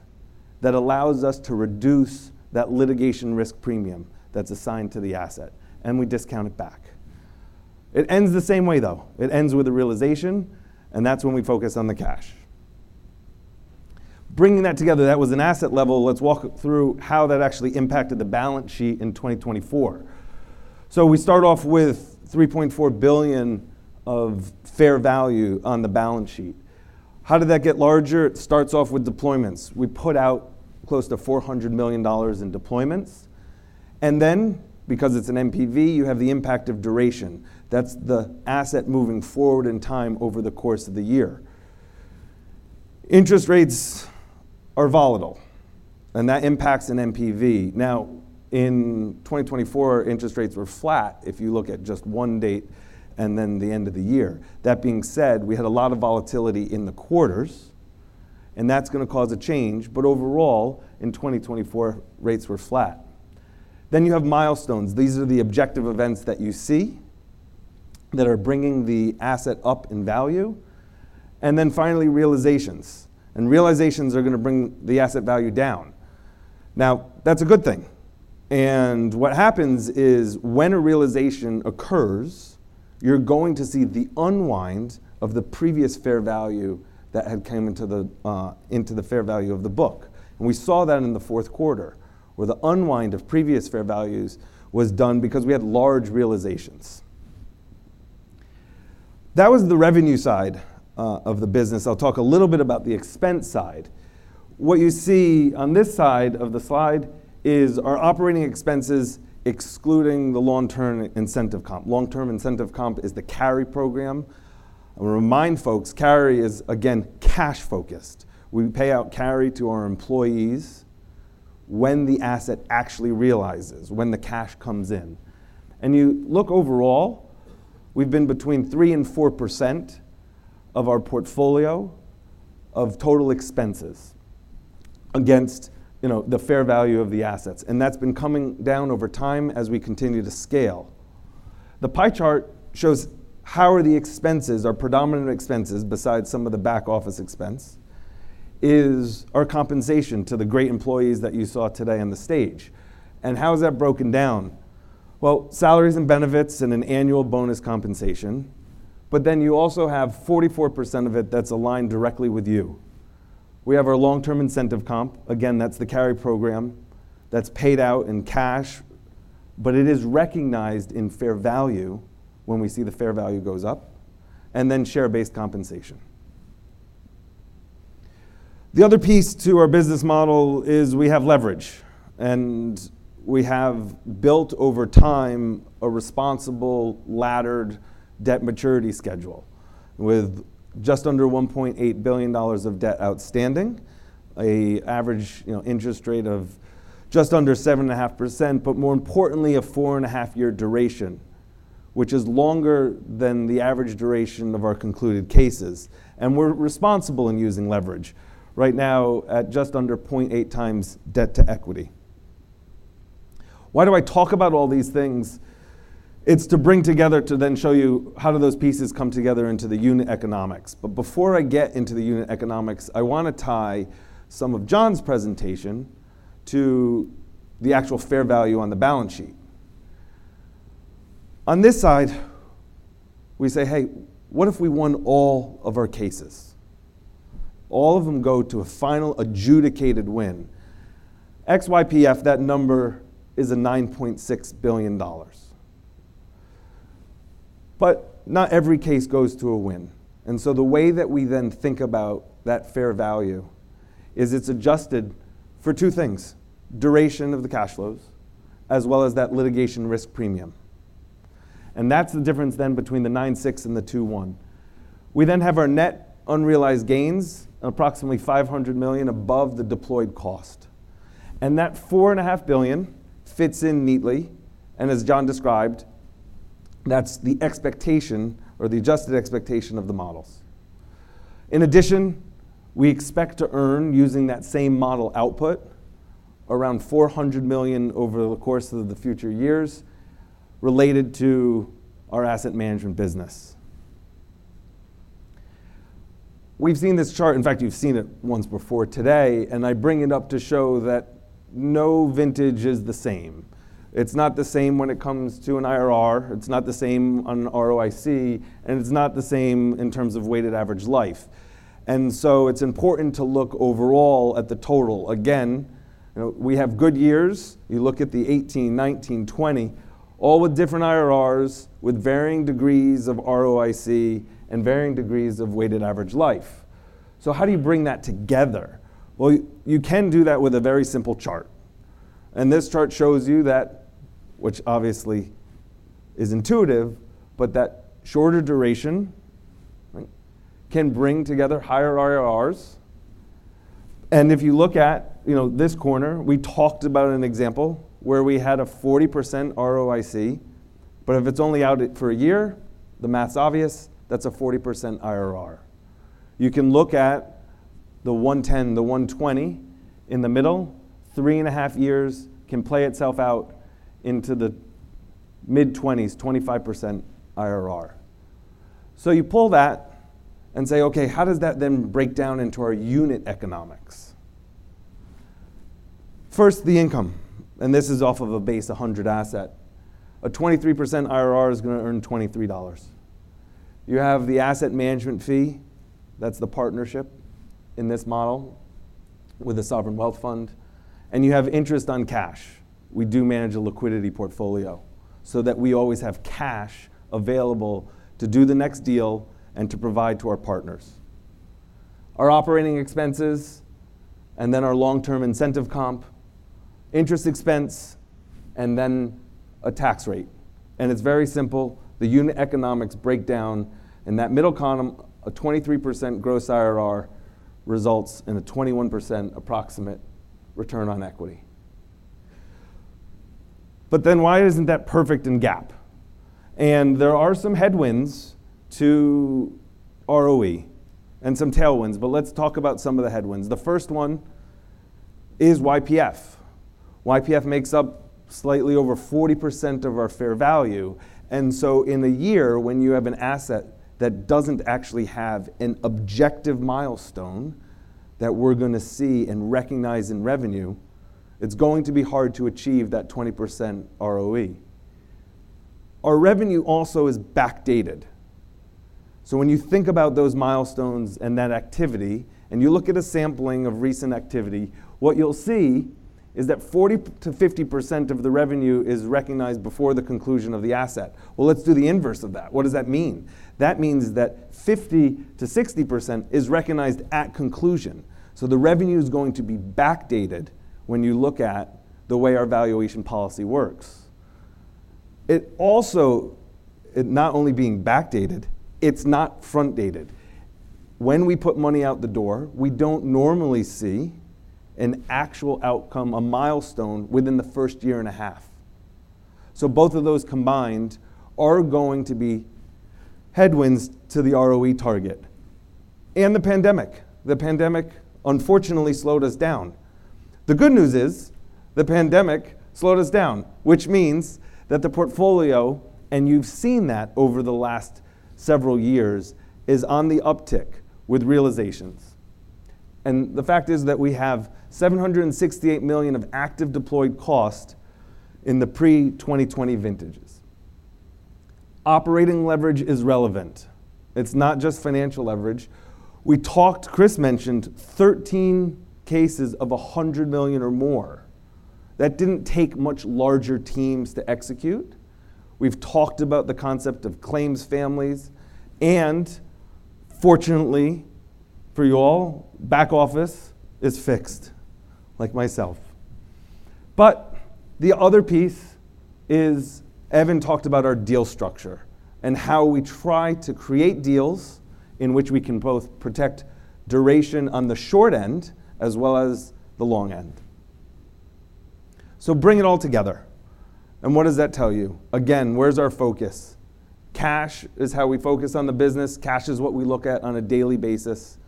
that allows us to reduce that litigation risk premium that's assigned to the asset, and we discount it back. It ends the same way, though. It ends with a realization, and that's when we focus on the cash. Bringing that together, that was an asset level. Let's walk through how that actually impacted the balance sheet in 2024. We start off with $3.4 billion of fair value on the balance sheet. How did that get larger? It starts off with deployments. We put out close to $400 million in deployments. Then, because it's an MPV, you have the impact of duration. That's the asset moving forward in time over the course of the year. Interest rates are volatile, and that impacts an MPV. In 2024, interest rates were flat if you look at just one date and then the end of the year. That being said, we had a lot of volatility in the quarters, and that's going to cause a change. Overall, in 2024, rates were flat. You have milestones. These are the objective events that you see that are bringing the asset up in value. Finally, realizations. Realizations are going to bring the asset value down. Now, that's a good thing. What happens is when a realization occurs, you're going to see the unwind of the previous fair value that had come into the fair value of the book. We saw that in the fourth quarter, where the unwind of previous fair values was done because we had large realizations. That was the revenue side of the business. I'll talk a little bit about the expense side. What you see on this side of the slide is our operating expenses excluding the long-term incentive comp. Long-term incentive comp is the carry program. I want to remind folks, carry is, again, cash-focused. We pay out carry to our employees when the asset actually realizes, when the cash comes in. You look overall, we've been between 3-4% of our portfolio of total expenses against the fair value of the assets. That's been coming down over time as we continue to scale. The pie chart shows how our expenses, our predominant expenses besides some of the back office expense, is our compensation to the great employees that you saw today on the stage. How is that broken down? Salaries and benefits and an annual bonus compensation. You also have 44% of it that's aligned directly with you. We have our long-term incentive comp. Again, that's the carry program. That's paid out in cash, but it is recognized in fair value when we see the fair value goes up. Then share-based compensation. The other piece to our business model is we have leverage. We have built over time a responsible laddered debt maturity schedule with just under $1.8 billion of debt outstanding, an average interest rate of just under 7.5%, but more importantly, a 4.5-year duration, which is longer than the average duration of our concluded cases. We are responsible in using leverage. Right now, at just under 0.8 times debt to equity. Why do I talk about all these things? It is to bring together to then show you how do those pieces come together into the unit economics. Before I get into the unit economics, I want to tie some of Jonathan Molot presentation to the actual fair value on the balance sheet. On this side, we say, "Hey, what if we won all of our cases? All of them go to a final adjudicated win. XYPF, that number is $9.6 billion. Not every case goes to a win. The way that we then think about that fair value is it's adjusted for two things: duration of the cash flows, as well as that litigation risk premium. That's the difference then between the $9.6 billion and the $2.1 billion. We then have our net unrealized gains, approximately $500 million above the deployed cost. That $4.5 billion fits in neatly. As Jonathan Molot described, that's the expectation or the adjusted expectation of the models. In addition, we expect to earn using that same model output around $400 million over the course of the future years related to our asset management business. We've seen this chart. In fact, you've seen it once before today. I bring it up to show that no vintage is the same. It's not the same when it comes to an IRR. It's not the same on ROIC. It's not the same in terms of weighted average life. It is important to look overall at the total. Again, we have good years. You look at the 2018, 2019, 2020, all with different IRRs with varying degrees of ROIC and varying degrees of weighted average life. How do you bring that together? You can do that with a very simple chart. This chart shows you that, which obviously is intuitive, but that shorter duration can bring together higher IRRs. If you look at this corner, we talked about an example where we had a 40% ROIC. If it's only out for a year, the math's obvious. That's a 40% IRR. You can look at the 110, the 120 in the middle. Three and a half years can play itself out into the mid-20s, 25% IRR. You pull that and say, "Okay, how does that then break down into our unit economics?" First, the income. This is off of a base 100 asset. A 23% IRR is going to earn $23. You have the asset management fee. That is the partnership in this model with the Sovereign Wealth Fund. You have interest on cash. We do manage a liquidity portfolio so that we always have cash available to do the next deal and to provide to our partners. Our operating expenses, and then our long-term incentive comp, interest expense, and then a tax rate. It is very simple. The unit economics break down. In that middle column, a 23% gross IRR results in a 21% approximate return on equity. Why is not that perfect in GAAP? There are some headwinds to ROE and some tailwinds. Let's talk about some of the headwinds. The first one is YPF. YPF makes up slightly over 40% of our fair value. In a year when you have an asset that does not actually have an objective milestone that we are going to see and recognize in revenue, it is going to be hard to achieve that 20% ROE. Our revenue also is backdated. When you think about those milestones and that activity, and you look at a sampling of recent activity, what you will see is that 40%-50% of the revenue is recognized before the conclusion of the asset. Let's do the inverse of that. What does that mean? That means that 50-60% is recognized at conclusion. The revenue is going to be backdated when you look at the way our valuation policy works. It also, not only being backdated, it's not front-dated. When we put money out the door, we do not normally see an actual outcome, a milestone within the first year and a half. Both of those combined are going to be headwinds to the ROE target. The pandemic. The pandemic, unfortunately, slowed us down. The good news is the pandemic slowed us down, which means that the portfolio, and you have seen that over the last several years, is on the uptick with realizations. The fact is that we have $768 million of active deployed cost in the pre-2020 vintages. Operating leverage is relevant. It is not just financial leverage. We talked Christopher Bogart mentioned 13 cases of $100 million or more. That didn't take much larger teams to execute. We've talked about the concept of claims families. Fortunately for you all, back office is fixed, like myself. The other piece is Evan Meyerson talked about our deal structure and how we try to create deals in which we can both protect duration on the short end as well as the long end. Bring it all together. What does that tell you? Again, where's our focus? Cash is how we focus on the business. Cash is what we look at on a daily basis.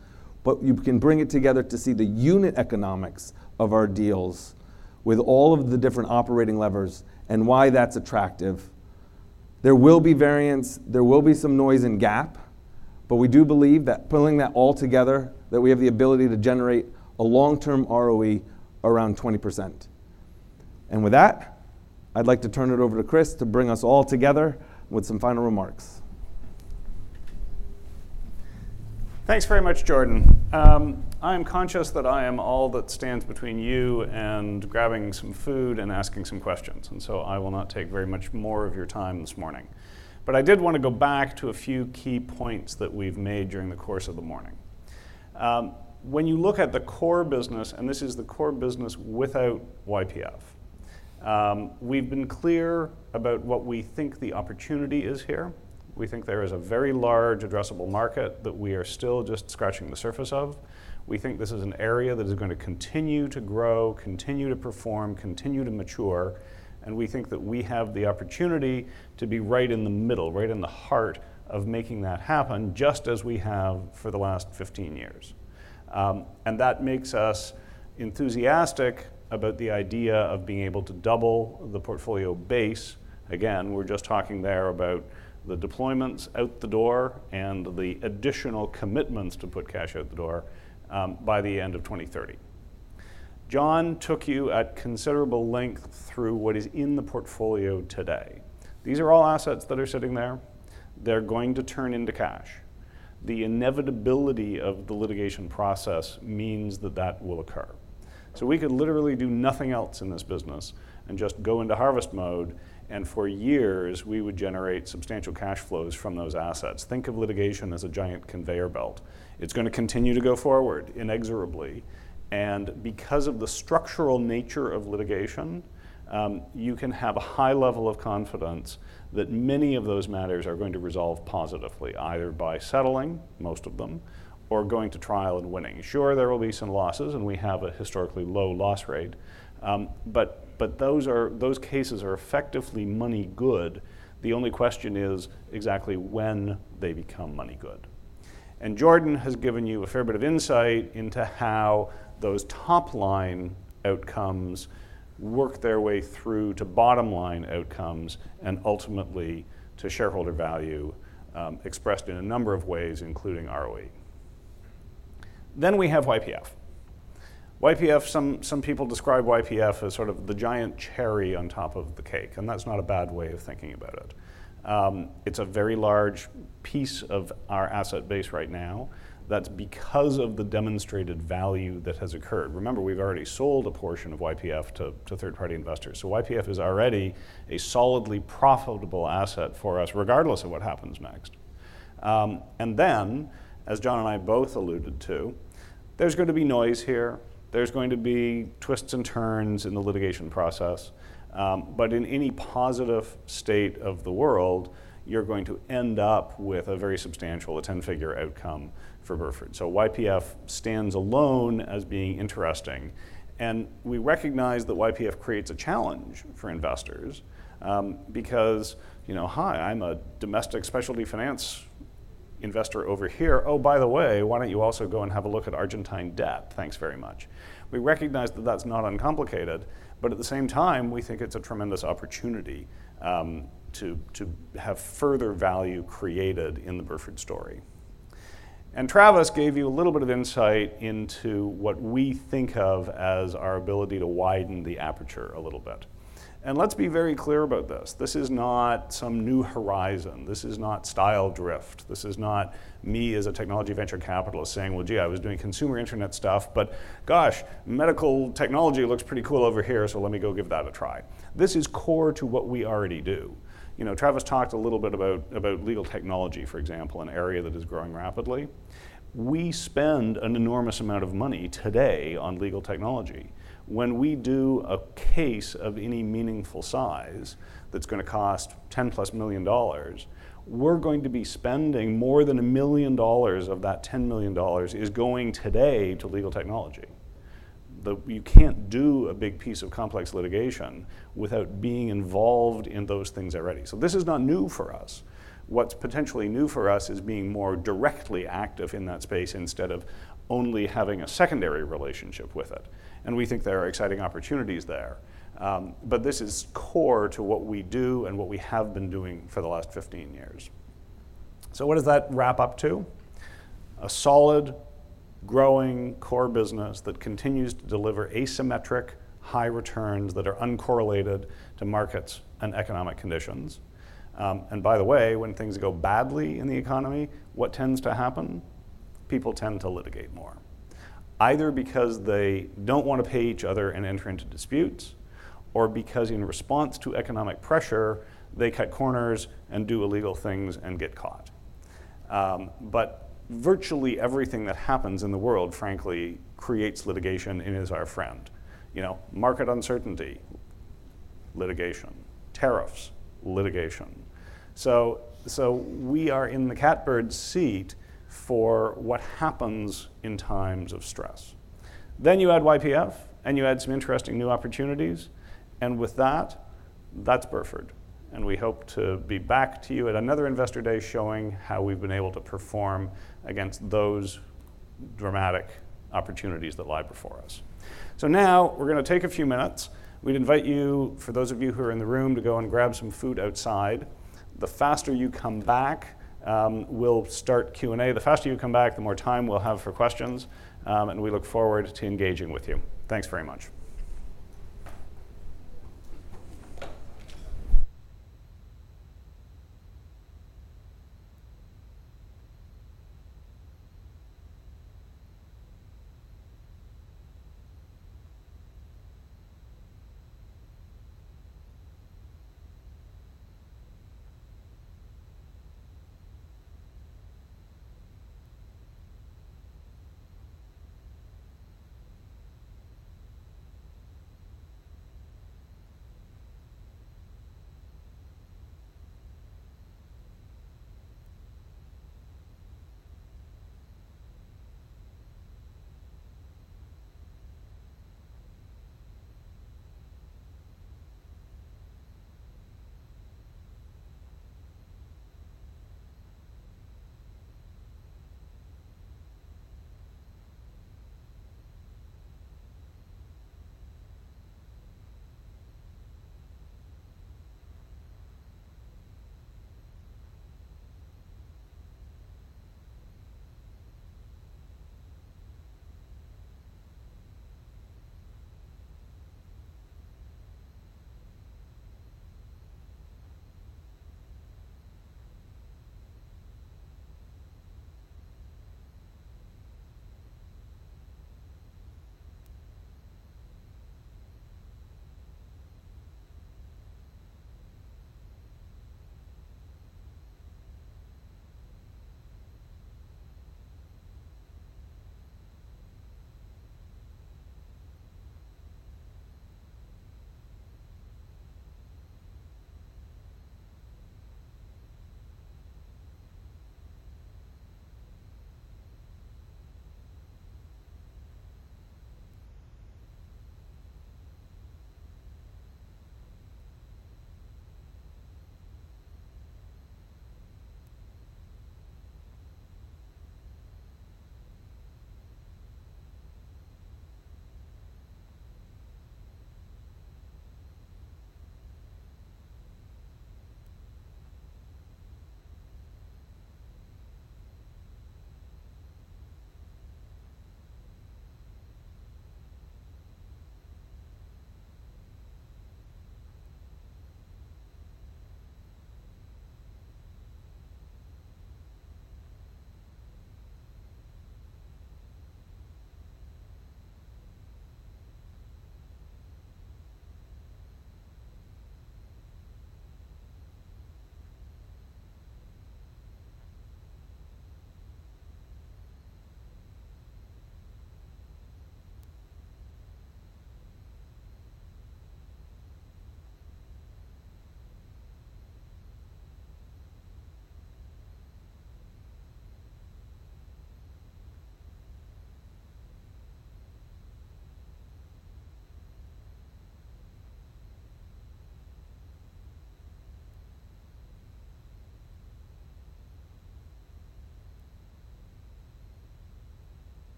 You can bring it together to see the unit economics of our deals with all of the different operating levers and why that's attractive. There will be variance. There will be some noise in GAAP. We do believe that pulling that all together, that we have the ability to generate a long-term ROE around 20%. With that, I'd like to turn it over to Christopher Bogart to bring us all together with some final remarks. Thanks very much, Jordan Licht. I am conscious that I am all that stands between you and grabbing some food and asking some questions. I will not take very much more of your time this morning. I did want to go back to a few key points that we've made during the course of the morning. When you look at the core business, and this is the core business without YPF, we've been clear about what we think the opportunity is here. We think there is a very large addressable market that we are still just scratching the surface of. We think this is an area that is going to continue to grow, continue to perform, continue to mature. We think that we have the opportunity to be right in the middle, right in the heart of making that happen, just as we have for the last 15 years. That makes us enthusiastic about the idea of being able to double the portfolio base. Again, we're just talking there about the deployments out the door and the additional commitments to put cash out the door by the end of 2030. John took you at considerable length through what is in the portfolio today. These are all assets that are sitting there. They're going to turn into cash. The inevitability of the litigation process means that that will occur. We could literally do nothing else in this business and just go into harvest mode. For years, we would generate substantial cash flows from those assets. Think of litigation as a giant conveyor belt. It is going to continue to go forward inexorably. Because of the structural nature of litigation, you can have a high level of confidence that many of those matters are going to resolve positively, either by settling, most of them, or going to trial and winning. Sure, there will be some losses, and we have a historically low loss rate. Those cases are effectively money good. The only question is exactly when they become money good. Jordan Licht has given you a fair bit of insight into how those top-line outcomes work their way through to bottom-line outcomes and ultimately to shareholder value expressed in a number of ways, including ROE. We have YPF. YPF, some people describe YPF as sort of the giant cherry on top of the cake. That is not a bad way of thinking about it. It is a very large piece of our asset base right now. That is because of the demonstrated value that has occurred. Remember, we have already sold a portion of YPF to third-party investors. YPF is already a solidly profitable asset for us regardless of what happens next. As John and I both alluded to, there is going to be noise here. There are going to be twists and turns in the litigation process. In any positive state of the world, you are going to end up with a very substantial 10-figure outcome for Burford. YPF stands alone as being interesting. We recognize that YPF creates a challenge for investors because, "Hi, I am a domestic specialty finance investor over here. Oh, by the way, why don't you also go and have a look at Argentine debt? Thanks very much. We recognize that that's not uncomplicated. At the same time, we think it's a tremendous opportunity to have further value created in the Burford story. Travis Lenkner gave you a little bit of insight into what we think of as our ability to widen the aperture a little bit. Let's be very clear about this. This is not some new horizon. This is not style drift. This is not me as a technology venture capitalist saying, "Well, gee, I was doing consumer internet stuff, but gosh, medical technology looks pretty cool over here, so let me go give that a try." This is core to what we already do. Travis Lenkner talked a little bit about legal technology, for example, an area that is growing rapidly. We spend an enormous amount of money today on legal technology. When we do a case of any meaningful size that's going to cost $10 million-plus, we're going to be spending more than $1 million of that $10 million is going today to legal technology. You can't do a big piece of complex litigation without being involved in those things already. This is not new for us. What is potentially new for us is being more directly active in that space instead of only having a secondary relationship with it. We think there are exciting opportunities there. This is core to what we do and what we have been doing for the last 15 years. What does that wrap up to? A solid, growing core business that continues to deliver asymmetric high returns that are uncorrelated to markets and economic conditions. By the way, when things go badly in the economy, what tends to happen? People tend to litigate more. Either because they do not want to pay each other and enter into disputes, or because in response to economic pressure, they cut corners and do illegal things and get caught. Virtually everything that happens in the world, frankly, creates litigation and is our friend. Market uncertainty, litigation. Tariffs, litigation. We are in the catbird seat for what happens in times of stress. You add YPF, and you add some interesting new opportunities. With that, that is Burford. We hope to be back to you at another Investor Day showing how we have been able to perform against those dramatic opportunities that lie before us. Now we are going to take a few minutes. We'd invite you, for those of you who are in the room, to go and grab some food outside. The faster you come back, we'll start Q&A. The faster you come back, the more time we'll have for questions. We look forward to engaging with you. Thanks very much.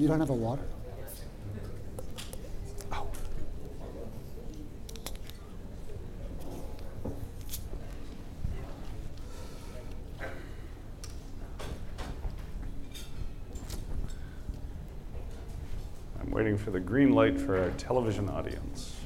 You don't have a water? Oh. I'm waiting for the green light for our television audience.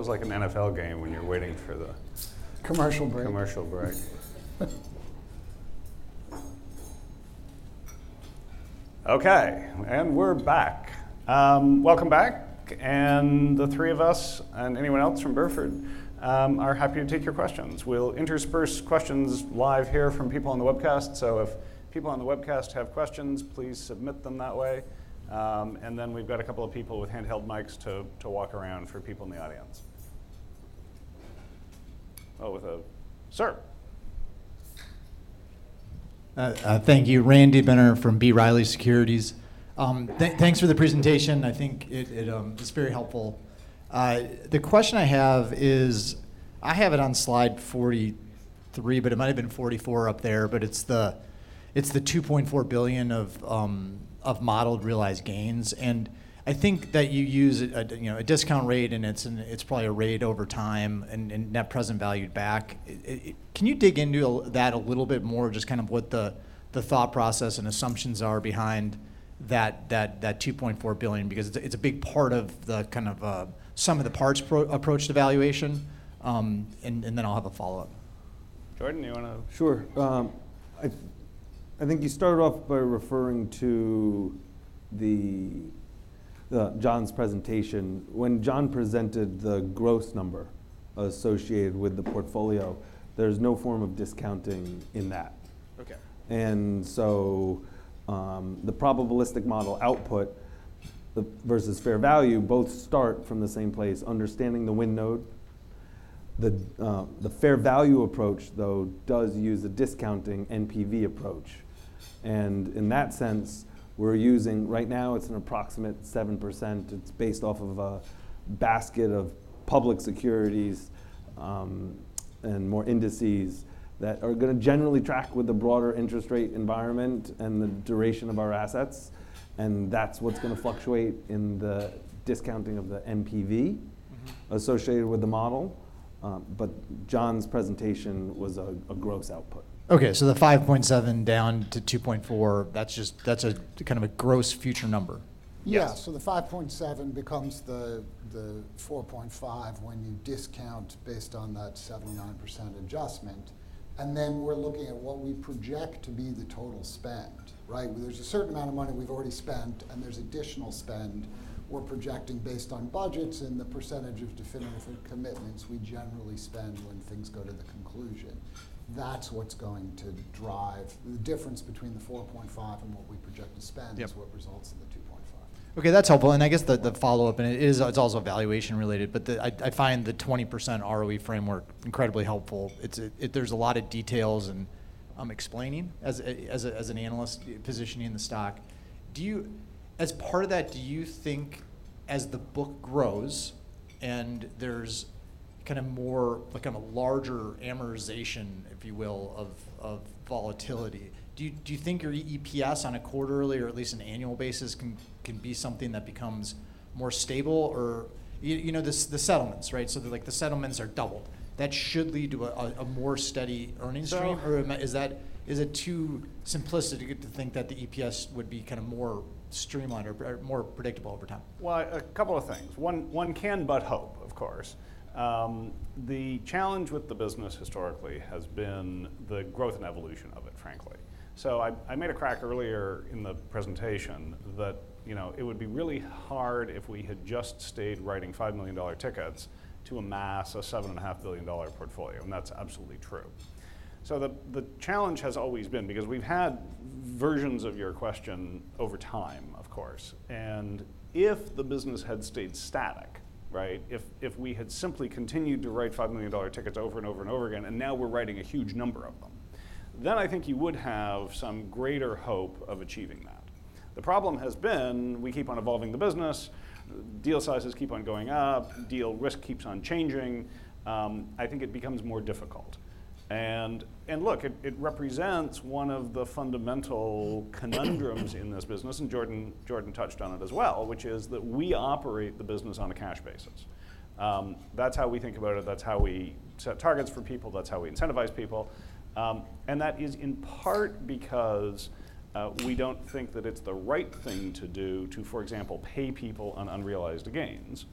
Feels like an NFL game when you're waiting for the commercial break. Commercial break. Okay, we're back. Welcome back, and the three of us, and anyone else from Burford, are happy to take your questions. We'll intersperse questions live here from people on the webcast, so if people on the webcast have questions, please submit them that way. We've got a couple of people with handheld mics to walk around for people in the audience. Oh, with a sir. Thank you. Randy Binner from B. Riley Securities. Thanks for the presentation. I think it's very helpful. The question I have is, I have it on slide 43, but it might have been 44 up there, but it's the $2.4 billion of modeled realized gains. And I think that you use a discount rate, and it's probably a rate over time and net present valued back. Can you dig into that a little bit more, just kind of what the thought process and assumptions are behind that $2.4 billion? Because it's a big part of the kind of sum of the parts approach to valuation. And then I'll have a follow-up. Jordan Licht, do you want to? Sure. I think you started off by referring to Jonathan Molot presentation. When Jonathan Molot presented the gross number associated with the portfolio, there's no form of discounting in that. The probabilistic model output versus fair value both start from the same place, understanding the wind node. The fair value approach, though, does use a discounting NPV approach. In that sense, we're using right now, it's an approximate 7%. It's based off of a basket of public securities and more indices that are going to generally track with the broader interest rate environment and the duration of our assets. That's what's going to fluctuate in the discounting of the NPV associated with the model. John's presentation was a gross output. Okay, so the 5.7 down to 2.4, that's a kind of a gross future number. Yeah, so the 5.7 becomes the 4.5 when you discount based on that 79% adjustment. Then we're looking at what we project to be the total spend. There's a certain amount of money we've already spent, and there's additional spend we're projecting based on budgets and the percentage of definitive commitments we generally spend when things go to the conclusion. That's what's going to drive the difference between the 4.5 and what we project to spend is what results in the 2.5. Okay, that's helpful. I guess the follow-up, and it's also valuation related, but I find the 20% ROE framework incredibly helpful. There's a lot of details in explaining as an analyst positioning the stock. As part of that, do you think as the book grows and there's kind of more like a larger amortization, if you will, of volatility, do you think your EPS on a quarterly or at least an annual basis can be something that becomes more stable? The settlements, right? The settlements are doubled. That should lead to a more steady earnings stream. Is it too simplistic to think that the EPS would be kind of more streamlined or more predictable over time? A couple of things. One can but hope, of course. The challenge with the business historically has been the growth and evolution of it, frankly. I made a crack earlier in the presentation that it would be really hard if we had just stayed writing $5 million tickets to amass a $7.5 billion portfolio. That is absolutely true. The challenge has always been because we have had versions of your question over time, of course. If the business had stayed static, if we had simply continued to write $5 million tickets over and over and over again, and now we are writing a huge number of them, then I think you would have some greater hope of achieving that. The problem has been we keep on evolving the business, deal sizes keep on going up, deal risk keeps on changing. I think it becomes more difficult. Look, it represents one of the fundamental conundrums in this business, and Jordan Licht touched on it as well, which is that we operate the business on a cash basis. That's how we think about it. That's how we set targets for people. That's how we incentivize people. That is in part because we don't think that it's the right thing to do to, for example, pay people on unrealized gains.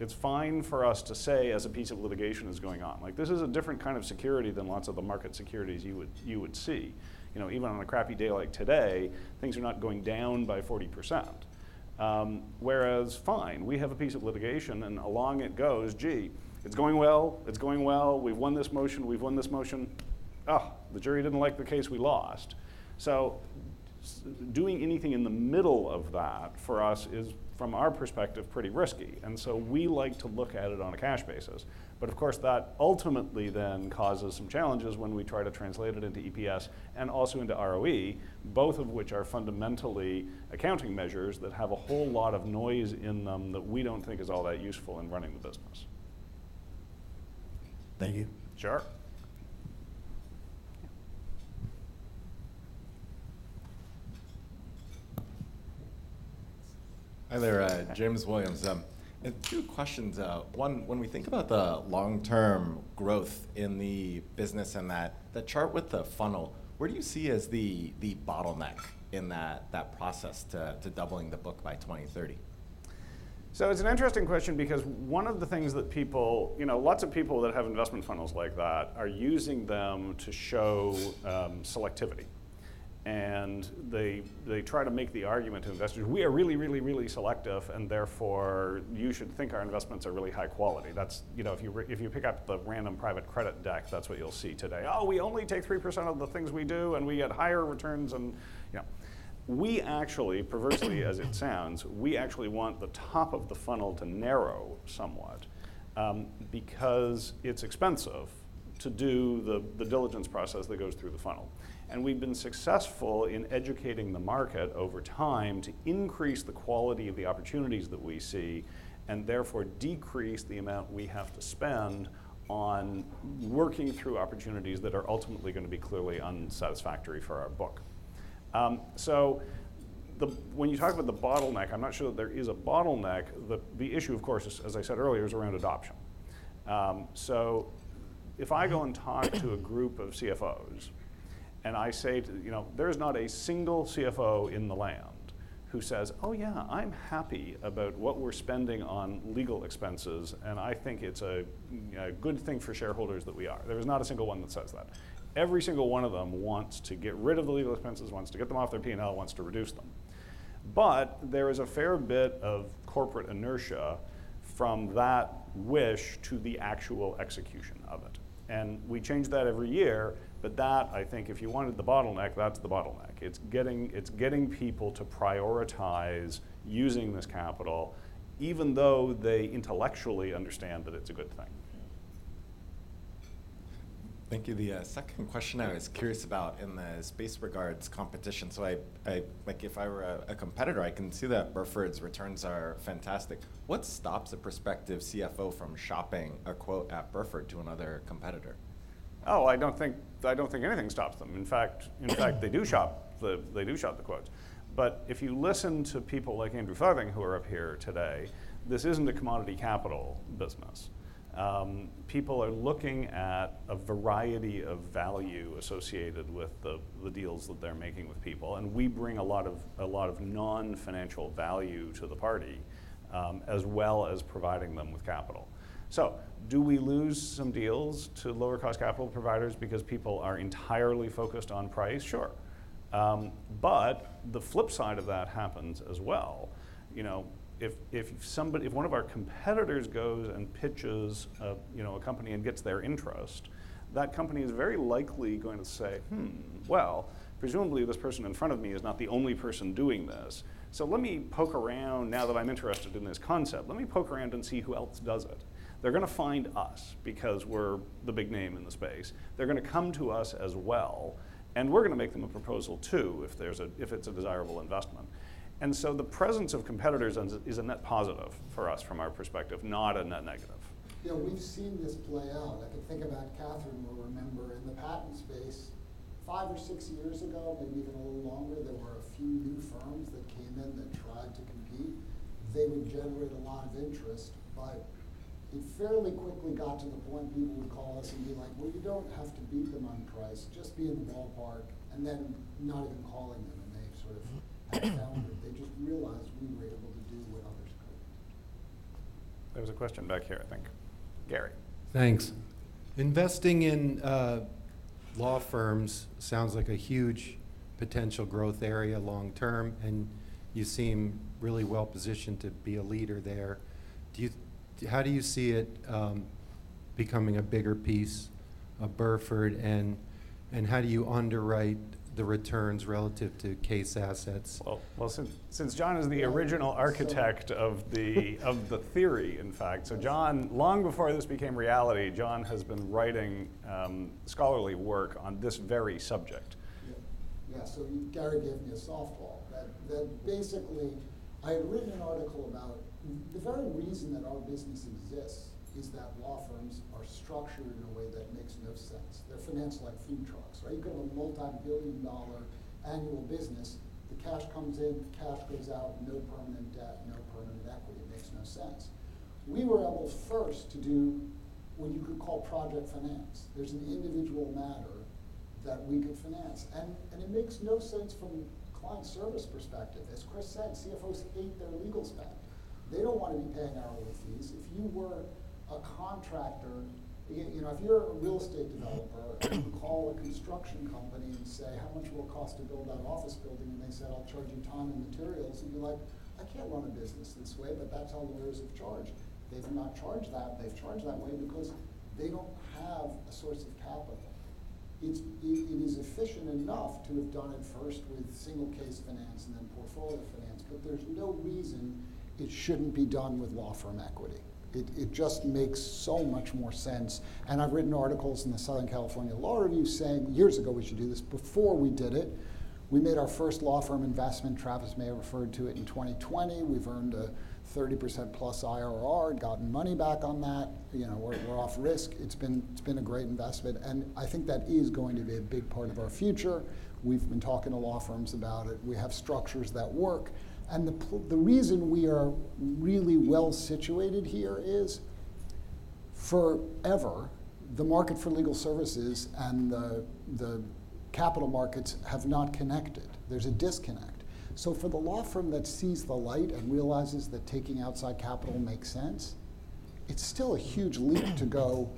It's fine for us to say as a piece of litigation is going on, this is a different kind of security than lots of the market securities you would see. Even on a crappy day like today, things are not going down by 40%. Whereas, fine, we have a piece of litigation, and along it goes, gee, it's going well. It's going well. We've won this motion. We've won this motion. Oh, the jury didn't like the case we lost. Doing anything in the middle of that for us is, from our perspective, pretty risky. We like to look at it on a cash basis. Of course, that ultimately then causes some challenges when we try to translate it into EPS and also into ROE, both of which are fundamentally accounting measures that have a whole lot of noise in them that we don't think is all that useful in running the business. Thank you. Sure. Hi there, James Williams. Two questions. One, when we think about the long-term growth in the business and that chart with the funnel, where do you see as the bottleneck in that process to doubling the book by 2030? It's an interesting question because one of the things that people, lots of people that have investment funnels like that are using them to show selectivity. They try to make the argument to investors, we are really, really, really selective, and therefore you should think our investments are really high quality. If you pick up the random private credit deck, that's what you'll see today. Oh, we only take 3% of the things we do, and we get higher returns. We actually, perversely as it sounds, we actually want the top of the funnel to narrow somewhat because it's expensive to do the diligence process that goes through the funnel. We have been successful in educating the market over time to increase the quality of the opportunities that we see and therefore decrease the amount we have to spend on working through opportunities that are ultimately going to be clearly unsatisfactory for our book. When you talk about the bottleneck, I am not sure that there is a bottleneck. The issue, of course, as I said earlier, is around adoption. If I go and talk to a group of CFOs and I say, there is not a single CFO in the land who says, oh yeah, I am happy about what we are spending on legal expenses, and I think it is a good thing for shareholders that we are. There is not a single one that says that. Every single one of them wants to get rid of the legal expenses, wants to get them off their P&L, wants to reduce them. There is a fair bit of corporate inertia from that wish to the actual execution of it. We change that every year, but that, I think if you wanted the bottleneck, that's the bottleneck. It's getting people to prioritize using this capital, even though they intellectually understand that it's a good thing. Thank you. The second question I was curious about in the space regards competition. If I were a competitor, I can see that Burford's returns are fantastic. What stops a prospective CFO from shopping a quote at Burford to another competitor? Oh, I don't think anything stops them. In fact, they do shop the quotes. If you listen to people like Andrew Farthing who are up here today, this isn't a commodity capital business. People are looking at a variety of value associated with the deals that they're making with people. We bring a lot of non-financial value to the party as well as providing them with capital. Do we lose some deals to lower-cost capital providers because people are entirely focused on price? Sure. The flip side of that happens as well. If one of our competitors goes and pitches a company and gets their interest, that company is very likely going to say, well, presumably this person in front of me is not the only person doing this. Let me poke around now that I'm interested in this concept. Let me poke around and see who else does it. They're going to find us because we're the big name in the space. They're going to come to us as well. We're going to make them a proposal too if it's a desirable investment. The presence of competitors is a net positive for us from our perspective, not a net negative. Yeah, we've seen this play out. I could think about Catherine will remember in the patent space, five or six years ago, maybe even a little longer, there were a few new firms that came in that tried to compete. They would generate a lot of interest, but it fairly quickly got to the point people would call us and be like, you do not have to beat them on price, just be in the ballpark, and then not even calling them. They sort of found it. They just realized we were able to do what others could not. There was a question back here, I think. Gary. Thanks. Investing in law firms sounds like a huge potential growth area long term, and you seem really well positioned to be a leader there. How do you see it becoming a bigger piece of Burford, and how do you underwrite the returns relative to case assets? Since John is the original architect of the theory, in fact, so John, long before this became reality, John has been writing scholarly work on this very subject. Yeah, so Gary gave me a softball. That basically, I had written an article about the very reason that our business exists is that law firms are structured in a way that makes no sense. They're financed like food trucks. You could have a multi-billion dollar annual business. The cash comes in, the cash goes out, no permanent debt, no permanent equity. It makes no sense. We were able first to do what you could call project finance. There's an individual matter that we could finance. It makes no sense from a client service perspective. As Christopher Bogart said, CFOs hate their legal staff. They don't want to be paying hourly fees. If you were a contractor, if you're a real estate developer, call a construction company and say, how much will it cost to build that office building? And they said, I'll charge you time and materials. You're like, I can't run a business this way, but that's how lawyers have charged. They've not charged that. They've charged that way because they don't have a source of capital. It is efficient enough to have done it first with single case finance and then portfolio finance, but there's no reason it shouldn't be done with law firm equity. It just makes so much more sense. I've written articles in the Southern California Law Review saying, years ago we should do this. Before we did it, we made our first law firm investment. Travis Lenkner referred to it in 2020. We've earned a 30%+ IRR and gotten money back on that. We're off risk. It's been a great investment. I think that is going to be a big part of our future. We've been talking to law firms about it. We have structures that work. The reason we are really well situated here is forever, the market for legal services and the capital markets have not connected. There is a disconnect. For the law firm that sees the light and realizes that taking outside capital makes sense, it is still a huge leap to go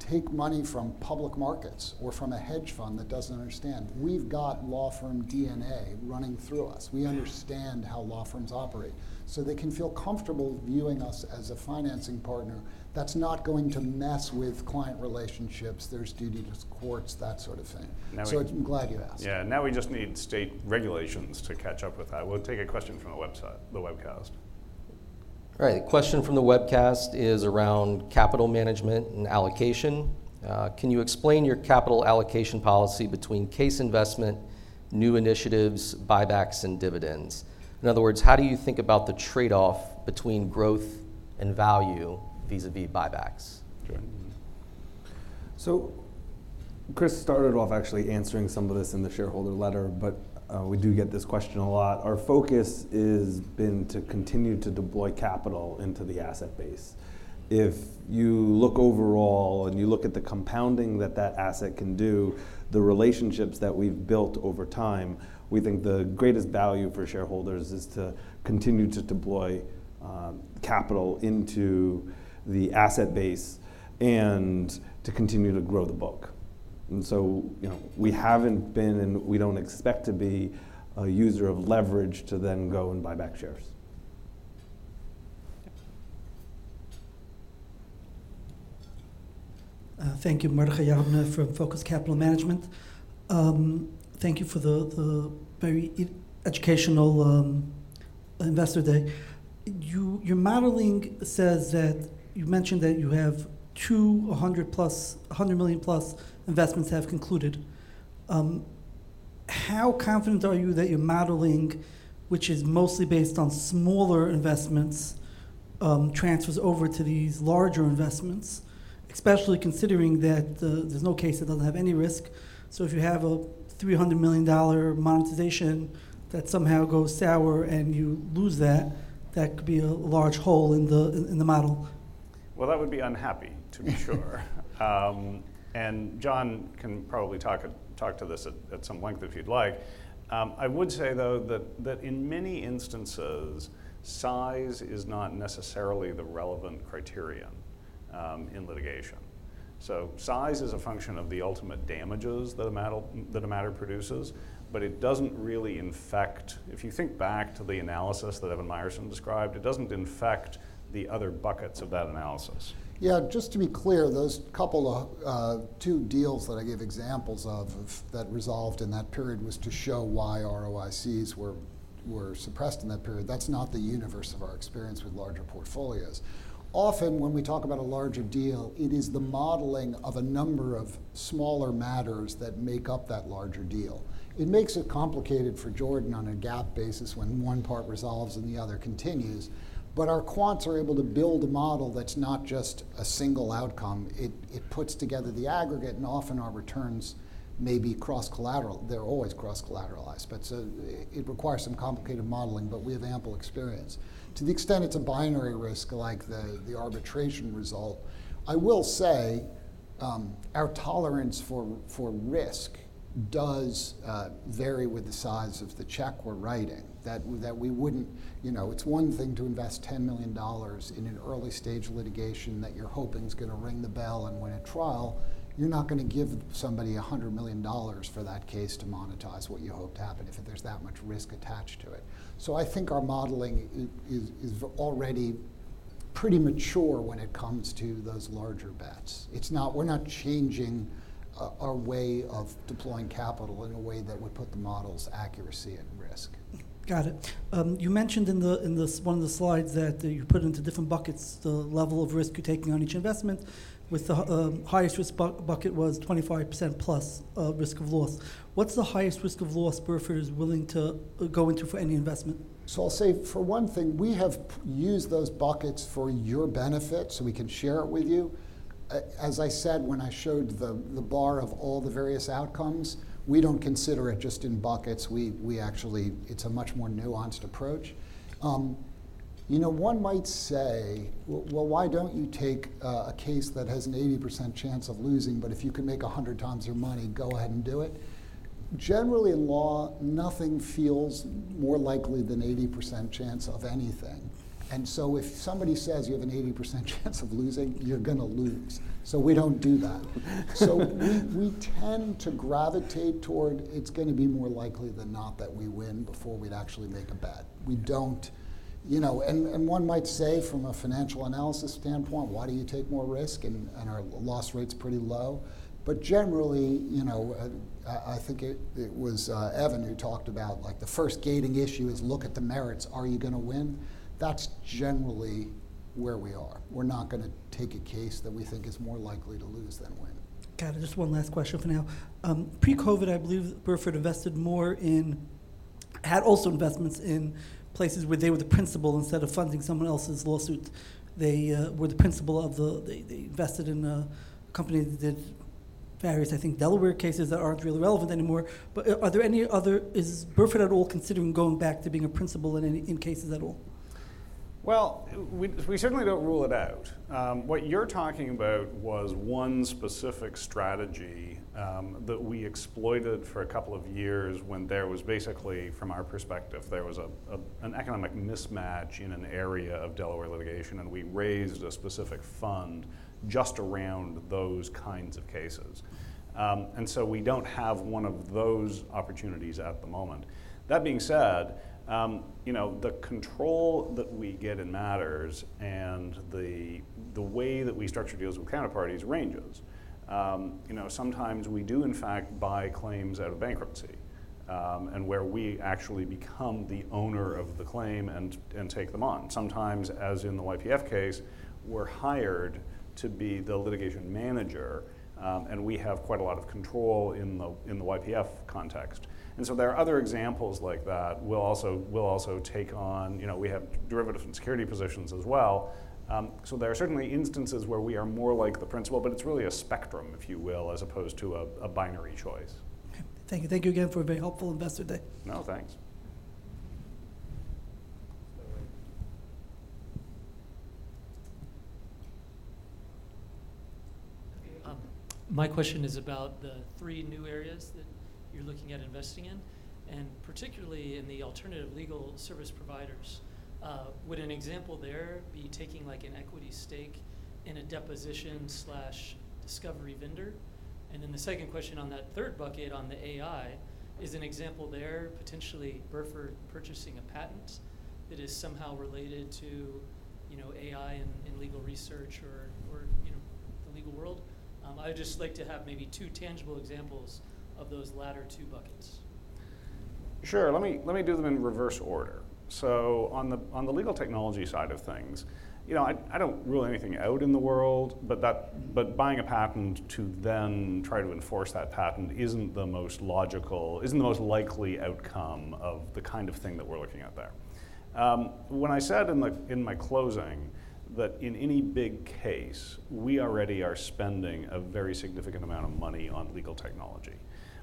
take money from public markets or from a hedge fund that does not understand. We have got law firm DNA running through us. We understand how law firms operate. They can feel comfortable viewing us as a financing partner that is not going to mess with client relationships. There is duty to courts, that sort of thing. I am glad you asked. Yeah, now we just need state regulations to catch up with that. We'll take a question from the webcast. All right, the question from the webcast is around capital management and allocation. Can you explain your capital allocation policy between case investment, new initiatives, buybacks, and dividends? In other words, how do you think about the trade-off between growth and value vis-à-vis buybacks? Christopher Bogart started off actually answering some of this in the shareholder letter, but we do get this question a lot. Our focus has been to continue to deploy capital into the asset base. If you look overall and you look at the compounding that that asset can do, the relationships that we've built over time, we think the greatest value for shareholders is to continue to deploy capital into the asset base and to continue to grow the book. We haven't been, and we don't expect to be a user of leverage to then go and buy back shares. Thank you, Marga Jarne from Focus Capital Management. Thank you for the very educational investor day. Your modeling says that you mentioned that you have two $100 million plus investments have concluded. How confident are you that your modeling, which is mostly based on smaller investments, transfers over to these larger investments, especially considering that there's no case, it doesn't have any risk? If you have a $300 million monetization that somehow goes sour and you lose that, that could be a large hole in the model. That would be unhappy, to be sure. Jonathan Molot can probably talk to this at some length if you'd like. I would say, though, that in many instances, size is not necessarily the relevant criterion in litigation. Size is a function of the ultimate damages that a matter produces, but it doesn't really infect, if you think back to the analysis that Evan Myerson described, it doesn't infect the other buckets of that analysis. Yeah, just to be clear, those couple of two deals that I gave examples of that resolved in that period was to show why ROICs were suppressed in that period. That's not the universe of our experience with larger portfolios. Often, when we talk about a larger deal, it is the modeling of a number of smaller matters that make up that larger deal. It makes it complicated for Jordan Licht on a GAAP basis when one part resolves and the other continues. Our quants are able to build a model that's not just a single outcome. It puts together the aggregate, and often our returns may be cross-collateral. They're always cross-collateralized. It requires some complicated modeling, but we have ample experience. To the extent it's a binary risk like the arbitration result, I will say our tolerance for risk does vary with the size of the check we're writing. That we wouldn't, it's one thing to invest $10 million in an early stage litigation that you're hoping is going to ring the bell and win a trial. You're not going to give somebody $100 million for that case to monetize what you hoped happened if there's that much risk attached to it. I think our modeling is already pretty mature when it comes to those larger bets. We're not changing our way of deploying capital in a way that would put the model's accuracy at risk. Got it. You mentioned in one of the slides that you put into different buckets the level of risk you're taking on each investment. With the highest risk bucket was 25% plus risk of loss. What's the highest risk of loss Burford is willing to go into for any investment? I'll say for one thing, we have used those buckets for your benefit so we can share it with you. As I said, when I showed the bar of all the various outcomes, we don't consider it just in buckets. It's a much more nuanced approach. You know, one might say, well, why don't you take a case that has an 80% chance of losing, but if you can make 100 times your money, go ahead and do it. Generally, in law, nothing feels more likely than 80% chance of anything. And so if somebody says you have an 80% chance of losing, you're going to lose. We don't do that. We tend to gravitate toward it's going to be more likely than not that we win before we'd actually make a bet. One might say from a financial analysis standpoint, why do you take more risk and are loss rates pretty low? Generally, I think it was Evan Meyerson who talked about the first gating issue is look at the merits. Are you going to win? That is generally where we are. We are not going to take a case that we think is more likely to lose than win. Got it. Just one last question for now. Pre-COVID, I believe Burford invested more in, had also investments in places where they were the principal instead of funding someone else's lawsuits. They were the principal of the, they invested in a company that did various, I think, Delaware cases that aren't really relevant anymore. Are there any other, is Burford at all considering going back to being a principal in cases at all? We certainly do not rule it out. What you are talking about was one specific strategy that we exploited for a couple of years when there was basically, from our perspective, an economic mismatch in an area of Delaware litigation, and we raised a specific fund just around those kinds of cases. We do not have one of those opportunities at the moment. That being said, the control that we get in matters and the way that we structure deals with counterparties ranges. Sometimes we do, in fact, buy claims out of bankruptcy and where we actually become the owner of the claim and take them on. Sometimes, as in the YPF case, we are hired to be the litigation manager, and we have quite a lot of control in the YPF context. There are other examples like that. We’ll also take on, we have derivatives and security positions as well. There are certainly instances where we are more like the principal, but it’s really a spectrum, if you will, as opposed to a binary choice. Thank you. Thank you again for a very helpful investor day. No, thanks. My question is about the three new areas that you're looking at investing in, and particularly in the alternative legal service providers. Would an example there be taking an equity stake in a deposition/discovery vendor? The second question on that third bucket on the AI, is an example there potentially Burford purchasing a patent that is somehow related to AI and legal research or the legal world? I would just like to have maybe two tangible examples of those latter two buckets. Sure. Let me do them in reverse order. On the legal technology side of things, I do not rule anything out in the world, but buying a patent to then try to enforce that patent is not the most logical, is not the most likely outcome of the kind of thing that we are looking at there. When I said in my closing that in any big case, we already are spending a very significant amount of money on legal technology.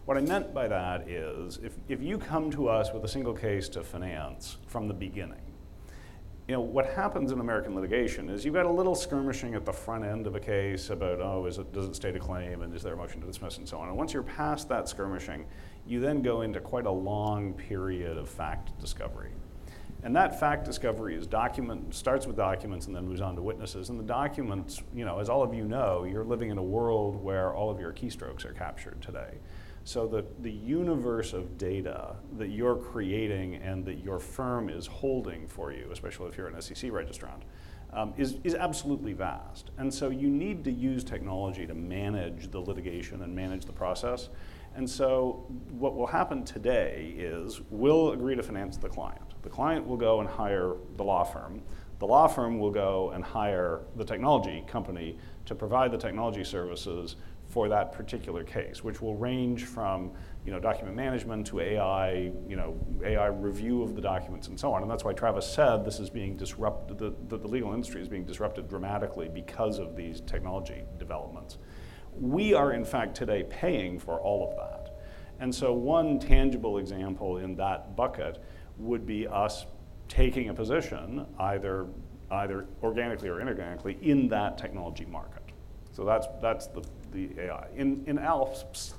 What I meant by that is if you come to us with a single case to finance from the beginning, what happens in American litigation is you have got a little skirmishing at the front end of a case about, oh, does it state a claim and is there a motion to dismiss and so on. Once you are past that skirmishing, you then go into quite a long period of fact discovery. That fact discovery starts with documents and then moves on to witnesses. The documents, as all of you know, you're living in a world where all of your keystrokes are captured today. The universe of data that you're creating and that your firm is holding for you, especially if you're an SEC registrant, is absolutely vast. You need to use technology to manage the litigation and manage the process. What will happen today is we'll agree to finance the client. The client will go and hire the law firm. The law firm will go and hire the technology company to provide the technology services for that particular case, which will range from document management to AI review of the documents and so on. That is why Travis Lenkner said this is being disrupted, the legal industry is being disrupted dramatically because of these technology developments. We are, in fact, today paying for all of that. One tangible example in that bucket would be us taking a position either organically or inorganically in that technology market. That is the AI. In ALFS,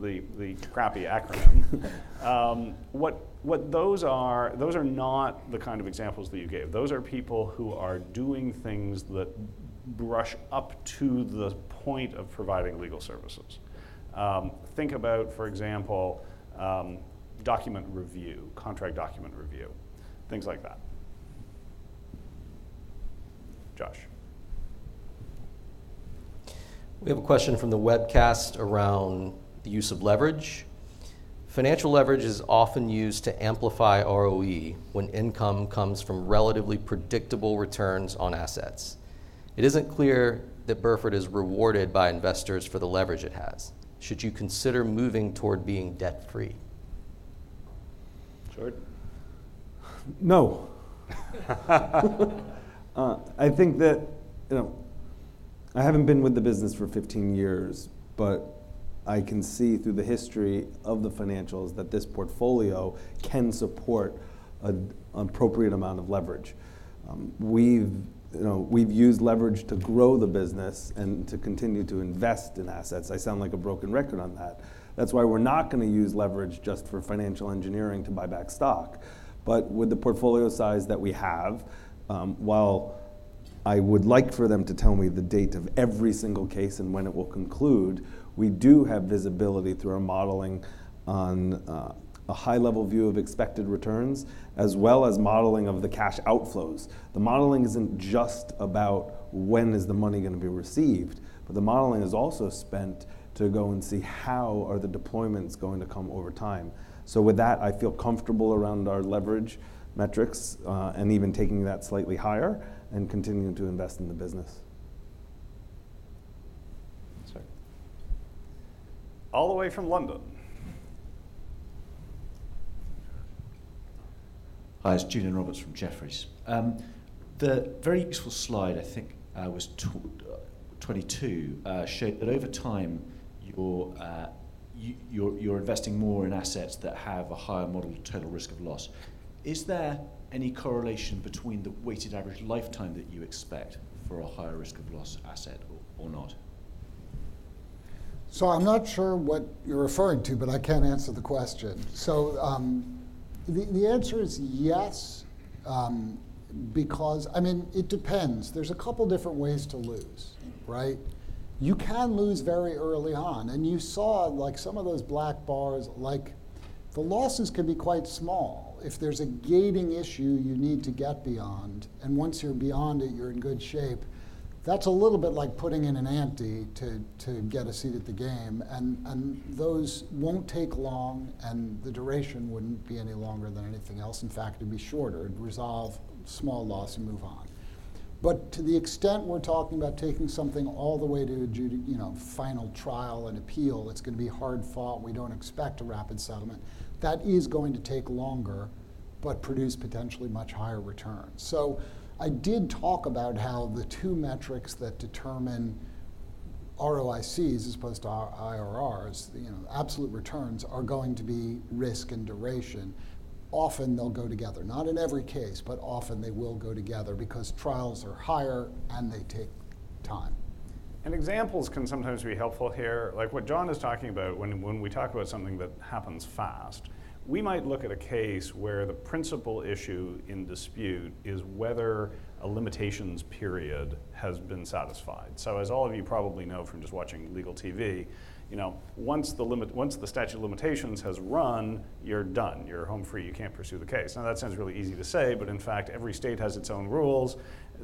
the crappy acronym. What those are, those are not the kind of examples that you gave. Those are people who are doing things that brush up to the point of providing legal services. Think about, for example, document review, contract document review, things like that. Josh Wood. We have a question from the webcast around the use of leverage. Financial leverage is often used to amplify ROE when income comes from relatively predictable returns on assets. It isn't clear that Burford is rewarded by investors for the leverage it has. Should you consider moving toward being debt-free? Jordan Licht? No. I think that I haven't been with the business for 15 years, but I can see through the history of the financials that this portfolio can support an appropriate amount of leverage. We've used leverage to grow the business and to continue to invest in assets. I sound like a broken record on that. That is why we're not going to use leverage just for financial engineering to buy back stock. With the portfolio size that we have, while I would like for them to tell me the date of every single case and when it will conclude, we do have visibility through our modeling on a high-level view of expected returns as well as modeling of the cash outflows. The modeling is not just about when is the money going to be received, but the modeling is also spent to go and see how are the deployments going to come over time. With that, I feel comfortable around our leverage metrics and even taking that slightly higher and continuing to invest in the business. All the way from London. Hi, it's Julian Roberts from Jefferies. The very useful slide, I think I was taught 22, showed that over time you're investing more in assets that have a higher modeled total risk of loss. Is there any correlation between the weighted average lifetime that you expect for a higher risk of loss asset or not? I'm not sure what you're referring to, but I can't answer the question. The answer is yes, because I mean, it depends. There's a couple of different ways to lose, right? You can lose very early on. You saw some of those black bars, like the losses can be quite small. If there's a gating issue you need to get beyond, and once you're beyond it, you're in good shape. That's a little bit like putting in an ante to get a seat at the game. Those won't take long, and the duration wouldn't be any longer than anything else. In fact, it'd be shorter. It'd resolve small loss and move on. To the extent we're talking about taking something all the way to a final trial and appeal, it's going to be hard fought. We don't expect a rapid settlement. That is going to take longer, but produce potentially much higher returns. I did talk about how the two metrics that determine ROICs as opposed to IRRs, absolute returns, are going to be risk and duration. Often they'll go together. Not in every case, but often they will go together because trials are higher and they take time. Examples can sometimes be helpful here. Like what John is talking about when we talk about something that happens fast, we might look at a case where the principal issue in dispute is whether a limitations period has been satisfied. As all of you probably know from just watching legal TV, once the statute of limitations has run, you're done. You're home free. You can't pursue the case. That sounds really easy to say, but in fact, every state has its own rules.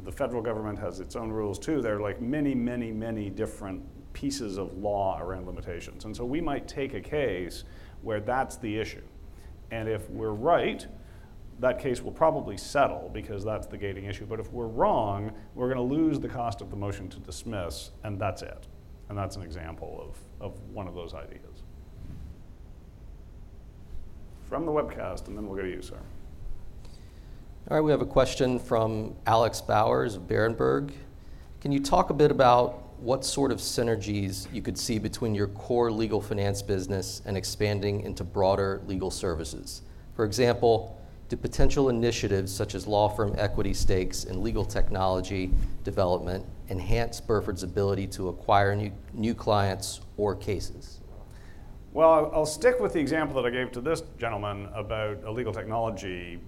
The federal government has its own rules too. There are many, many, many different pieces of law around limitations. We might take a case where that's the issue. If we're right, that case will probably settle because that's the gating issue. If we're wrong, we're going to lose the cost of the motion to dismiss, and that's it. That is an example of one of those ideas. From the webcast, and then we will go to you, sir. All right. We have a question from Alex Bowers of Berenberg. Can you talk a bit about what sort of synergies you could see between your core legal finance business and expanding into broader legal services? For example, do potential initiatives such as law firm equity stakes and legal technology development enhance Burford's ability to acquire new clients or cases? I'll stick with the example that I gave to this gentleman about a legal technology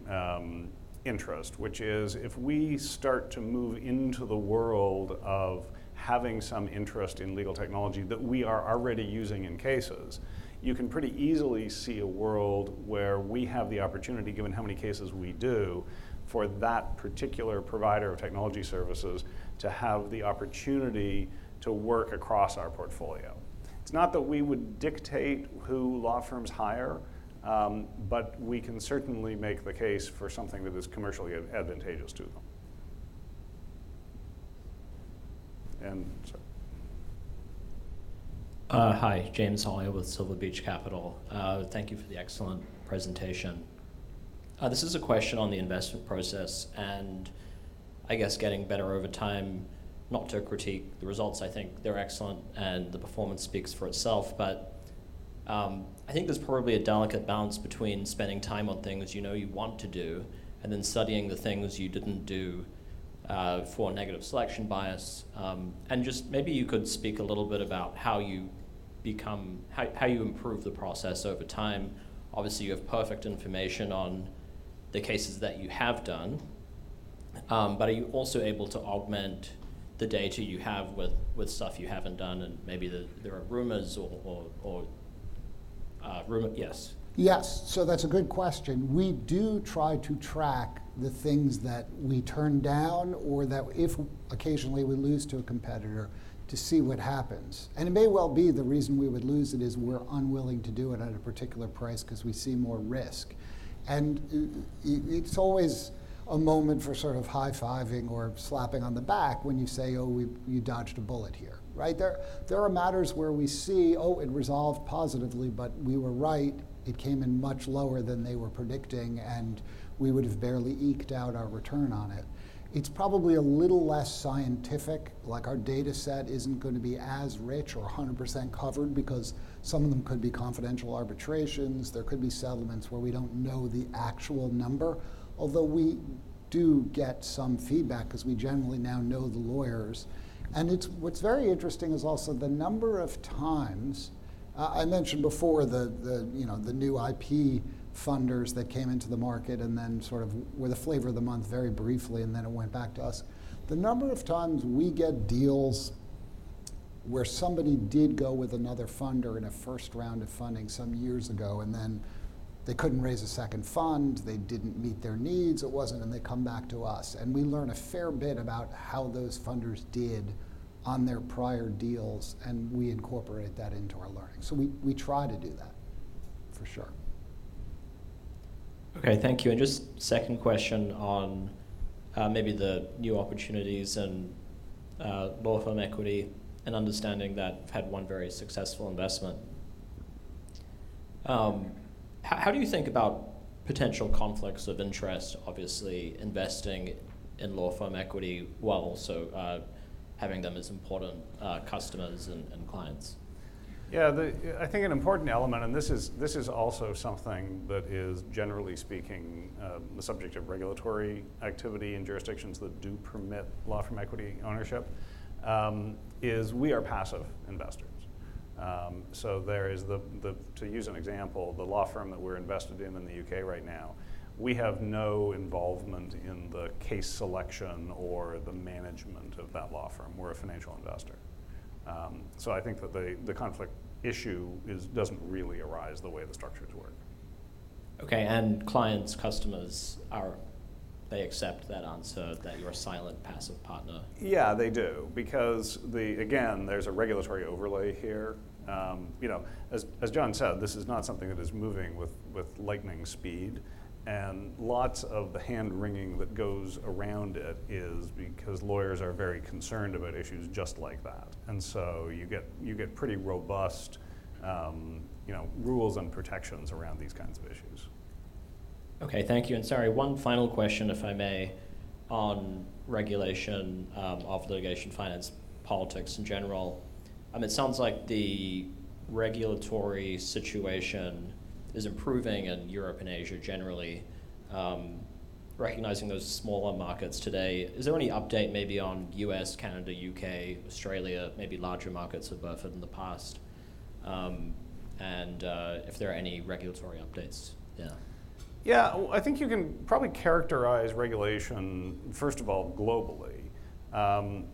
interest, which is if we start to move into the world of having some interest in legal technology that we are already using in cases, you can pretty easily see a world where we have the opportunity, given how many cases we do, for that particular provider of technology services to have the opportunity to work across our portfolio. It's not that we would dictate who law firms hire, but we can certainly make the case for something that is commercially advantageous to them. And so. Hi, James Holly with Silver Beach Capital. Thank you for the excellent presentation. This is a question on the investment process and I guess getting better over time, not to critique the results. I think they're excellent and the performance speaks for itself. I think there's probably a delicate balance between spending time on things you know you want to do and then studying the things you didn't do for negative selection bias. Maybe you could speak a little bit about how you improve the process over time. Obviously, you have perfect information on the cases that you have done, but are you also able to augment the data you have with stuff you haven't done and maybe there are rumors or yes. Yes. That is a good question. We do try to track the things that we turn down or that if occasionally we lose to a competitor to see what happens. It may well be the reason we would lose it is we are unwilling to do it at a particular price because we see more risk. It is always a moment for sort of high-fiving or slapping on the back when you say, oh, you dodged a bullet here. There are matters where we see, oh, it resolved positively, but we were right. It came in much lower than they were predicting, and we would have barely eked out our return on it. It is probably a little less scientific. Like our data set is not going to be as rich or 100% covered because some of them could be confidential arbitrations. There could be settlements where we don't know the actual number, although we do get some feedback because we generally now know the lawyers. What's very interesting is also the number of times I mentioned before the new IP funders that came into the market and then sort of with a flavor of the month very briefly, and then it went back to us. The number of times we get deals where somebody did go with another funder in a first round of funding some years ago, and then they couldn't raise a second fund. They didn't meet their needs. It wasn't, and they come back to us. We learn a fair bit about how those funders did on their prior deals, and we incorporate that into our learning. We try to do that for sure. Okay. Thank you. Just second question on maybe the new opportunities and law firm equity and understanding that had one very successful investment. How do you think about potential conflicts of interest, obviously investing in law firm equity while also having them as important customers and clients? Yeah. I think an important element, and this is also something that is generally speaking the subject of regulatory activity in jurisdictions that do permit law firm equity ownership, is we are passive investors. There is, to use an example, the law firm that we're invested in in the U.K., right now, we have no involvement in the case selection or the management of that law firm. We're a financial investor. I think that the conflict issue doesn't really arise the way the structures work. Okay. Clients, customers, they accept that answer that you're a silent passive partner? Yeah, they do. Because again, there's a regulatory overlay here. As Jonathan Molot said, this is not something that is moving with lightning speed. Lots of the hand-wringing that goes around it is because lawyers are very concerned about issues just like that. You get pretty robust rules and protections around these kinds of issues. Okay. Thank you. Sorry, one final question if I may on regulation of litigation finance politics in general. It sounds like the regulatory situation is improving in Europe and Asia generally, recognizing those smaller markets today. Is there any update maybe on U.S., Canada, U.K., Australia, maybe larger markets of Burford in the past? If there are any regulatory updates, yeah. Yeah. I think you can probably characterize regulation, first of all, globally,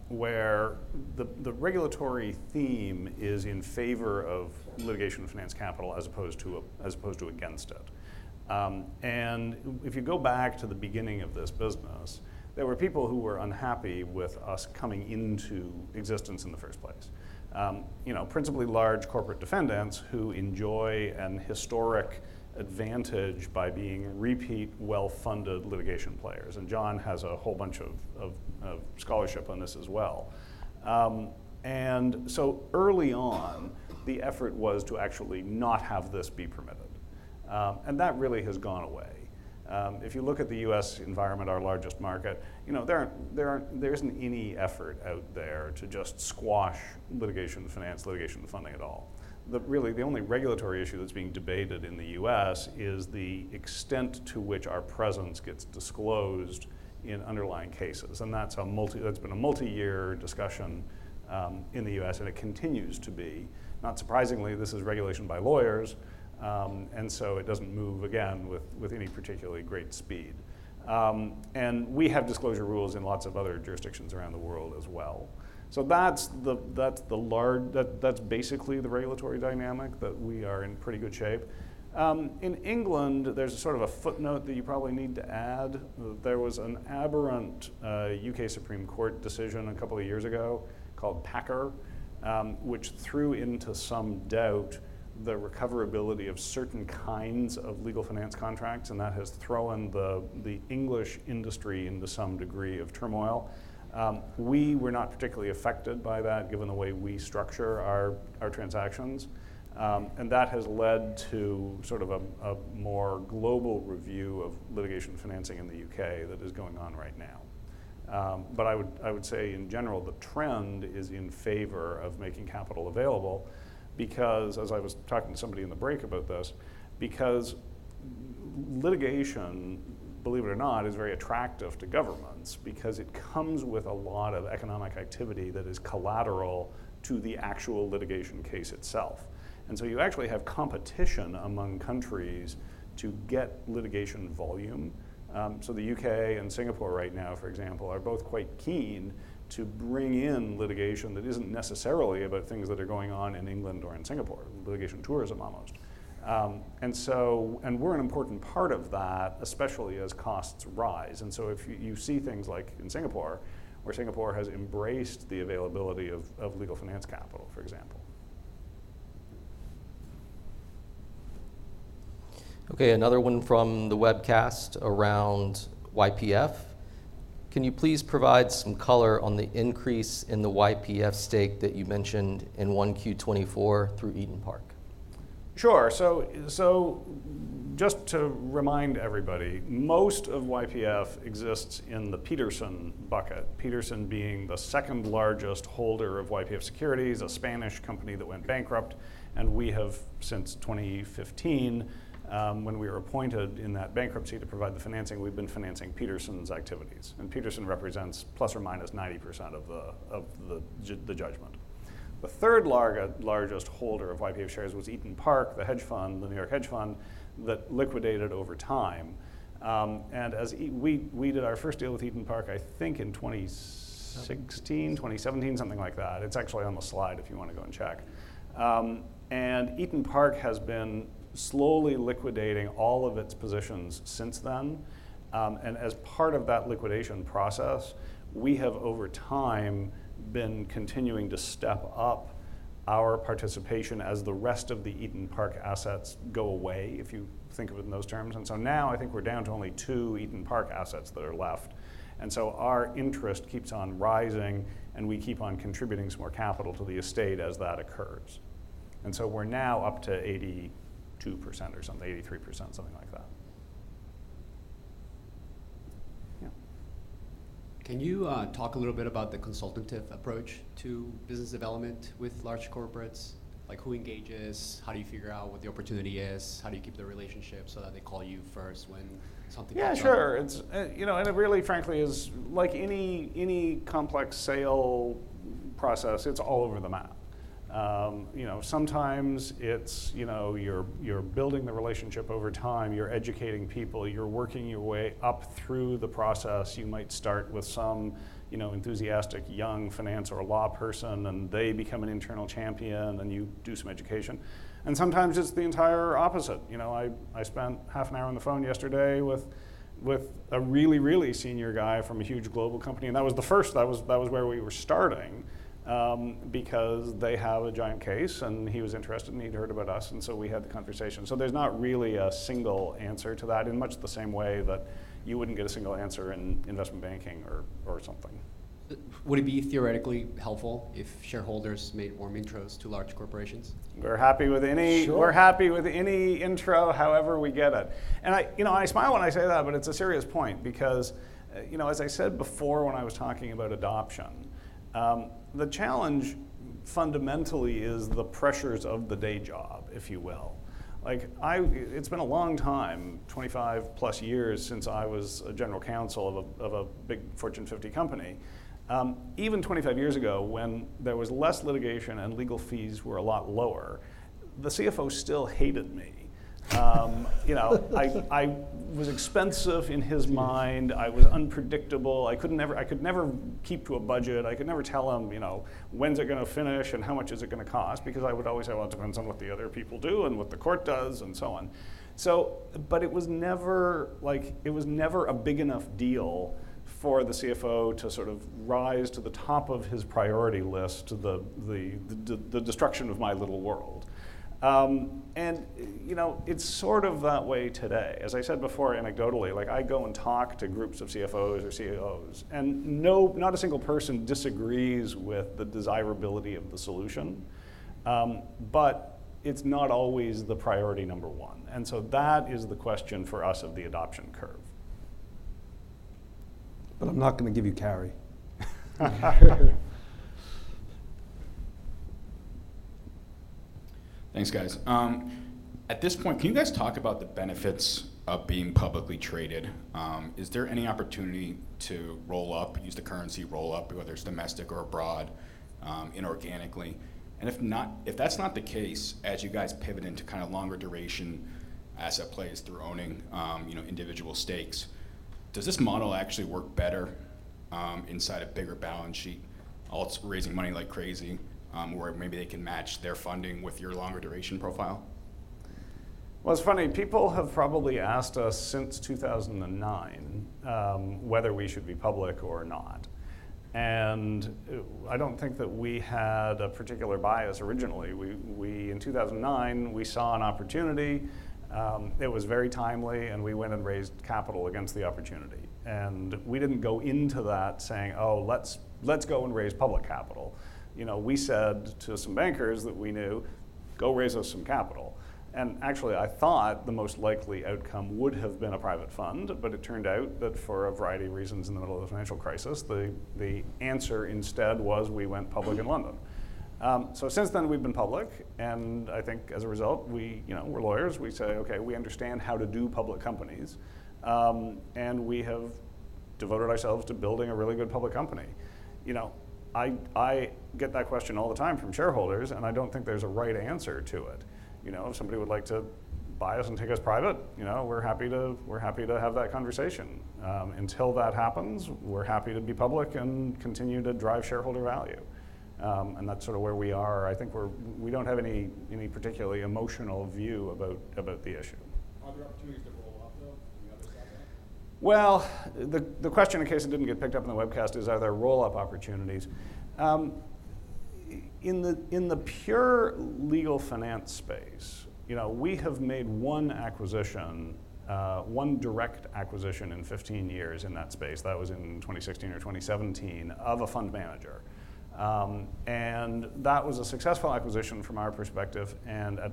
where the regulatory theme is in favor of litigation finance capital as opposed to against it. If you go back to the beginning of this business, there were people who were unhappy with us coming into existence in the first place. Principally large corporate defendants who enjoy a historic advantage by being repeat well-funded litigation players. Jonathan Molot has a whole bunch of scholarship on this as well. Early on, the effort was to actually not have this be permitted. That really has gone away. If you look at the U.S., environment, our largest market, there is not any effort out there to just squash litigation finance, litigation funding at all. Really, the only regulatory issue that is being debated in the U.S., is the extent to which our presence gets disclosed in underlying cases. That's been a multi-year discussion in the U.S., and it continues to be. Not surprisingly, this is regulation by lawyers. It does not move again with any particularly great speed. We have disclosure rules in lots of other jurisdictions around the world as well. That's the large, that's basically the regulatory dynamic that we are in pretty good shape. In England, there's sort of a footnote that you probably need to add. There was an aberrant U.K., Supreme Court decision a couple of years ago called Packer, which threw into some doubt the recoverability of certain kinds of legal finance contracts. That has thrown the English industry into some degree of turmoil. We were not particularly affected by that given the way we structure our transactions. That has led to sort of a more global review of litigation financing in the U.K., that is going on right now. I would say in general, the trend is in favor of making capital available because, as I was talking to somebody in the break about this, litigation, believe it or not, is very attractive to governments because it comes with a lot of economic activity that is collateral to the actual litigation case itself. You actually have competition among countries to get litigation volume. The U.K., and Singapore right now, for example, are both quite keen to bring in litigation that is not necessarily about things that are going on in England or in Singapore, litigation tourism almost. We are an important part of that, especially as costs rise. You see things like in Singapore where Singapore has embraced the availability of legal finance capital, for example. Okay. Another one from the webcast around YPF. Can you please provide some color on the increase in the YPF stake that you mentioned in 1Q24 through Eden Park? Sure. Just to remind everybody, most of YPF exists in the Peterson bucket, Peterson being the second largest holder of YPF securities, a Spanish company that went bankrupt. We have since 2015, when we were appointed in that bankruptcy to provide the financing, been financing Peterson's activities. Peterson represents plus or minus 90% of the judgment. The third largest holder of YPF shares was Eden Park, the hedge fund, the New York hedge fund that liquidated over time. We did our first deal with Eden Park, I think in 2016, 2017, something like that. It is actually on the slide if you want to go and check. Eden Park has been slowly liquidating all of its positions since then. As part of that liquidation process, we have over time been continuing to step up our participation as the rest of the Eden Park assets go away, if you think of it in those terms. Now I think we're down to only two Eden Park assets that are left. Our interest keeps on rising, and we keep on contributing some more capital to the estate as that occurs. We're now up to 82% or something, 83%, something like that. Can you talk a little bit about the consultative approach to business development with large corporates? Like who engages, how do you figure out what the opportunity is, how do you keep the relationship so that they call you first when something comes up? Yeah, sure. It really, frankly, is like any complex sale process, it's all over the map. Sometimes you're building the relationship over time, you're educating people, you're working your way up through the process. You might start with some enthusiastic young finance or law person, and they become an internal champion, and you do some education. Sometimes it's the entire opposite. I spent half an hour on the phone yesterday with a really, really senior guy from a huge global company. That was the first, that was where we were starting because they have a giant case, and he was interested and he'd heard about us. We had the conversation. There's not really a single answer to that in much the same way that you wouldn't get a single answer in investment banking or something. Would it be theoretically helpful if shareholders made warm intros to large corporations? We're happy with any intro, however we get it. I smile when I say that, but it's a serious point because, as I said before when I was talking about adoption, the challenge fundamentally is the pressures of the day job, if you will. It's been a long time, 25 plus years since I was a general counsel of a big Fortune 50 company. Even 25 years ago when there was less litigation and legal fees were a lot lower, the CFO still hated me. I was expensive in his mind. I was unpredictable. I could never keep to a budget. I could never tell him when's it going to finish and how much is it going to cost because I would always have once upon someone what the other people do and what the court does and so on. It was never a big enough deal for the CFO to sort of rise to the top of his priority list to the destruction of my little world. It is sort of that way today. As I said before anecdotally, I go and talk to groups of CFOs or CEOs, and not a single person disagrees with the desirability of the solution, but it is not always the priority number one. That is the question for us of the adoption curve. I'm not going to give you carry. Thanks, guys. At this point, can you guys talk about the benefits of being publicly traded? Is there any opportunity to roll up, use the currency, roll up, whether it's domestic or abroad inorganically? If that's not the case as you guys pivot into kind of longer duration asset plays through owning individual stakes, does this model actually work better inside a bigger balance sheet? All it's raising money like crazy where maybe they can match their funding with your longer duration profile? People have probably asked us since 2009 whether we should be public or not. I do not think that we had a particular bias originally. In 2009, we saw an opportunity. It was very timely, and we went and raised capital against the opportunity. We did not go into that saying, "Oh, let's go and raise public capital." We said to some bankers that we knew, "Go raise us some capital." Actually, I thought the most likely outcome would have been a private fund, but it turned out that for a variety of reasons in the middle of the financial crisis, the answer instead was we went public in London. Since then, we have been public. I think as a result, we are lawyers. We say, "Okay, we understand how to do public companies." We have devoted ourselves to building a really good public company. I get that question all the time from shareholders, and I do not think there is a right answer to it. If somebody would like to buy us and take us private, we are happy to have that conversation. Until that happens, we are happy to be public and continue to drive shareholder value. That is sort of where we are. I think we do not have any particularly emotional view about the issue. Are there opportunities to roll up, though? Any other side of that? The question, in case it did not get picked up in the webcast, is, are there roll up opportunities? In the pure legal finance space, we have made one acquisition, one direct acquisition in 15 years in that space. That was in 2016 or 2017 of a fund manager. That was a successful acquisition from our perspective.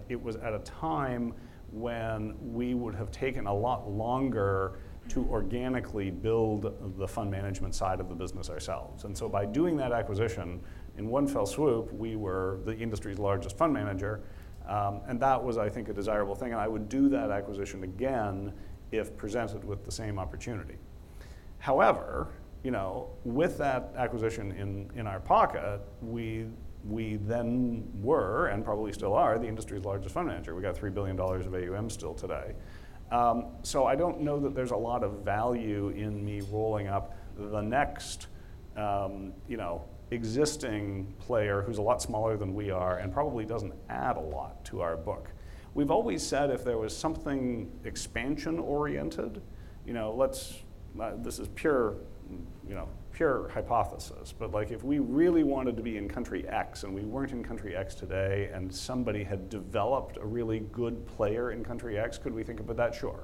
It was at a time when we would have taken a lot longer to organically build the fund management side of the business ourselves. By doing that acquisition in one fell swoop, we were the industry's largest fund manager. That was, I think, a desirable thing. I would do that acquisition again if presented with the same opportunity. However, with that acquisition in our pocket, we then were and probably still are the industry's largest fund manager. We got $3 billion of AUM still today. I do not know that there is a lot of value in me rolling up the next existing player who is a lot smaller than we are and probably does not add a lot to our book. We have always said if there was something expansion oriented, this is pure hypothesis, but if we really wanted to be in country X and we were not in country X today and somebody had developed a really good player in country X, could we think about that? Sure.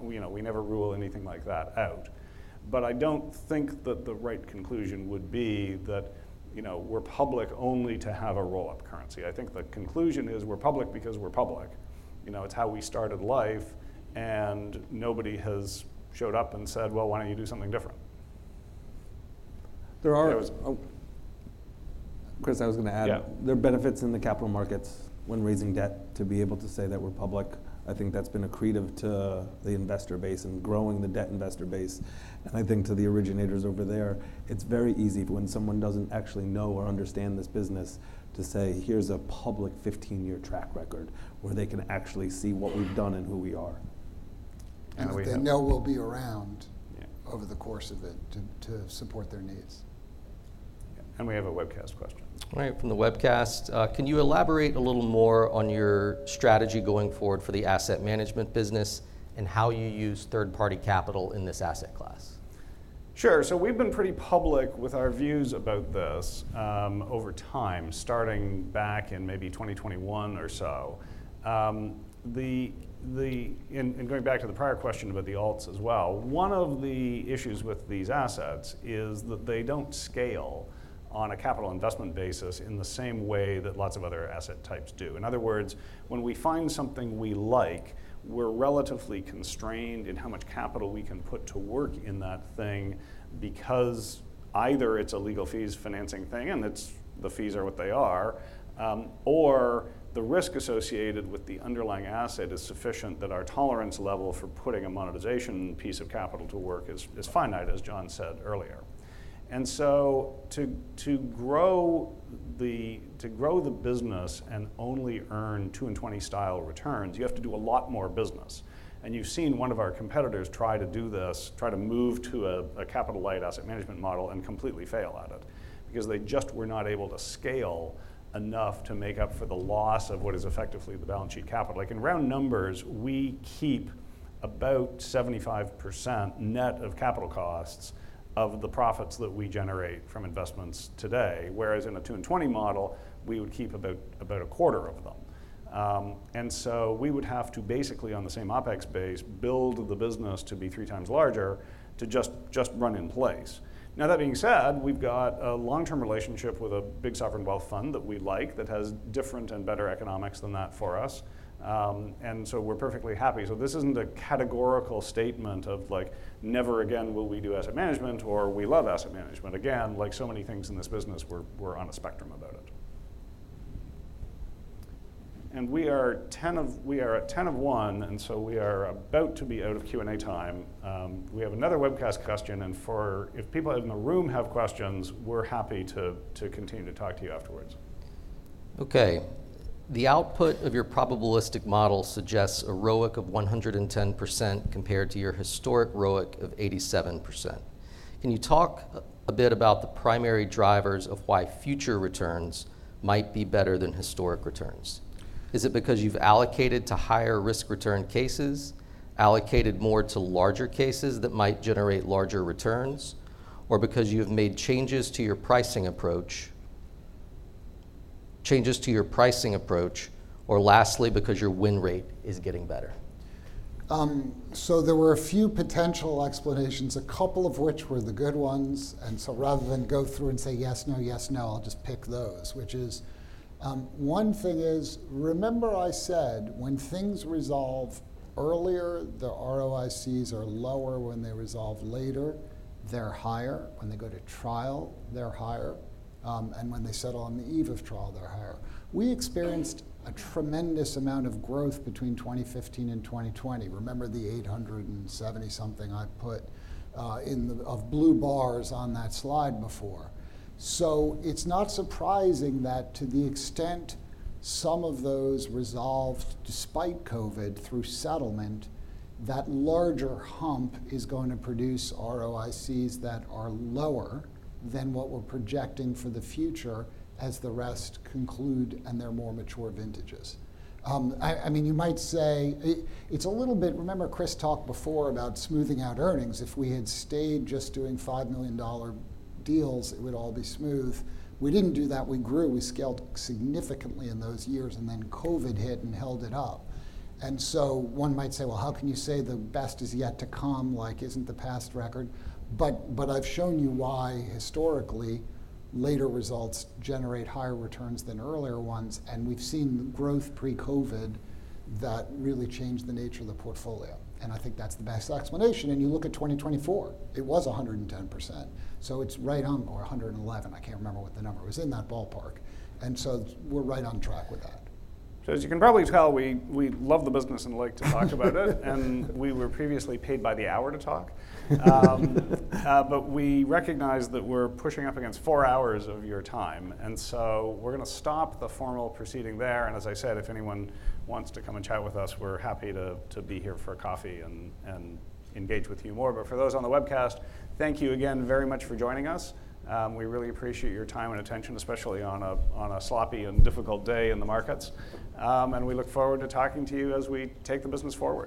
We never rule anything like that out. I do not think that the right conclusion would be that we are public only to have a roll up currency. I think the conclusion is we are public because we are public. It is how we started life. Nobody has showed up and said, "Well, why do you not do something different? There are. Christopher Bogart, I was going to add, there are benefits in the capital markets when raising debt to be able to say that we're public. I think that's been accretive to the investor base and growing the debt investor base. I think to the originators over there, it's very easy when someone doesn't actually know or understand this business to say, "Here's a public 15-year track record where they can actually see what we've done and who we are. They know we'll be around over the course of it to support their needs. We have a webcast question. All right, from the webcast, can you elaborate a little more on your strategy going forward for the asset management business and how you use third-party capital in this asset class? Sure. We have been pretty public with our views about this over time, starting back in maybe 2021 or so. Going back to the prior question about the alts as well, one of the issues with these assets is that they do not scale on a capital investment basis in the same way that lots of other asset types do. In other words, when we find something we like, we are relatively constrained in how much capital we can put to work in that thing because either it is a legal fees financing thing and the fees are what they are, or the risk associated with the underlying asset is sufficient that our tolerance level for putting a monetization piece of capital to work is finite, as Jonathan Molot said earlier. To grow the business and only earn 2 and 20 style returns, you have to do a lot more business. You've seen one of our competitors try to do this, try to move to a capital light asset management model and completely fail at it because they just were not able to scale enough to make up for the loss of what is effectively the balance sheet capital. In round numbers, we keep about 75% net of capital costs of the profits that we generate from investments today, whereas in a 2 and 20 model, we would keep about a quarter of them. We would have to basically, on the same OpEx base, build the business to be three times larger to just run in place. That being said, we've got a long-term relationship with a big sovereign wealth fund that we like that has different and better economics than that for us. We're perfectly happy. This is not a categorical statement of, "Never again will we do asset management," or, "We love asset management." Again, like so many things in this business, we are on a spectrum about it. We are at 10 of 1, and we are about to be out of Q&A time. We have another webcast question. If people in the room have questions, we are happy to continue to talk to you afterwards. Okay. The output of your probabilistic model suggests a ROIC of 110% compared to your historic ROIC of 87%. Can you talk a bit about the primary drivers of why future returns might be better than historic returns? Is it because you've allocated to higher risk return cases, allocated more to larger cases that might generate larger returns, or because you have made changes to your pricing approach, or lastly, because your win rate is getting better? There were a few potential explanations, a couple of which were the good ones. Rather than go through and say, "Yes, no, yes, no," I'll just pick those. Which is, one thing is, remember I said when things resolve earlier, the ROICs are lower. When they resolve later, they're higher. When they go to trial, they're higher. And when they settle on the eve of trial, they're higher. We experienced a tremendous amount of growth between 2015 and 2020. Remember the 870 something I put of blue bars on that slide before. It is not surprising that to the extent some of those resolved despite COVID through settlement, that larger hump is going to produce ROICs that are lower than what we're projecting for the future as the rest conclude and they're more mature vintages. I mean, you might say it's a little bit, remember Christopher Bogart talked before about smoothing out earnings. If we had stayed just doing $5 million deals, it would all be smooth. We didn't do that. We grew. We scaled significantly in those years. And then COVID hit and held it up. One might say, "How can you say the best is yet to come? Isn't the past record?" I've shown you why historically later results generate higher returns than earlier ones. We've seen growth pre-COVID that really changed the nature of the portfolio. I think that's the best explanation. You look at 2024, it was 110%. It's right on or 111. I can't remember what the number was in that ballpark. We're right on track with that. As you can probably tell, we love the business and like to talk about it. We were previously paid by the hour to talk. We recognize that we're pushing up against four hours of your time. We are going to stop the formal proceeding there. As I said, if anyone wants to come and chat with us, we're happy to be here for a coffee and engage with you more. For those on the webcast, thank you again very much for joining us. We really appreciate your time and attention, especially on a sloppy and difficult day in the markets. We look forward to talking to you as we take the business forward.